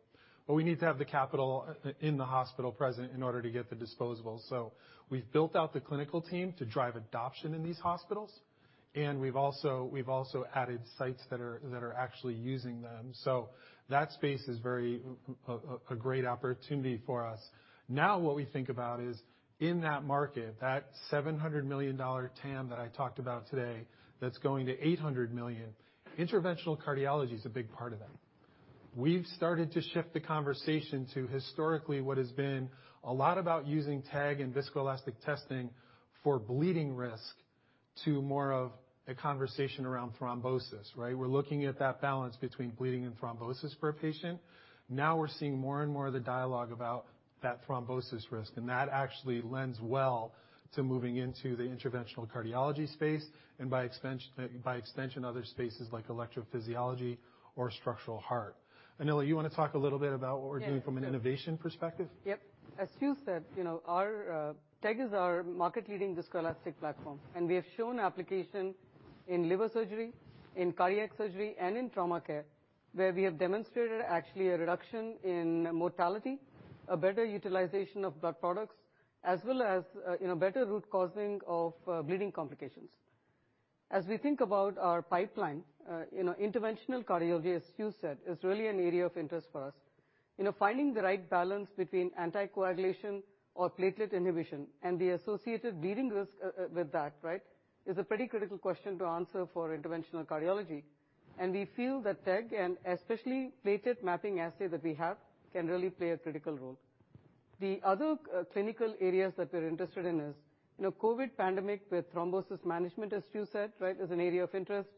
We need to have the capital in the hospital present in order to get the disposables. We've built out the clinical team to drive adoption in these hospitals, and we've also added sites that are actually using them. That space is very great opportunity for us. What we think about is in that market, that $700 million TAM that I talked about today, that's going to $800 million, interventional cardiology is a big part of that. We've started to shift the conversation to historically what has been a lot about using TEG and viscoelastic testing for bleeding risk to more of a conversation around thrombosis, right? We're looking at that balance between bleeding and thrombosis for a patient. Now we're seeing more and more of the dialogue about that thrombosis risk, and that actually lends well to moving into the interventional cardiology space, and by extension, other spaces like electrophysiology or structural heart. Anila, you wanna talk a little bit about what we're doing from an innovation perspective? Yep. As Stew said, you know, our TEG is our market-leading viscoelastic platform, and we have shown application in liver surgery, in cardiac surgery, and in trauma care, where we have demonstrated actually a reduction in mortality, a better utilization of blood products, as well as, you know, better root causing of bleeding complications. As we think about our pipeline, you know, interventional cardiology, as Stu said, is really an area of interest for us. You know, finding the right balance between anticoagulation or platelet inhibition and the associated bleeding risk, with that, right, is a pretty critical question to answer for interventional cardiology. We feel that TEG and especially platelet mapping assay that we have can really play a critical role. The other clinical areas that we're interested in is, you know, COVID-19 pandemic with thrombosis management, as Stew said, right, is an area of interest.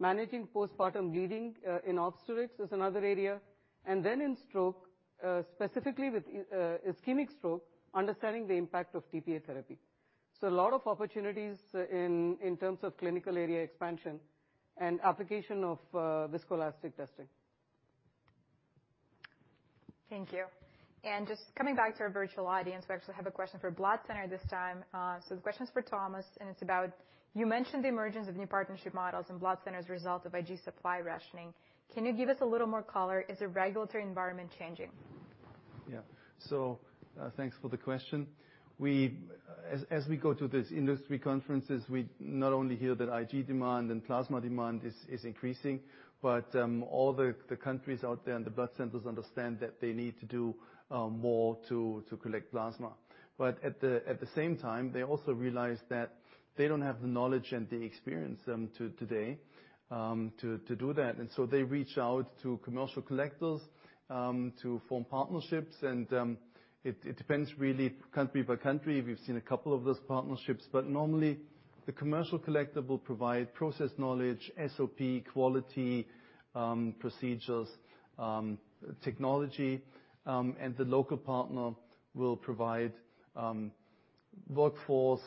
Managing postpartum bleeding in obstetrics is another area. In stroke, specifically with ischemic stroke, understanding the impact of tPA therapy. A lot of opportunities in terms of clinical area expansion and application of viscoelastic testing. Thank you. Just coming back to our virtual audience, we actually have a question for Blood Center this time. The question is for Thomas, and it's about, you mentioned the emergence of new partnership models in blood centers as a result of IG supply rationing. Can you give us a little more color? Is the regulatory environment changing? Yeah. Thanks for the question. As we go to these industry conferences, we not only hear that IG demand and plasma demand is increasing, but all the countries out there and the blood centers understand that they need to do more to collect plasma. At the same time, they also realize that they don't have the knowledge and the experience today to do that. They reach out to commercial collectors to form partnerships. It depends really country by country. We've seen a couple of those partnerships. Normally, the commercial collector will provide process knowledge, SOP, quality procedures, technology, and the local partner will provide workforce,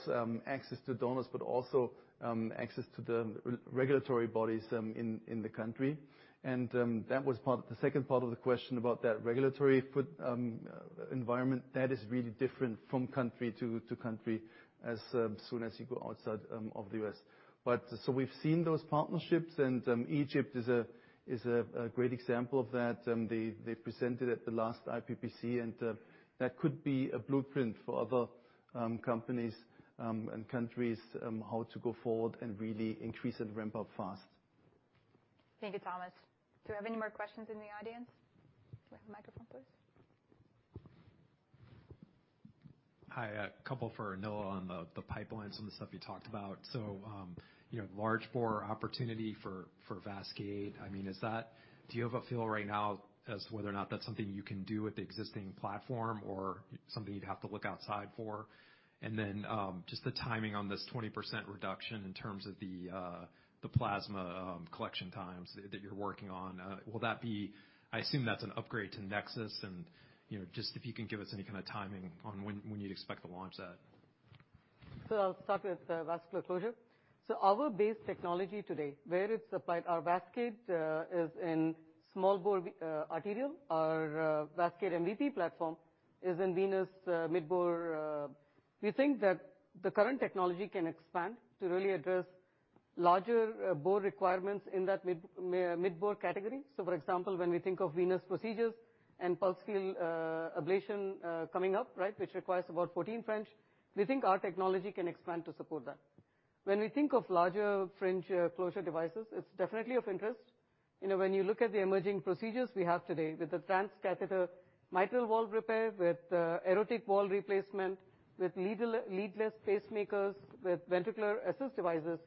access to donors, but also access to the regulatory bodies in the country. That was the second part of the question about that regulatory environment. That is really different from country to country as soon as you go outside of the US. We've seen those partnerships, and Egypt is a great example of that. They presented at the last IPFA, and that could be a blueprint for other companies and countries how to go forward and really increase and ramp up fast. Thank you, Thomas. Do we have any more questions in the audience? Can we have a microphone, please? Hi, a couple for Anila on the pipeline, some of the stuff you talked about. You know, large bore opportunity for Vascade. I mean, is that? Do you have a feel right now as whether or not that's something you can do with the existing platform or something you'd have to look outside for? Just the timing on this 20% reduction in terms of the plasma collection times that you're working on. Will that be? I assume that's an upgrade to NexSys, and you know, just if you can give us any kind of timing on when you'd expect to launch that. I'll start with vascular closure. Our base technology today, where it's applied, our Vascade is in small-bore arterial. Our Vascade MVP platform is in venous mid-bore. We think that the current technology can expand to really address larger bore requirements in that mid-bore category. For example, when we think of venous procedures and percutaneous ablation coming up, right, which requires about 14 French, we think our technology can expand to support that. When we think of larger French closure devices, it's definitely of interest. You know, when you look at the emerging procedures we have today with the transcatheter mitral valve repair, with aortic valve replacement, with leadless pacemakers, with ventricular assist devices,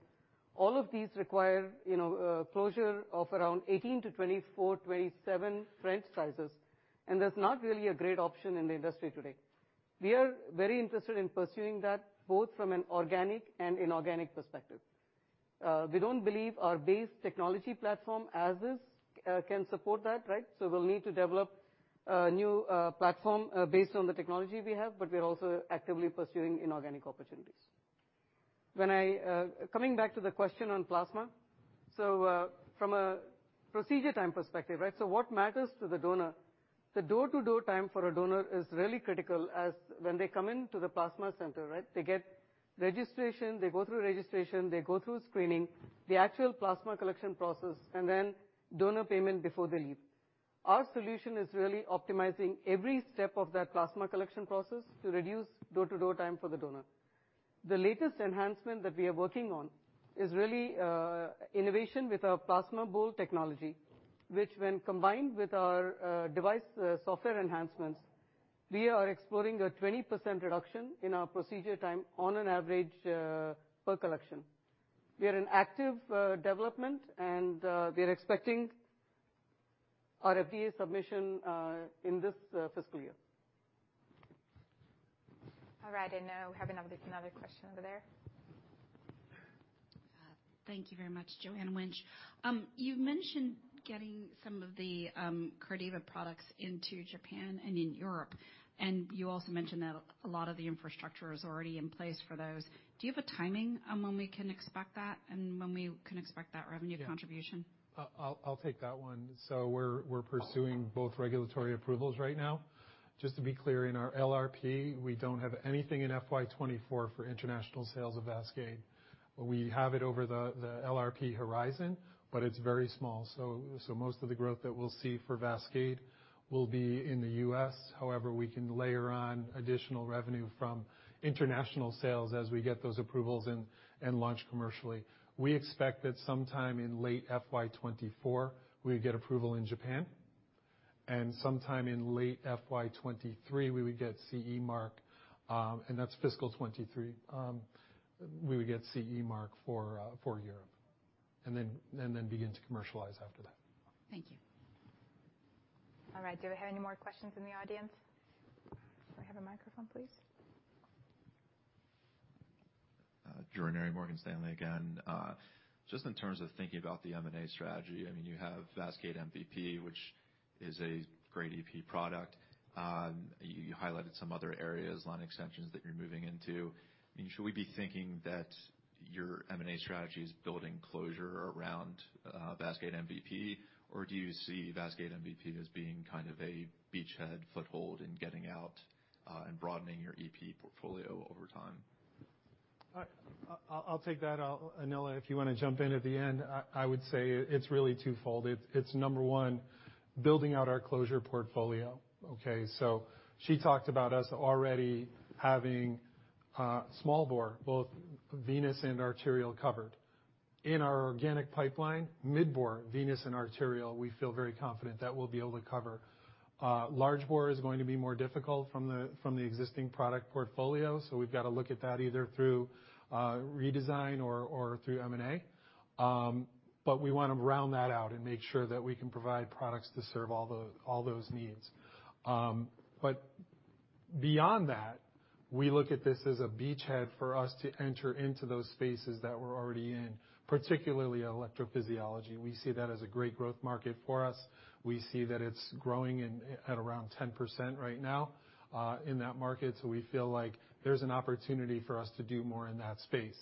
all of these require, you know, closure of around 18-24, 27 French sizes. There's not really a great option in the industry today. We are very interested in pursuing that both from an organic and inorganic perspective. We don't believe our base technology platform as is can support that, right? We'll need to develop a new platform based on the technology we have, but we're also actively pursuing inorganic opportunities. Coming back to the question on plasma. From a procedure time perspective, right? What matters to the donor. The door-to-door time for a donor is really critical as when they come into the plasma center, right? They get registration, they go through registration, they go through screening, the actual plasma collection process, and then donor payment before they leave. Our solution is really optimizing every step of that plasma collection process to reduce door-to-door time for the donor. The latest enhancement that we are working on is really innovation with our Plasma Bowl technology, which when combined with our device software enhancements, we are exploring a 20% reduction in our procedure time on an average per collection. We are in active development, and we are expecting our FDA submission in this fiscal year. All right. Now we have another question over there. Thank you very much. Joanne Wuensch. You mentioned getting some of the Cardiva products into Japan and in Europe, and you also mentioned that a lot of the infrastructure is already in place for those. Do you have a timing on when we can expect that and when we can expect that revenue contribution? Yeah. I'll take that one. We're pursuing both regulatory approvals right now. Just to be clear, in our LRP, we don't have anything in FY2024 for international sales of Vascade. We have it over the LRP horizon, but it's very small. Most of the growth that we'll see for Vascade will be in the US. However, we can layer on additional revenue from international sales as we get those approvals and launch commercially. We expect that sometime in late FY2024, we get approval in Japan, and sometime in late FY2023, we would get CE mark, and that's fiscal 2023, we would get CE mark for Europe and then begin to commercialize after that. Thank you. All right. Do we have any more questions from the audience? Can we have a microphone, please? Drew Ranieri, Morgan Stanley again. Just in terms of thinking about the M&A strategy, I mean, you have Vascade MVP, which is a great EP product. You highlighted some other areas, line extensions that you're moving into. I mean, should we be thinking that your M&A strategy is building closure around Vascade MVP, or do you see Vascade MVP as being kind of a beachhead foothold in getting out and broadening your EP portfolio over time? I'll take that. Anila, if you wanna jump in at the end. I would say it's really twofold. It's number one, building out our closure portfolio, okay? She talked about us already having small bore, both venous and arterial covered. In our organic pipeline, mid-bore venous and arterial, we feel very confident that we'll be able to cover. Large bore is going to be more difficult from the existing product portfolio, so we've got to look at that either through redesign or through M&A. We wanna round that out and make sure that we can provide products to serve all those needs. Beyond that, we look at this as a beachhead for us to enter into those spaces that we're already in, particularly electrophysiology. We see that as a great growth market for us. We see that it's growing at around 10% right now in that market, so we feel like there's an opportunity for us to do more in that space.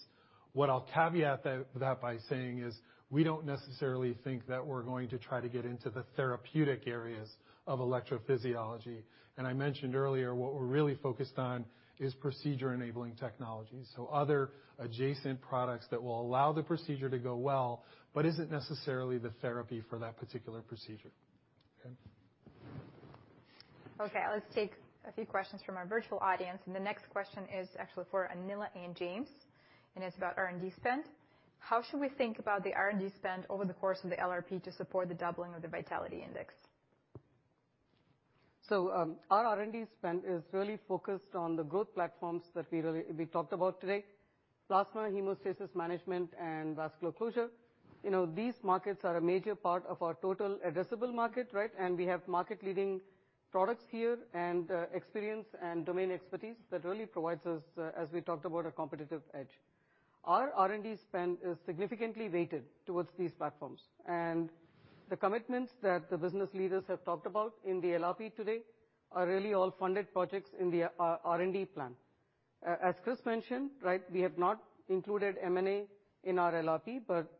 What I'll caveat that by saying is we don't necessarily think that we're going to try to get into the therapeutic areas of electrophysiology. I mentioned earlier, what we're really focused on is procedure-enabling technology, so other adjacent products that will allow the procedure to go well, but isn't necessarily the therapy for that particular procedure. Okay. Okay, let's take a few questions from our virtual audience, and the next question is actually for Anila and James, and it's about R&D spend. How should we think about the R&D spend over the course of the LRP to support the doubling of the Vitality Index? Our R&D spend is really focused on the growth platforms that we talked about today, plasma hemostasis management and vascular closure. You know, these markets are a major part of our total addressable market, right? We have market-leading products here and experience and domain expertise that really provides us, as we talked about, a competitive edge. Our R&D spend is significantly weighted towards these platforms, and the commitments that the business leaders have talked about in the LRP today are really all funded projects in the R&D plan. As Chris mentioned, right, we have not included M&A in our LRP, but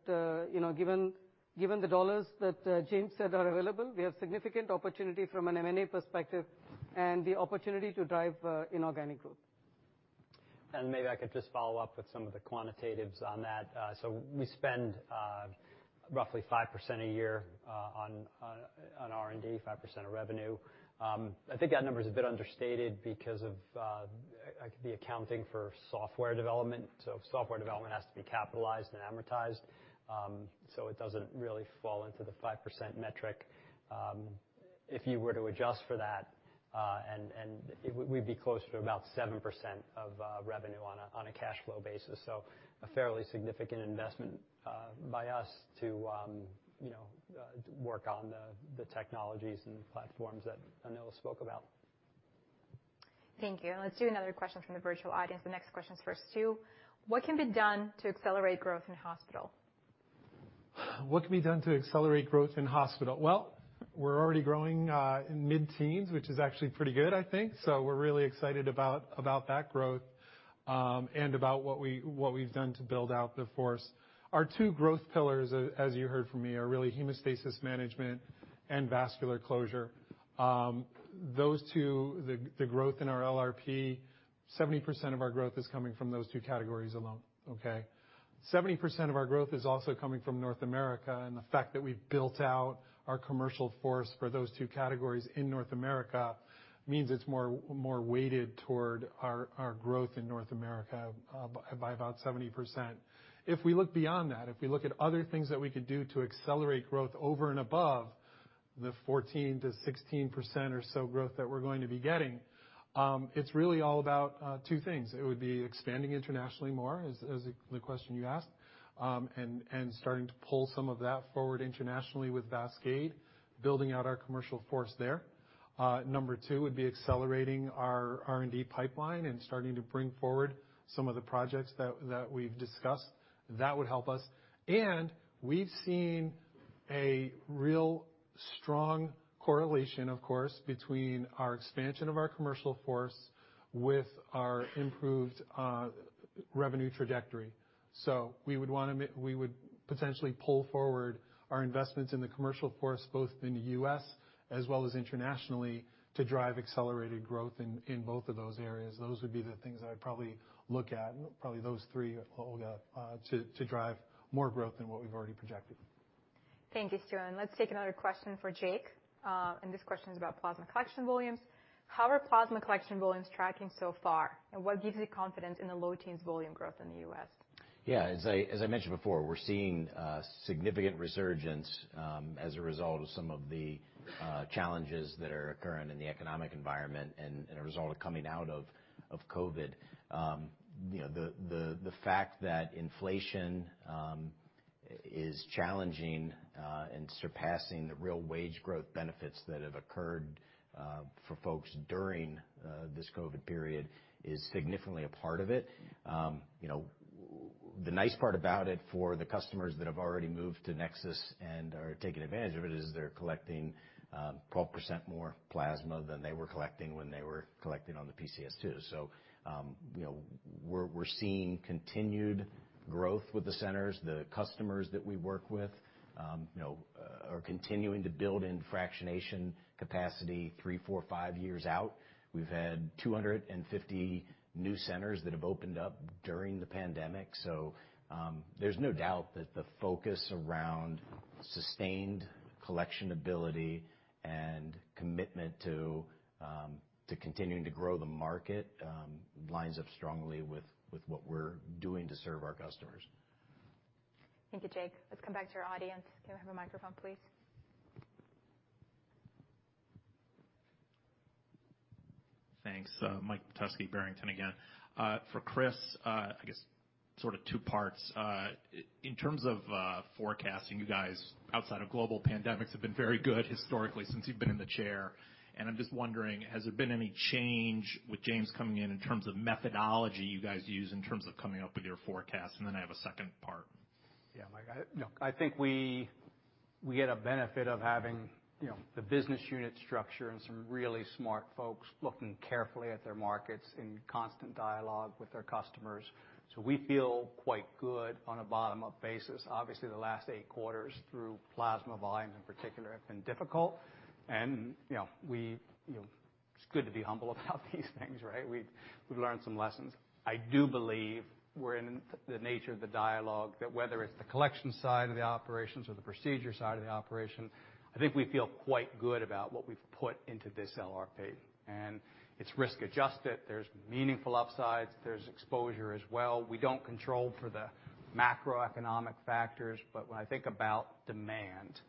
you know, given the dollars that James said are available, we have significant opportunity from an M&A perspective and the opportunity to drive inorganic growth. Maybe I could just follow up with some of the quantitatives on that. We spend roughly 5% a year on R&D, 5% of revenue. I think that number is a bit understated because of the accounting for software development. Software development has to be capitalized and amortized, so it doesn't really fall into the 5% metric. If you were to adjust for that, and it would, we'd be closer to about 7% of revenue on a cash flow basis. A fairly significant investment by us to you know work on the technologies and the platforms that Anila spoke about. Thank you. Let's do another question from the virtual audience. The next question is for Stew. What can be done to accelerate growth in hospital? What can be done to accelerate growth in hospital? Well, we're already growing in mid-teens, which is actually pretty good, I think. We're really excited about that growth and about what we've done to build out the force. Our two growth pillars, as you heard from me, are really hemostasis management and vascular closure. Those two, the growth in our LRP, 70% of our growth is coming from those two categories alone, okay? 70% of our growth is also coming from North America, and the fact that we've built out our commercial force for those two categories in North America means it's more weighted toward our growth in North America by about 70%. If we look beyond that, if we look at other things that we could do to accelerate growth over and above the 14% to 16% or so growth that we're going to be getting, it's really all about two things. It would be expanding internationally more, as the question you asked, and starting to pull some of that forward internationally with Vascade, building out our commercial force there. Number two would be accelerating our R&D pipeline and starting to bring forward some of the projects that we've discussed. That would help us. We've seen a real strong correlation, of course, between our expansion of our commercial force with our improved revenue trajectory. We would potentially pull forward our investments in the commercial force, both in the US as well as internationally, to drive accelerated growth in both of those areas. Those would be the things that I'd probably look at, probably those three all up, to drive more growth than what we've already projected. Thank you, Stewart. Let's take another question for Jake, and this question is about plasma collection volumes. How are plasma collection volumes tracking so far, and what gives you confidence in the low teens volume growth in the US? As I mentioned before, we're seeing significant resurgence as a result of some of the challenges that are occurring in the economic environment and as a result of coming out of COVID. The fact that inflation is challenging and surpassing the real wage growth benefits that have occurred for folks during this COVID period is significantly a part of it. The nice part about it for the customers that have already moved to NexSys and are taking advantage of it is they're collecting 12% more plasma than they were collecting when they were collecting on the PCS2. We're seeing continued growth with the centers. The customers that we work with, you know, are continuing to build in fractionation capacity three, four, five years out. We've had 250 new centers that have opened up during the pandemic, so, there's no doubt that the focus around sustained collection ability and commitment to continuing to grow the market, lines up strongly with what we're doing to serve our customers. Thank you, Jake. Let's come back to our audience. Can we have a microphone, please? Thanks. Mike Petusky, Barrington Research again. For Chris, I guess sort of two parts. In terms of forecasting, you guys, outside of global pandemics, have been very good historically since you've been in the chair, and I'm just wondering, has there been any change with James coming in in terms of methodology you guys use in terms of coming up with your forecast? Then I have a second part. Yeah, Mike. I, you know, I think we get a benefit of having, you know, the business unit structure and some really smart folks looking carefully at their markets in constant dialogue with their customers. We feel quite good on a bottom-up basis. Obviously, the last eight quarters through plasma volumes in particular have been difficult and, you know, you know, it's good to be humble about these things, right? We've learned some lessons. I do believe we're in the nature of the dialogue that whether it's the collection side of the operations or the procedure side of the operation, I think we feel quite good about what we've put into this LRP. It's risk-adjusted. There's meaningful upsides. There's exposure as well. We don't control for the macroeconomic factors, but when I think about demand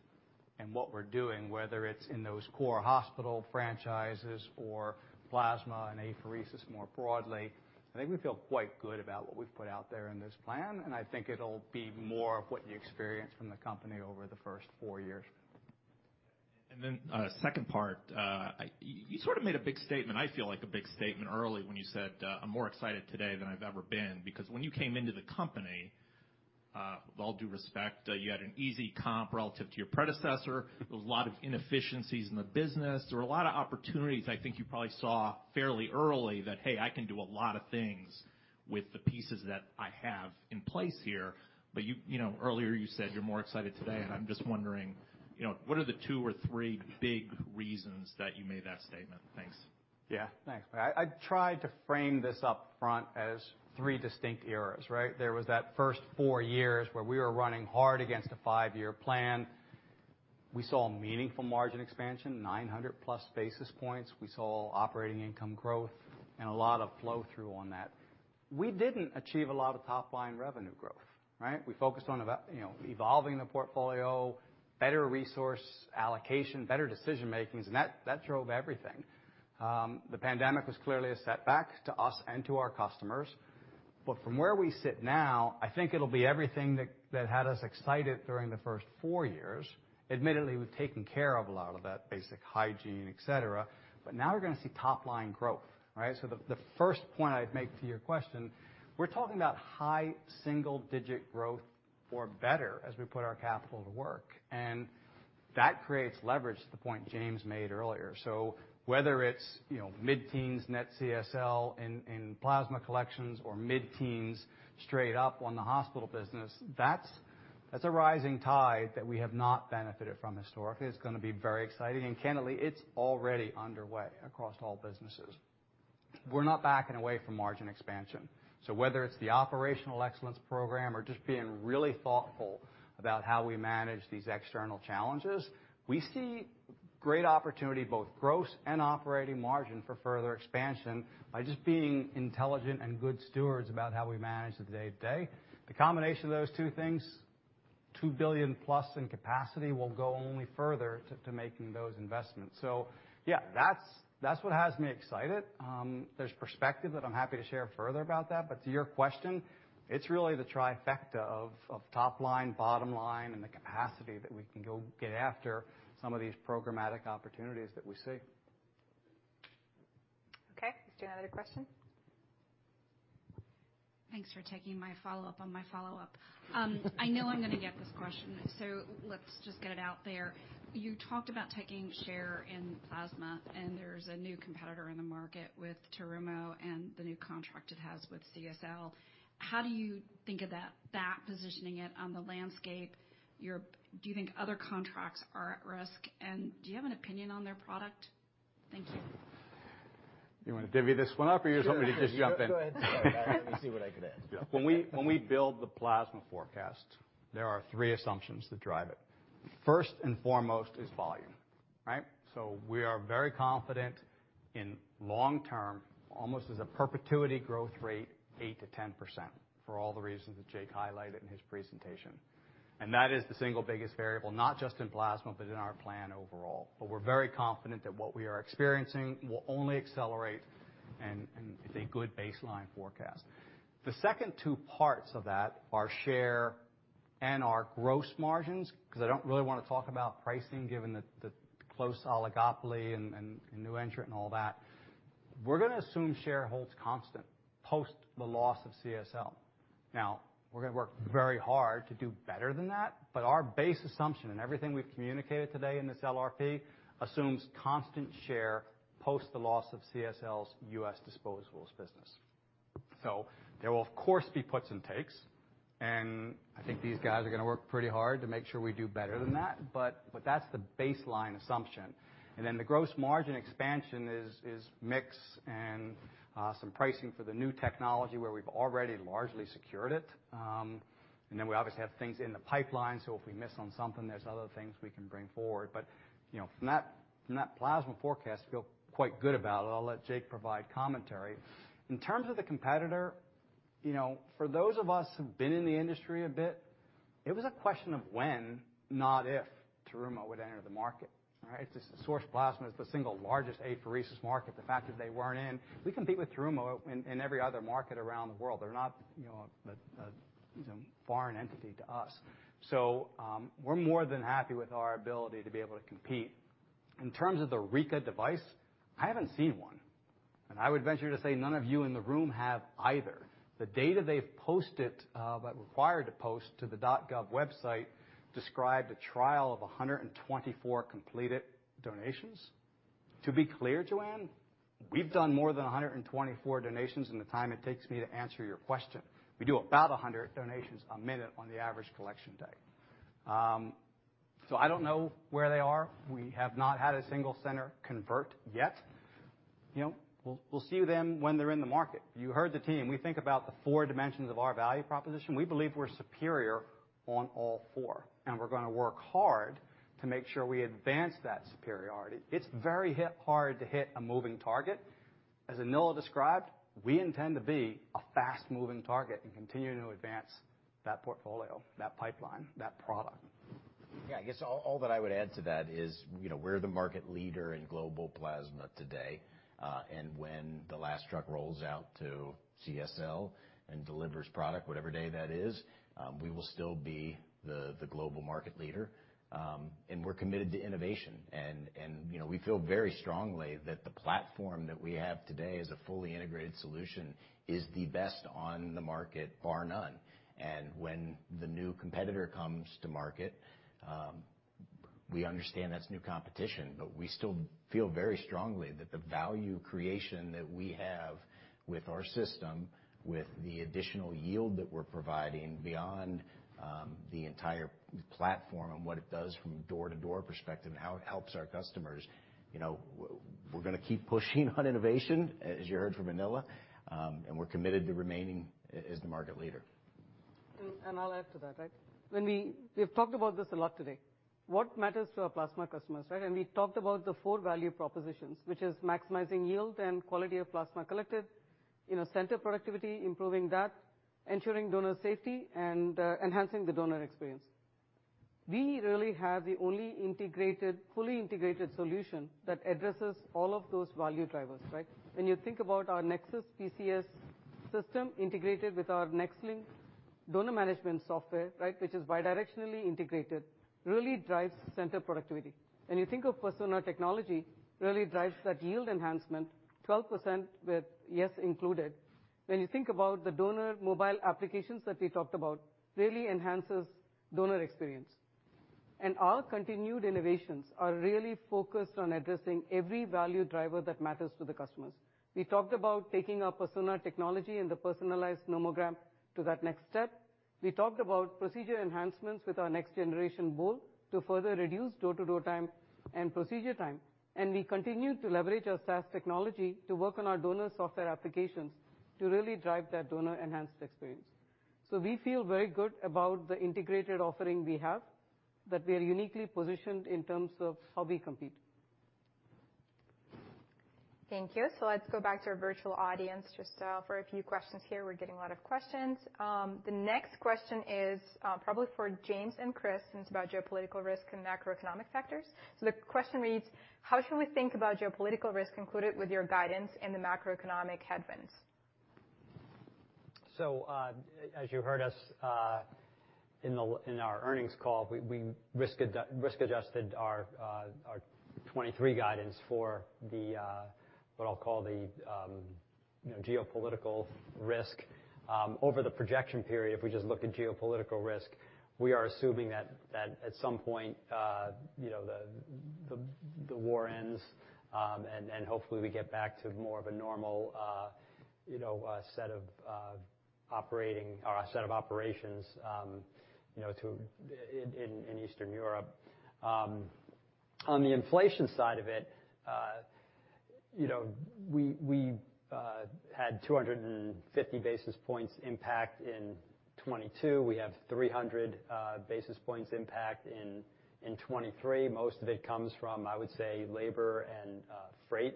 and what we're doing, whether it's in those core hospital franchises or plasma and apheresis more broadly, I think we feel quite good about what we've put out there in this plan, and I think it'll be more of what you experience from the company over the first four years. Second part. You sort of made a big statement, I feel like a big statement early when you said, "I'm more excited today than I've ever been." Because when you came into the company, with all due respect, you had an easy comp relative to your predecessor. There was a lot of inefficiencies in the business. There were a lot of opportunities I think you probably saw fairly early that, hey, I can do a lot of things with the pieces that I have in place here. You, you know, earlier you said you're more excited today, and I'm just wondering, you know, what are the two or three big reasons that you made that statement? Thanks. Yeah. Thanks. I tried to frame this up front as three distinct eras, right? There was that first four years where we were running hard against a five-year plan. We saw meaningful margin expansion, 900+ basis points. We saw operating income growth and a lot of flow-through on that. We didn't achieve a lot of top-line revenue growth, right? We focused on you know, evolving the portfolio, better resource allocation, better decision making, and that drove everything. The pandemic was clearly a setback to us and to our customers, but from where we sit now, I think it'll be everything that had us excited during the first four years, admittedly, we've taken care of a lot of that basic hygiene, et cetera, but now we're gonna see top-line growth, right? The first point I'd make to your question, we're talking about high single-digit growth or better as we put our capital to work. That creates leverage to the point James made earlier. Whether it's, you know, mid-teens% net CSL in plasma collections or mid-teens% straight up on the hospital business, that's a rising tide that we have not benefited from historically. It's gonna be very exciting. Candidly, it's already underway across all businesses. We're not backing away from margin expansion. Whether it's the operational excellence program or just being really thoughtful about how we manage these external challenges, we see great opportunity, both gross and operating margin, for further expansion by just being intelligent and good stewards about how we manage the day-to-day. The combination of those two things, $2 billion-plus in capacity will go only further to making those investments. Yeah, that's what has me excited. There's perspective that I'm happy to share further about that, but to your question, it's really the trifecta of top line, bottom line, and the capacity that we can go get after some of these programmatic opportunities that we see. Okay. Do you have another question? Thanks for taking my follow-up on my follow-up. I know I'm gonna get this question, so let's just get it out there. You talked about taking share in plasma, and there's a new competitor in the market with Terumo and the new contract it has with CSL. How do you think of that positioning it on the landscape? Do you think other contracts are at risk, and do you have an opinion on their product? Thank you. You wanna divvy this one up, or you just want me to just jump in? Sure. Go ahead. Let me see what I could add. When we build the plasma forecast, there are three assumptions that drive it. First and foremost is volume, right? We are very confident in long term, almost as a perpetuity growth rate, 8%-10% for all the reasons that Jake highlighted in his presentation. That is the single biggest variable, not just in plasma, but in our plan overall. We're very confident that what we are experiencing will only accelerate and it's a good baseline forecast. The second two parts of that are share and our gross margins, 'cause I don't really wanna talk about pricing given the close oligopoly and new entrant and all that. We're gonna assume share holds constant post the loss of CSL. Now, we're gonna work very hard to do better than that, but our base assumption and everything we've communicated today in this LRP assumes constant share post the loss of CSL's US disposables business. There will, of course, be puts and takes, and I think these guys are gonna work pretty hard to make sure we do better than that, but that's the baseline assumption. The gross margin expansion is mix and some pricing for the new technology where we've already largely secured it. We obviously have things in the pipeline, so if we miss on something, there's other things we can bring forward. You know, from that plasma forecast, feel quite good about it. I'll let Jake provide commentary. In terms of the competitor, you know, for those of us who've been in the industry a bit, it was a question of when, not if Terumo would enter the market, right? Source Plasma is the single largest apheresis market. The fact that they weren't in. We compete with Terumo in every other market around the world. They're not, you know, a foreign entity to us. We're more than happy with our ability to be able to compete. In terms of the Rika device, I haven't seen one, and I would venture to say none of you in the room have either. The data they've posted, but required to post to the .gov website described a trial of 124 completed donations. To be clear, Joanne, we've done more than 124 donations in the time it takes me to answer your question. We do about 100 donations a minute on the average collection day. I don't know where they are. We have not had a single center convert yet. You know, we'll see them when they're in the market. You heard the team. We think about the four dimensions of our value proposition. We believe we're superior on all four, and we're gonna work hard to make sure we advance that superiority. It's very hard to hit a moving target. As Anila described, we intend to be a fast-moving target and continue to advance that portfolio, that pipeline, that product. Yeah. I guess all that I would add to that is, you know, we're the market leader in global plasma today. When the last truck rolls out to CSL and delivers product, whatever day that is, we will still be the global market leader. We're committed to innovation and, you know, we feel very strongly that the platform that we have today as a fully integrated solution is the best on the market, bar none. When the new competitor comes to market, we understand that's new competition, but we still feel very strongly that the value creation that we have with our system, with the additional yield that we're providing beyond, the entire platform and what it does from a door-to-door perspective and how it helps our customers, you know, we're gonna keep pushing on innovation, as you heard from Anila, and we're committed to remaining as the market leader. I'll add to that, right? We've talked about this a lot today, what matters to our plasma customers, right? We talked about the four value propositions, which is maximizing yield and quality of plasma collected, you know, center productivity, improving that, ensuring donor safety, and enhancing the donor experience. We really have the only integrated, fully integrated solution that addresses all of those value drivers, right? When you think about our NexSys PCS system integrated with our NexLynk donor management software, right, which is bidirectionally integrated, really drives center productivity. When you think of Persona technology really drives that yield enhancement, 12% with YES included. When you think about the donor mobile applications that we talked about really enhances donor experience. Our continued innovations are really focused on addressing every value driver that matters to the customers. We talked about taking our Persona technology and the personalized nomogram to that next step. We talked about procedure enhancements with our next-generation Bowl to further reduce door-to-door time and procedure time. We continue to leverage our SaaS technology to work on our donor software applications to really drive that donor-enhanced experience. We feel very good about the integrated offering we have, that we are uniquely positioned in terms of how we compete. Thank you. Let's go back to our virtual audience just for a few questions here. We're getting a lot of questions. The next question is probably for James and Chris, and it's about geopolitical risk and macroeconomic factors. The question reads: how should we think about geopolitical risk included with your guidance and the macroeconomic headwinds? As you heard us in our earnings call, we risk-adjusted our 2023 guidance for what I'll call, you know, the geopolitical risk. Over the projection period, if we just look at geopolitical risk, we are assuming that at some point, you know, the war ends, and hopefully we get back to more of a normal, you know, set of operations in Eastern Europe. On the inflation side of it, you know, we had 250 basis points impact in 2022. We have 300 basis points impact in 2023. Most of it comes from, I would say, labor and freight.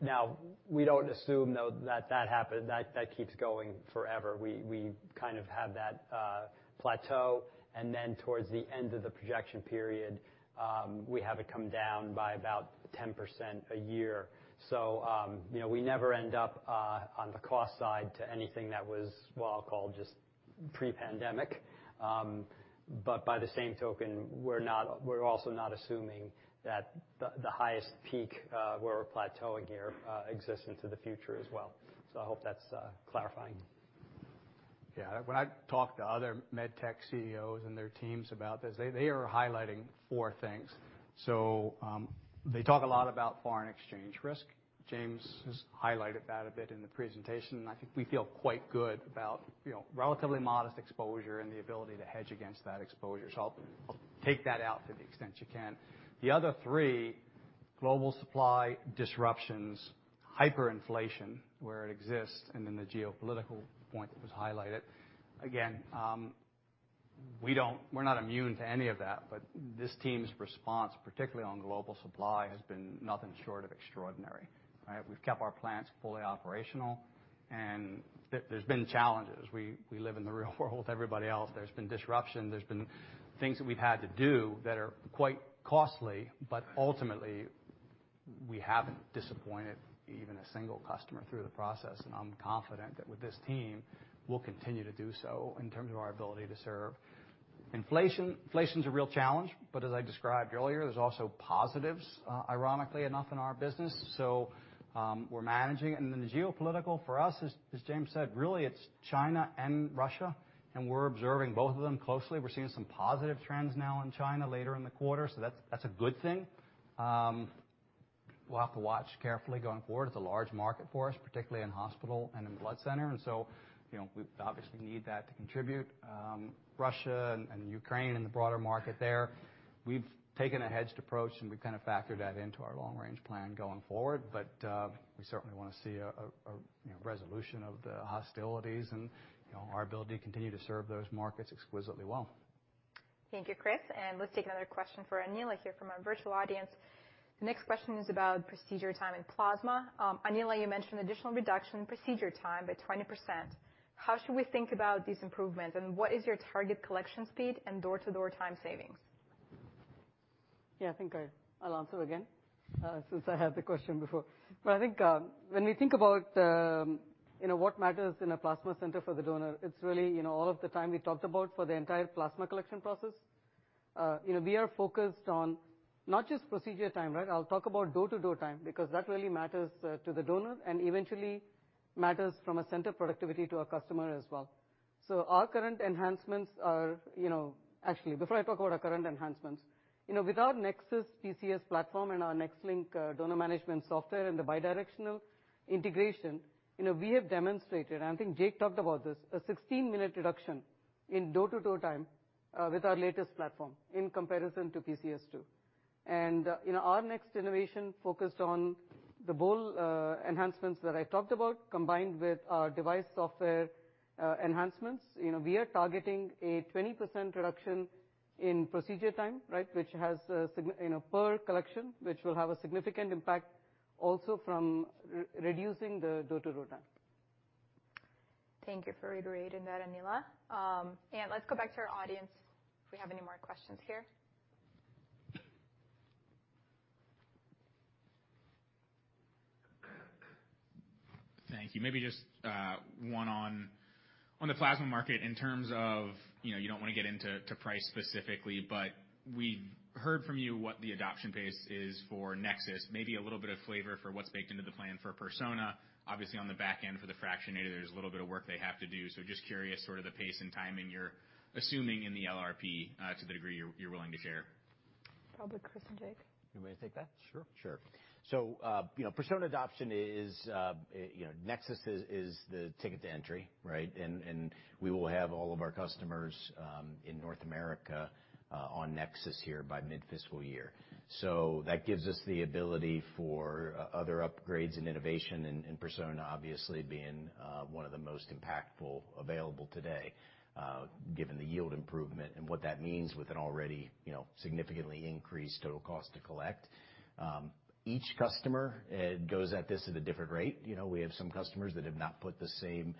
Now we don't assume though that keeps going forever. We kind of have that plateau, and then towards the end of the projection period, we have it come down by about 10% a year. You know, we never end up on the cost side to anything that was, what I'll call, just pre-pandemic. By the same token, we're not, we're also not assuming that the highest peak, where we're plateauing here, exists into the future as well. I hope that's clarifying. Yeah. When I talk to other med tech CEOs and their teams about this, they are highlighting four things. They talk a lot about foreign exchange risk. James has highlighted that a bit in the presentation, and I think we feel quite good about, you know, relatively modest exposure and the ability to hedge against that exposure. I'll take that out to the extent you can. The other three, global supply disruptions, hyperinflation, where it exists, and then the geopolitical point that was highlighted. Again, we're not immune to any of that, but this team's response, particularly on global supply, has been nothing short of extraordinary, right? We've kept our plants fully operational, and there's been challenges. We live in the real world, everybody else. There's been disruption. There's been things that we've had to do that are quite costly, but ultimately, we haven't disappointed even a single customer through the process, and I'm confident that with this team, we'll continue to do so in terms of our ability to serve. Inflation, inflation's a real challenge, but as I described earlier, there's also positives, ironically enough in our business. We're managing. The geopolitical for us, as James said, really it's China and Russia, and we're observing both of them closely. We're seeing some positive trends now in China later in the quarter, so that's a good thing. We'll have to watch carefully going forward. It's a large market for us, particularly in hospital and in blood center, and so, you know, we obviously need that to contribute. Russia and Ukraine and the broader market there, we've taken a hedged approach, and we've kind of factored that into our long-range plan going forward. We certainly wanna see a, you know, resolution of the hostilities and, you know, our ability to continue to serve those markets exquisitely well. Thank you, Chris. Let's take another question for Anila here from our virtual audience. The next question is about procedure time in plasma. Anila, you mentioned additional reduction in procedure time by 20%. How should we think about these improvements, and what is your target collection speed and door-to-door time savings? Yeah. I think I'll answer again, since I had the question before. I think when we think about you know what matters in a plasma center for the donor, it's really you know all of the time we talked about for the entire plasma collection process. You know we are focused on not just procedure time, right? I'll talk about door-to-door time because that really matters to the donor and eventually matters from a center productivity to our customer as well. Our current enhancements are you know. Actually, before I talk about our current enhancements, you know with our NexSys PCS platform and our NexLynk donor management software and the bidirectional integration, you know we have demonstrated, and I think Jake talked about this, a 16-minute reduction in door-to-door time with our latest platform in comparison to PCS2. You know, our next innovation focused on the bowl enhancements that I talked about, combined with our device software enhancements. You know, we are targeting a 20% reduction in procedure time, right, which has a, you know, per collection, which will have a significant impact also from reducing the door-to-door time. Thank you for reiterating that, Anila. Let's go back to our audience if we have any more questions here. Thank you. Maybe just, one on- On the plasma market, in terms of, you know, you don't wanna get into price specifically, but we heard from you what the adoption pace is for NexSys. Maybe a little bit of flavor for what's baked into the plan for Persona. Obviously, on the back end for the fractionator, there's a little bit of work they have to do. Just curious sort of the pace and timing you're assuming in the LRP, to the degree you're willing to share. Probably Chris and Jake. You want me to take that? Sure. Sure. You know, Persona adoption is, you know, NexSys is the ticket to entry, right? We will have all of our customers in North America on NexSys here by mid-fiscal year. That gives us the ability for other upgrades and innovation, and Persona obviously being one of the most impactful available today, given the yield improvement and what that means with an already, you know, significantly increased total cost to collect. Each customer goes at this at a different rate. You know, we have some customers that have not put the same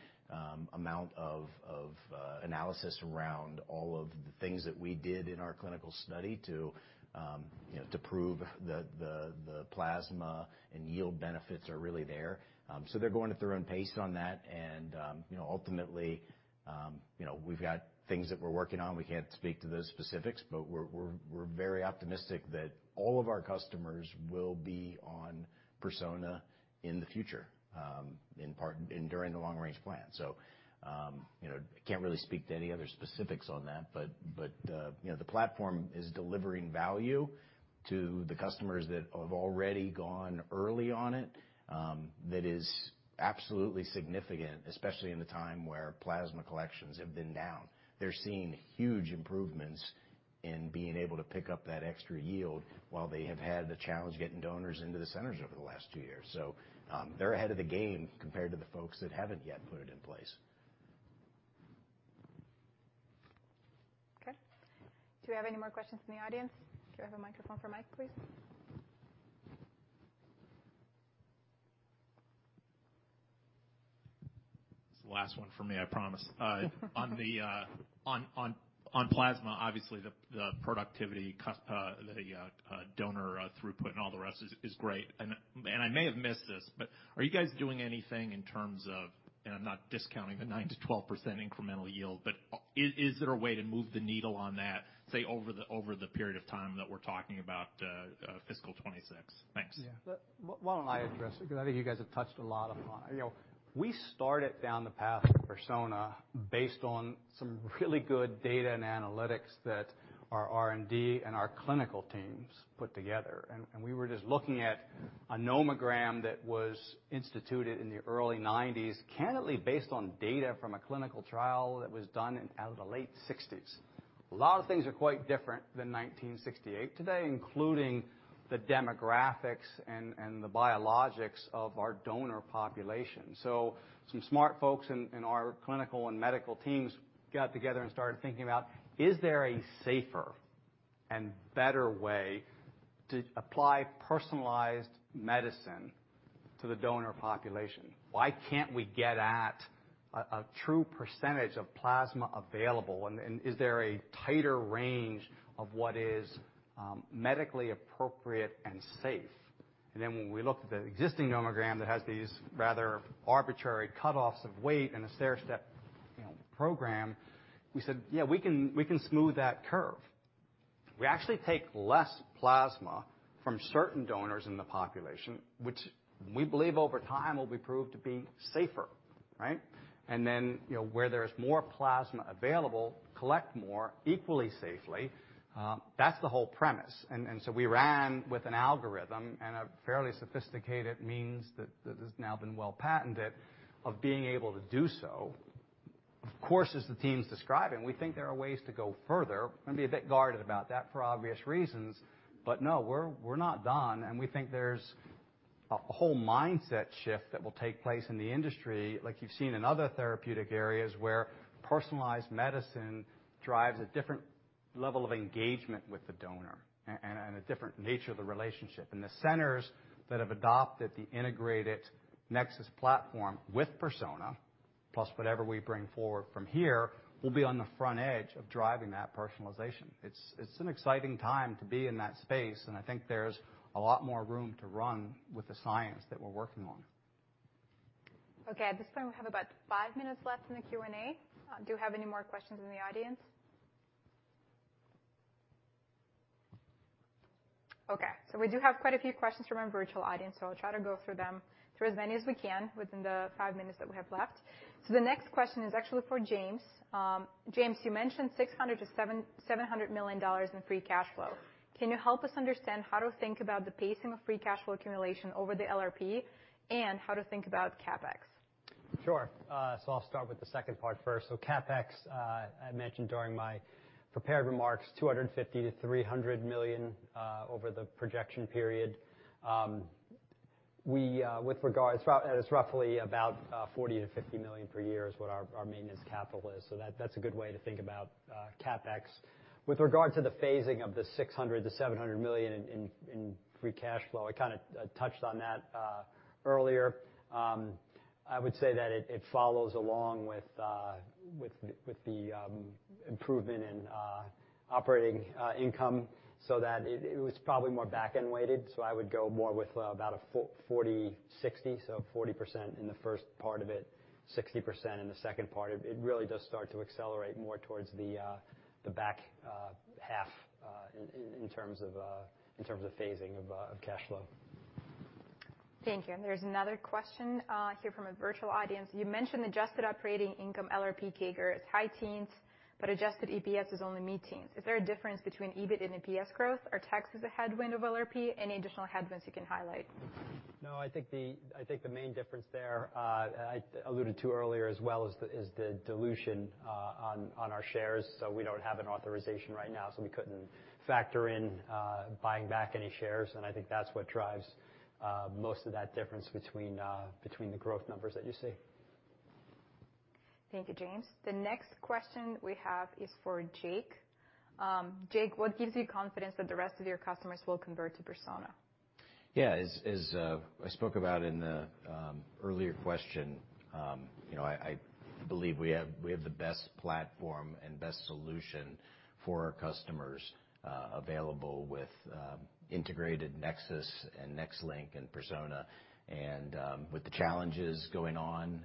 amount of analysis around all of the things that we did in our clinical study to, you know, to prove the plasma and yield benefits are really there. They're going at their own pace on that. You know, ultimately, you know, we've got things that we're working on. We can't speak to those specifics, but we're very optimistic that all of our customers will be on Persona in the future, in part and during the long range plan. You know, can't really speak to any other specifics on that, but you know, the platform is delivering value to the customers that have already gone early on it, that is absolutely significant, especially in the time where plasma collections have been down. They're seeing huge improvements in being able to pick up that extra yield while they have had the challenge getting donors into the centers over the last two years. They're ahead of the game compared to the folks that haven't yet put it in place. Okay. Do we have any more questions from the audience? Do I have a microphone for Mike, please? It's the last one for me, I promise. On plasma, obviously, the productivity, the donor throughput and all the rest is great. I may have missed this, but are you guys doing anything in terms of, and I'm not discounting the 9%-12% incremental yield, but is there a way to move the needle on that, say, over the period of time that we're talking about, fiscal 2026? Thanks. Yeah. Why don't I address it? Because I think you guys have touched a lot on. You know, we started down the path of Persona based on some really good data and analytics that our R&D and our clinical teams put together. We were just looking at a nomogram that was instituted in the early 1990s, candidly based on data from a clinical trial that was done in the late 1960s. A lot of things are quite different than 1968 today, including the demographics and the biologics of our donor population. Some smart folks in our clinical and medical teams got together and started thinking about, is there a safer and better way to apply personalized medicine to the donor population? Why can't we get at a true percentage of plasma available? Is there a tighter range of what is medically appropriate and safe? Then when we looked at the existing nomogram that has these rather arbitrary cutoffs of weight and a stairstep, you know, program, we said, "Yeah, we can smooth that curve." We actually take less plasma from certain donors in the population, which we believe over time will be proved to be safer, right? Then, you know, where there's more plasma available, collect more equally safely. That's the whole premise. So we ran with an algorithm and a fairly sophisticated means that has now been well-patented of being able to do so. Of course, as the team's describing, we think there are ways to go further. I'm gonna be a bit guarded about that for obvious reasons. No, we're not done, and we think there's a whole mindset shift that will take place in the industry like you've seen in other therapeutic areas, where personalized medicine drives a different level of engagement with the donor and a different nature of the relationship. The centers that have adopted the integrated NexSys platform with Persona, plus whatever we bring forward from here, will be on the front edge of driving that personalization. It's an exciting time to be in that space, and I think there's a lot more room to run with the science that we're working on. Okay. At this point, we have about five minutes left in the Q&A. Do we have any more questions in the audience? Okay. We do have quite a few questions from our virtual audience, so I'll try to go through them as many as we can within the five minutes that we have left. The next question is actually for James. James, you mentioned $600 million to $700 million in free cash flow. Can you help us understand how to think about the pacing of free cash flow accumulation over the LRP and how to think about CapEx? I'll start with the second part first. CapEx, I mentioned during my prepared remarks, $250 million-$300 million over the projection period. With regards... It's roughly about $40 million-$50 million per year is what our maintenance capital is. That, that's a good way to think about CapEx. With regard to the phasing of the $600 million-$700 million in free cash flow, I kinda touched on that earlier. I would say that it follows along with the improvement in operating income so that it was probably more back-end weighted, so I would go more with about a 40-60, so 40% in the first part of it, 60% in the second part. It really does start to accelerate more towards the back half in terms of phasing of cash flow. Thank you. There's another question here from a virtual audience. You mentioned adjusted operating income LRP CAGR as high teens, but adjusted EPS is only mid-teens. Is there a difference between EBIT and EPS growth? Are taxes a headwind of LRP? Any additional headwinds you can highlight? No, I think the main difference there, I alluded to earlier as well, is the dilution on our shares. We don't have an authorization right now, so we couldn't factor in buying back any shares, and I think that's what drives most of that difference between the growth numbers that you see. Thank you, James. The next question we have is for Jake. Jake, what gives you confidence that the rest of your customers will convert to Persona? Yeah. As I spoke about in the earlier question, you know, I believe we have the best platform and best solution for our customers available with integrated NexSys and NexLynk and Persona. With the challenges going on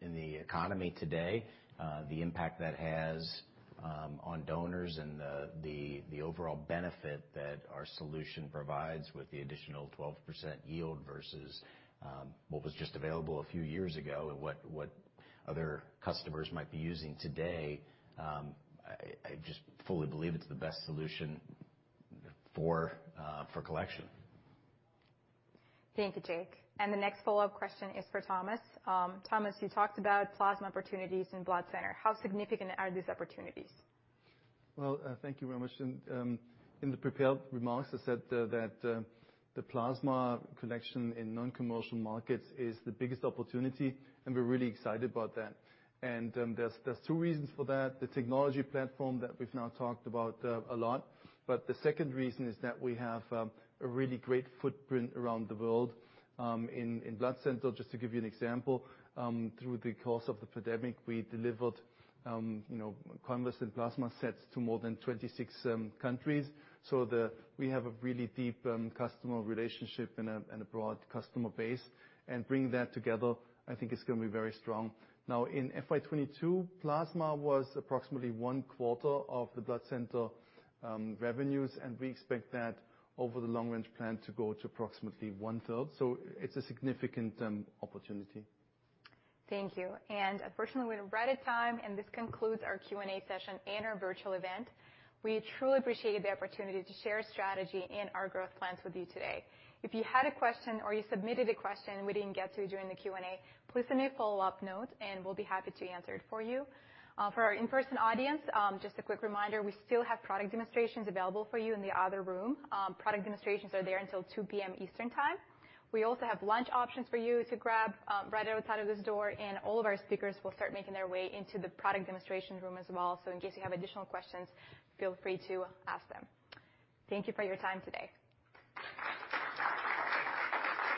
in the economy today, the impact that has on donors and the overall benefit that our solution provides with the additional 12% yield versus what was just available a few years ago and what other customers might be using today, I just fully believe it's the best solution for collection. Thank you, Jake. The next follow-up question is for Thomas. Thomas, you talked about plasma opportunities in blood center. How significant are these opportunities? Well, thank you very much. In the prepared remarks, I said that the plasma collection in non-commercial markets is the biggest opportunity, and we're really excited about that. There's two reasons for that, the technology platform that we've now talked about a lot, but the second reason is that we have a really great footprint around the world in blood center. Just to give you an example, through the course of the pandemic, we delivered, you know, convalescent plasma sets to more than 26 countries. We have a really deep customer relationship and a broad customer base, and bringing that together, I think is gonna be very strong. Now, in FY22, plasma was approximately one quarter of the blood center revenues, and we expect that over the long range plan to grow to approximately one-third. It's a significant opportunity. Thank you. Unfortunately, we're out of time, and this concludes our Q&A session and our virtual event. We truly appreciate the opportunity to share our strategy and our growth plans with you today. If you had a question or you submitted a question we didn't get to during the Q&A, please send a follow-up note, and we'll be happy to answer it for you. For our in-person audience, just a quick reminder, we still have product demonstrations available for you in the other room. Product demonstrations are there until 2:00 P.M. Eastern Time. We also have lunch options for you to grab, right outside of this door, and all of our speakers will start making their way into the product demonstration room as well. In case you have additional questions, feel free to ask them. Thank you for your time today.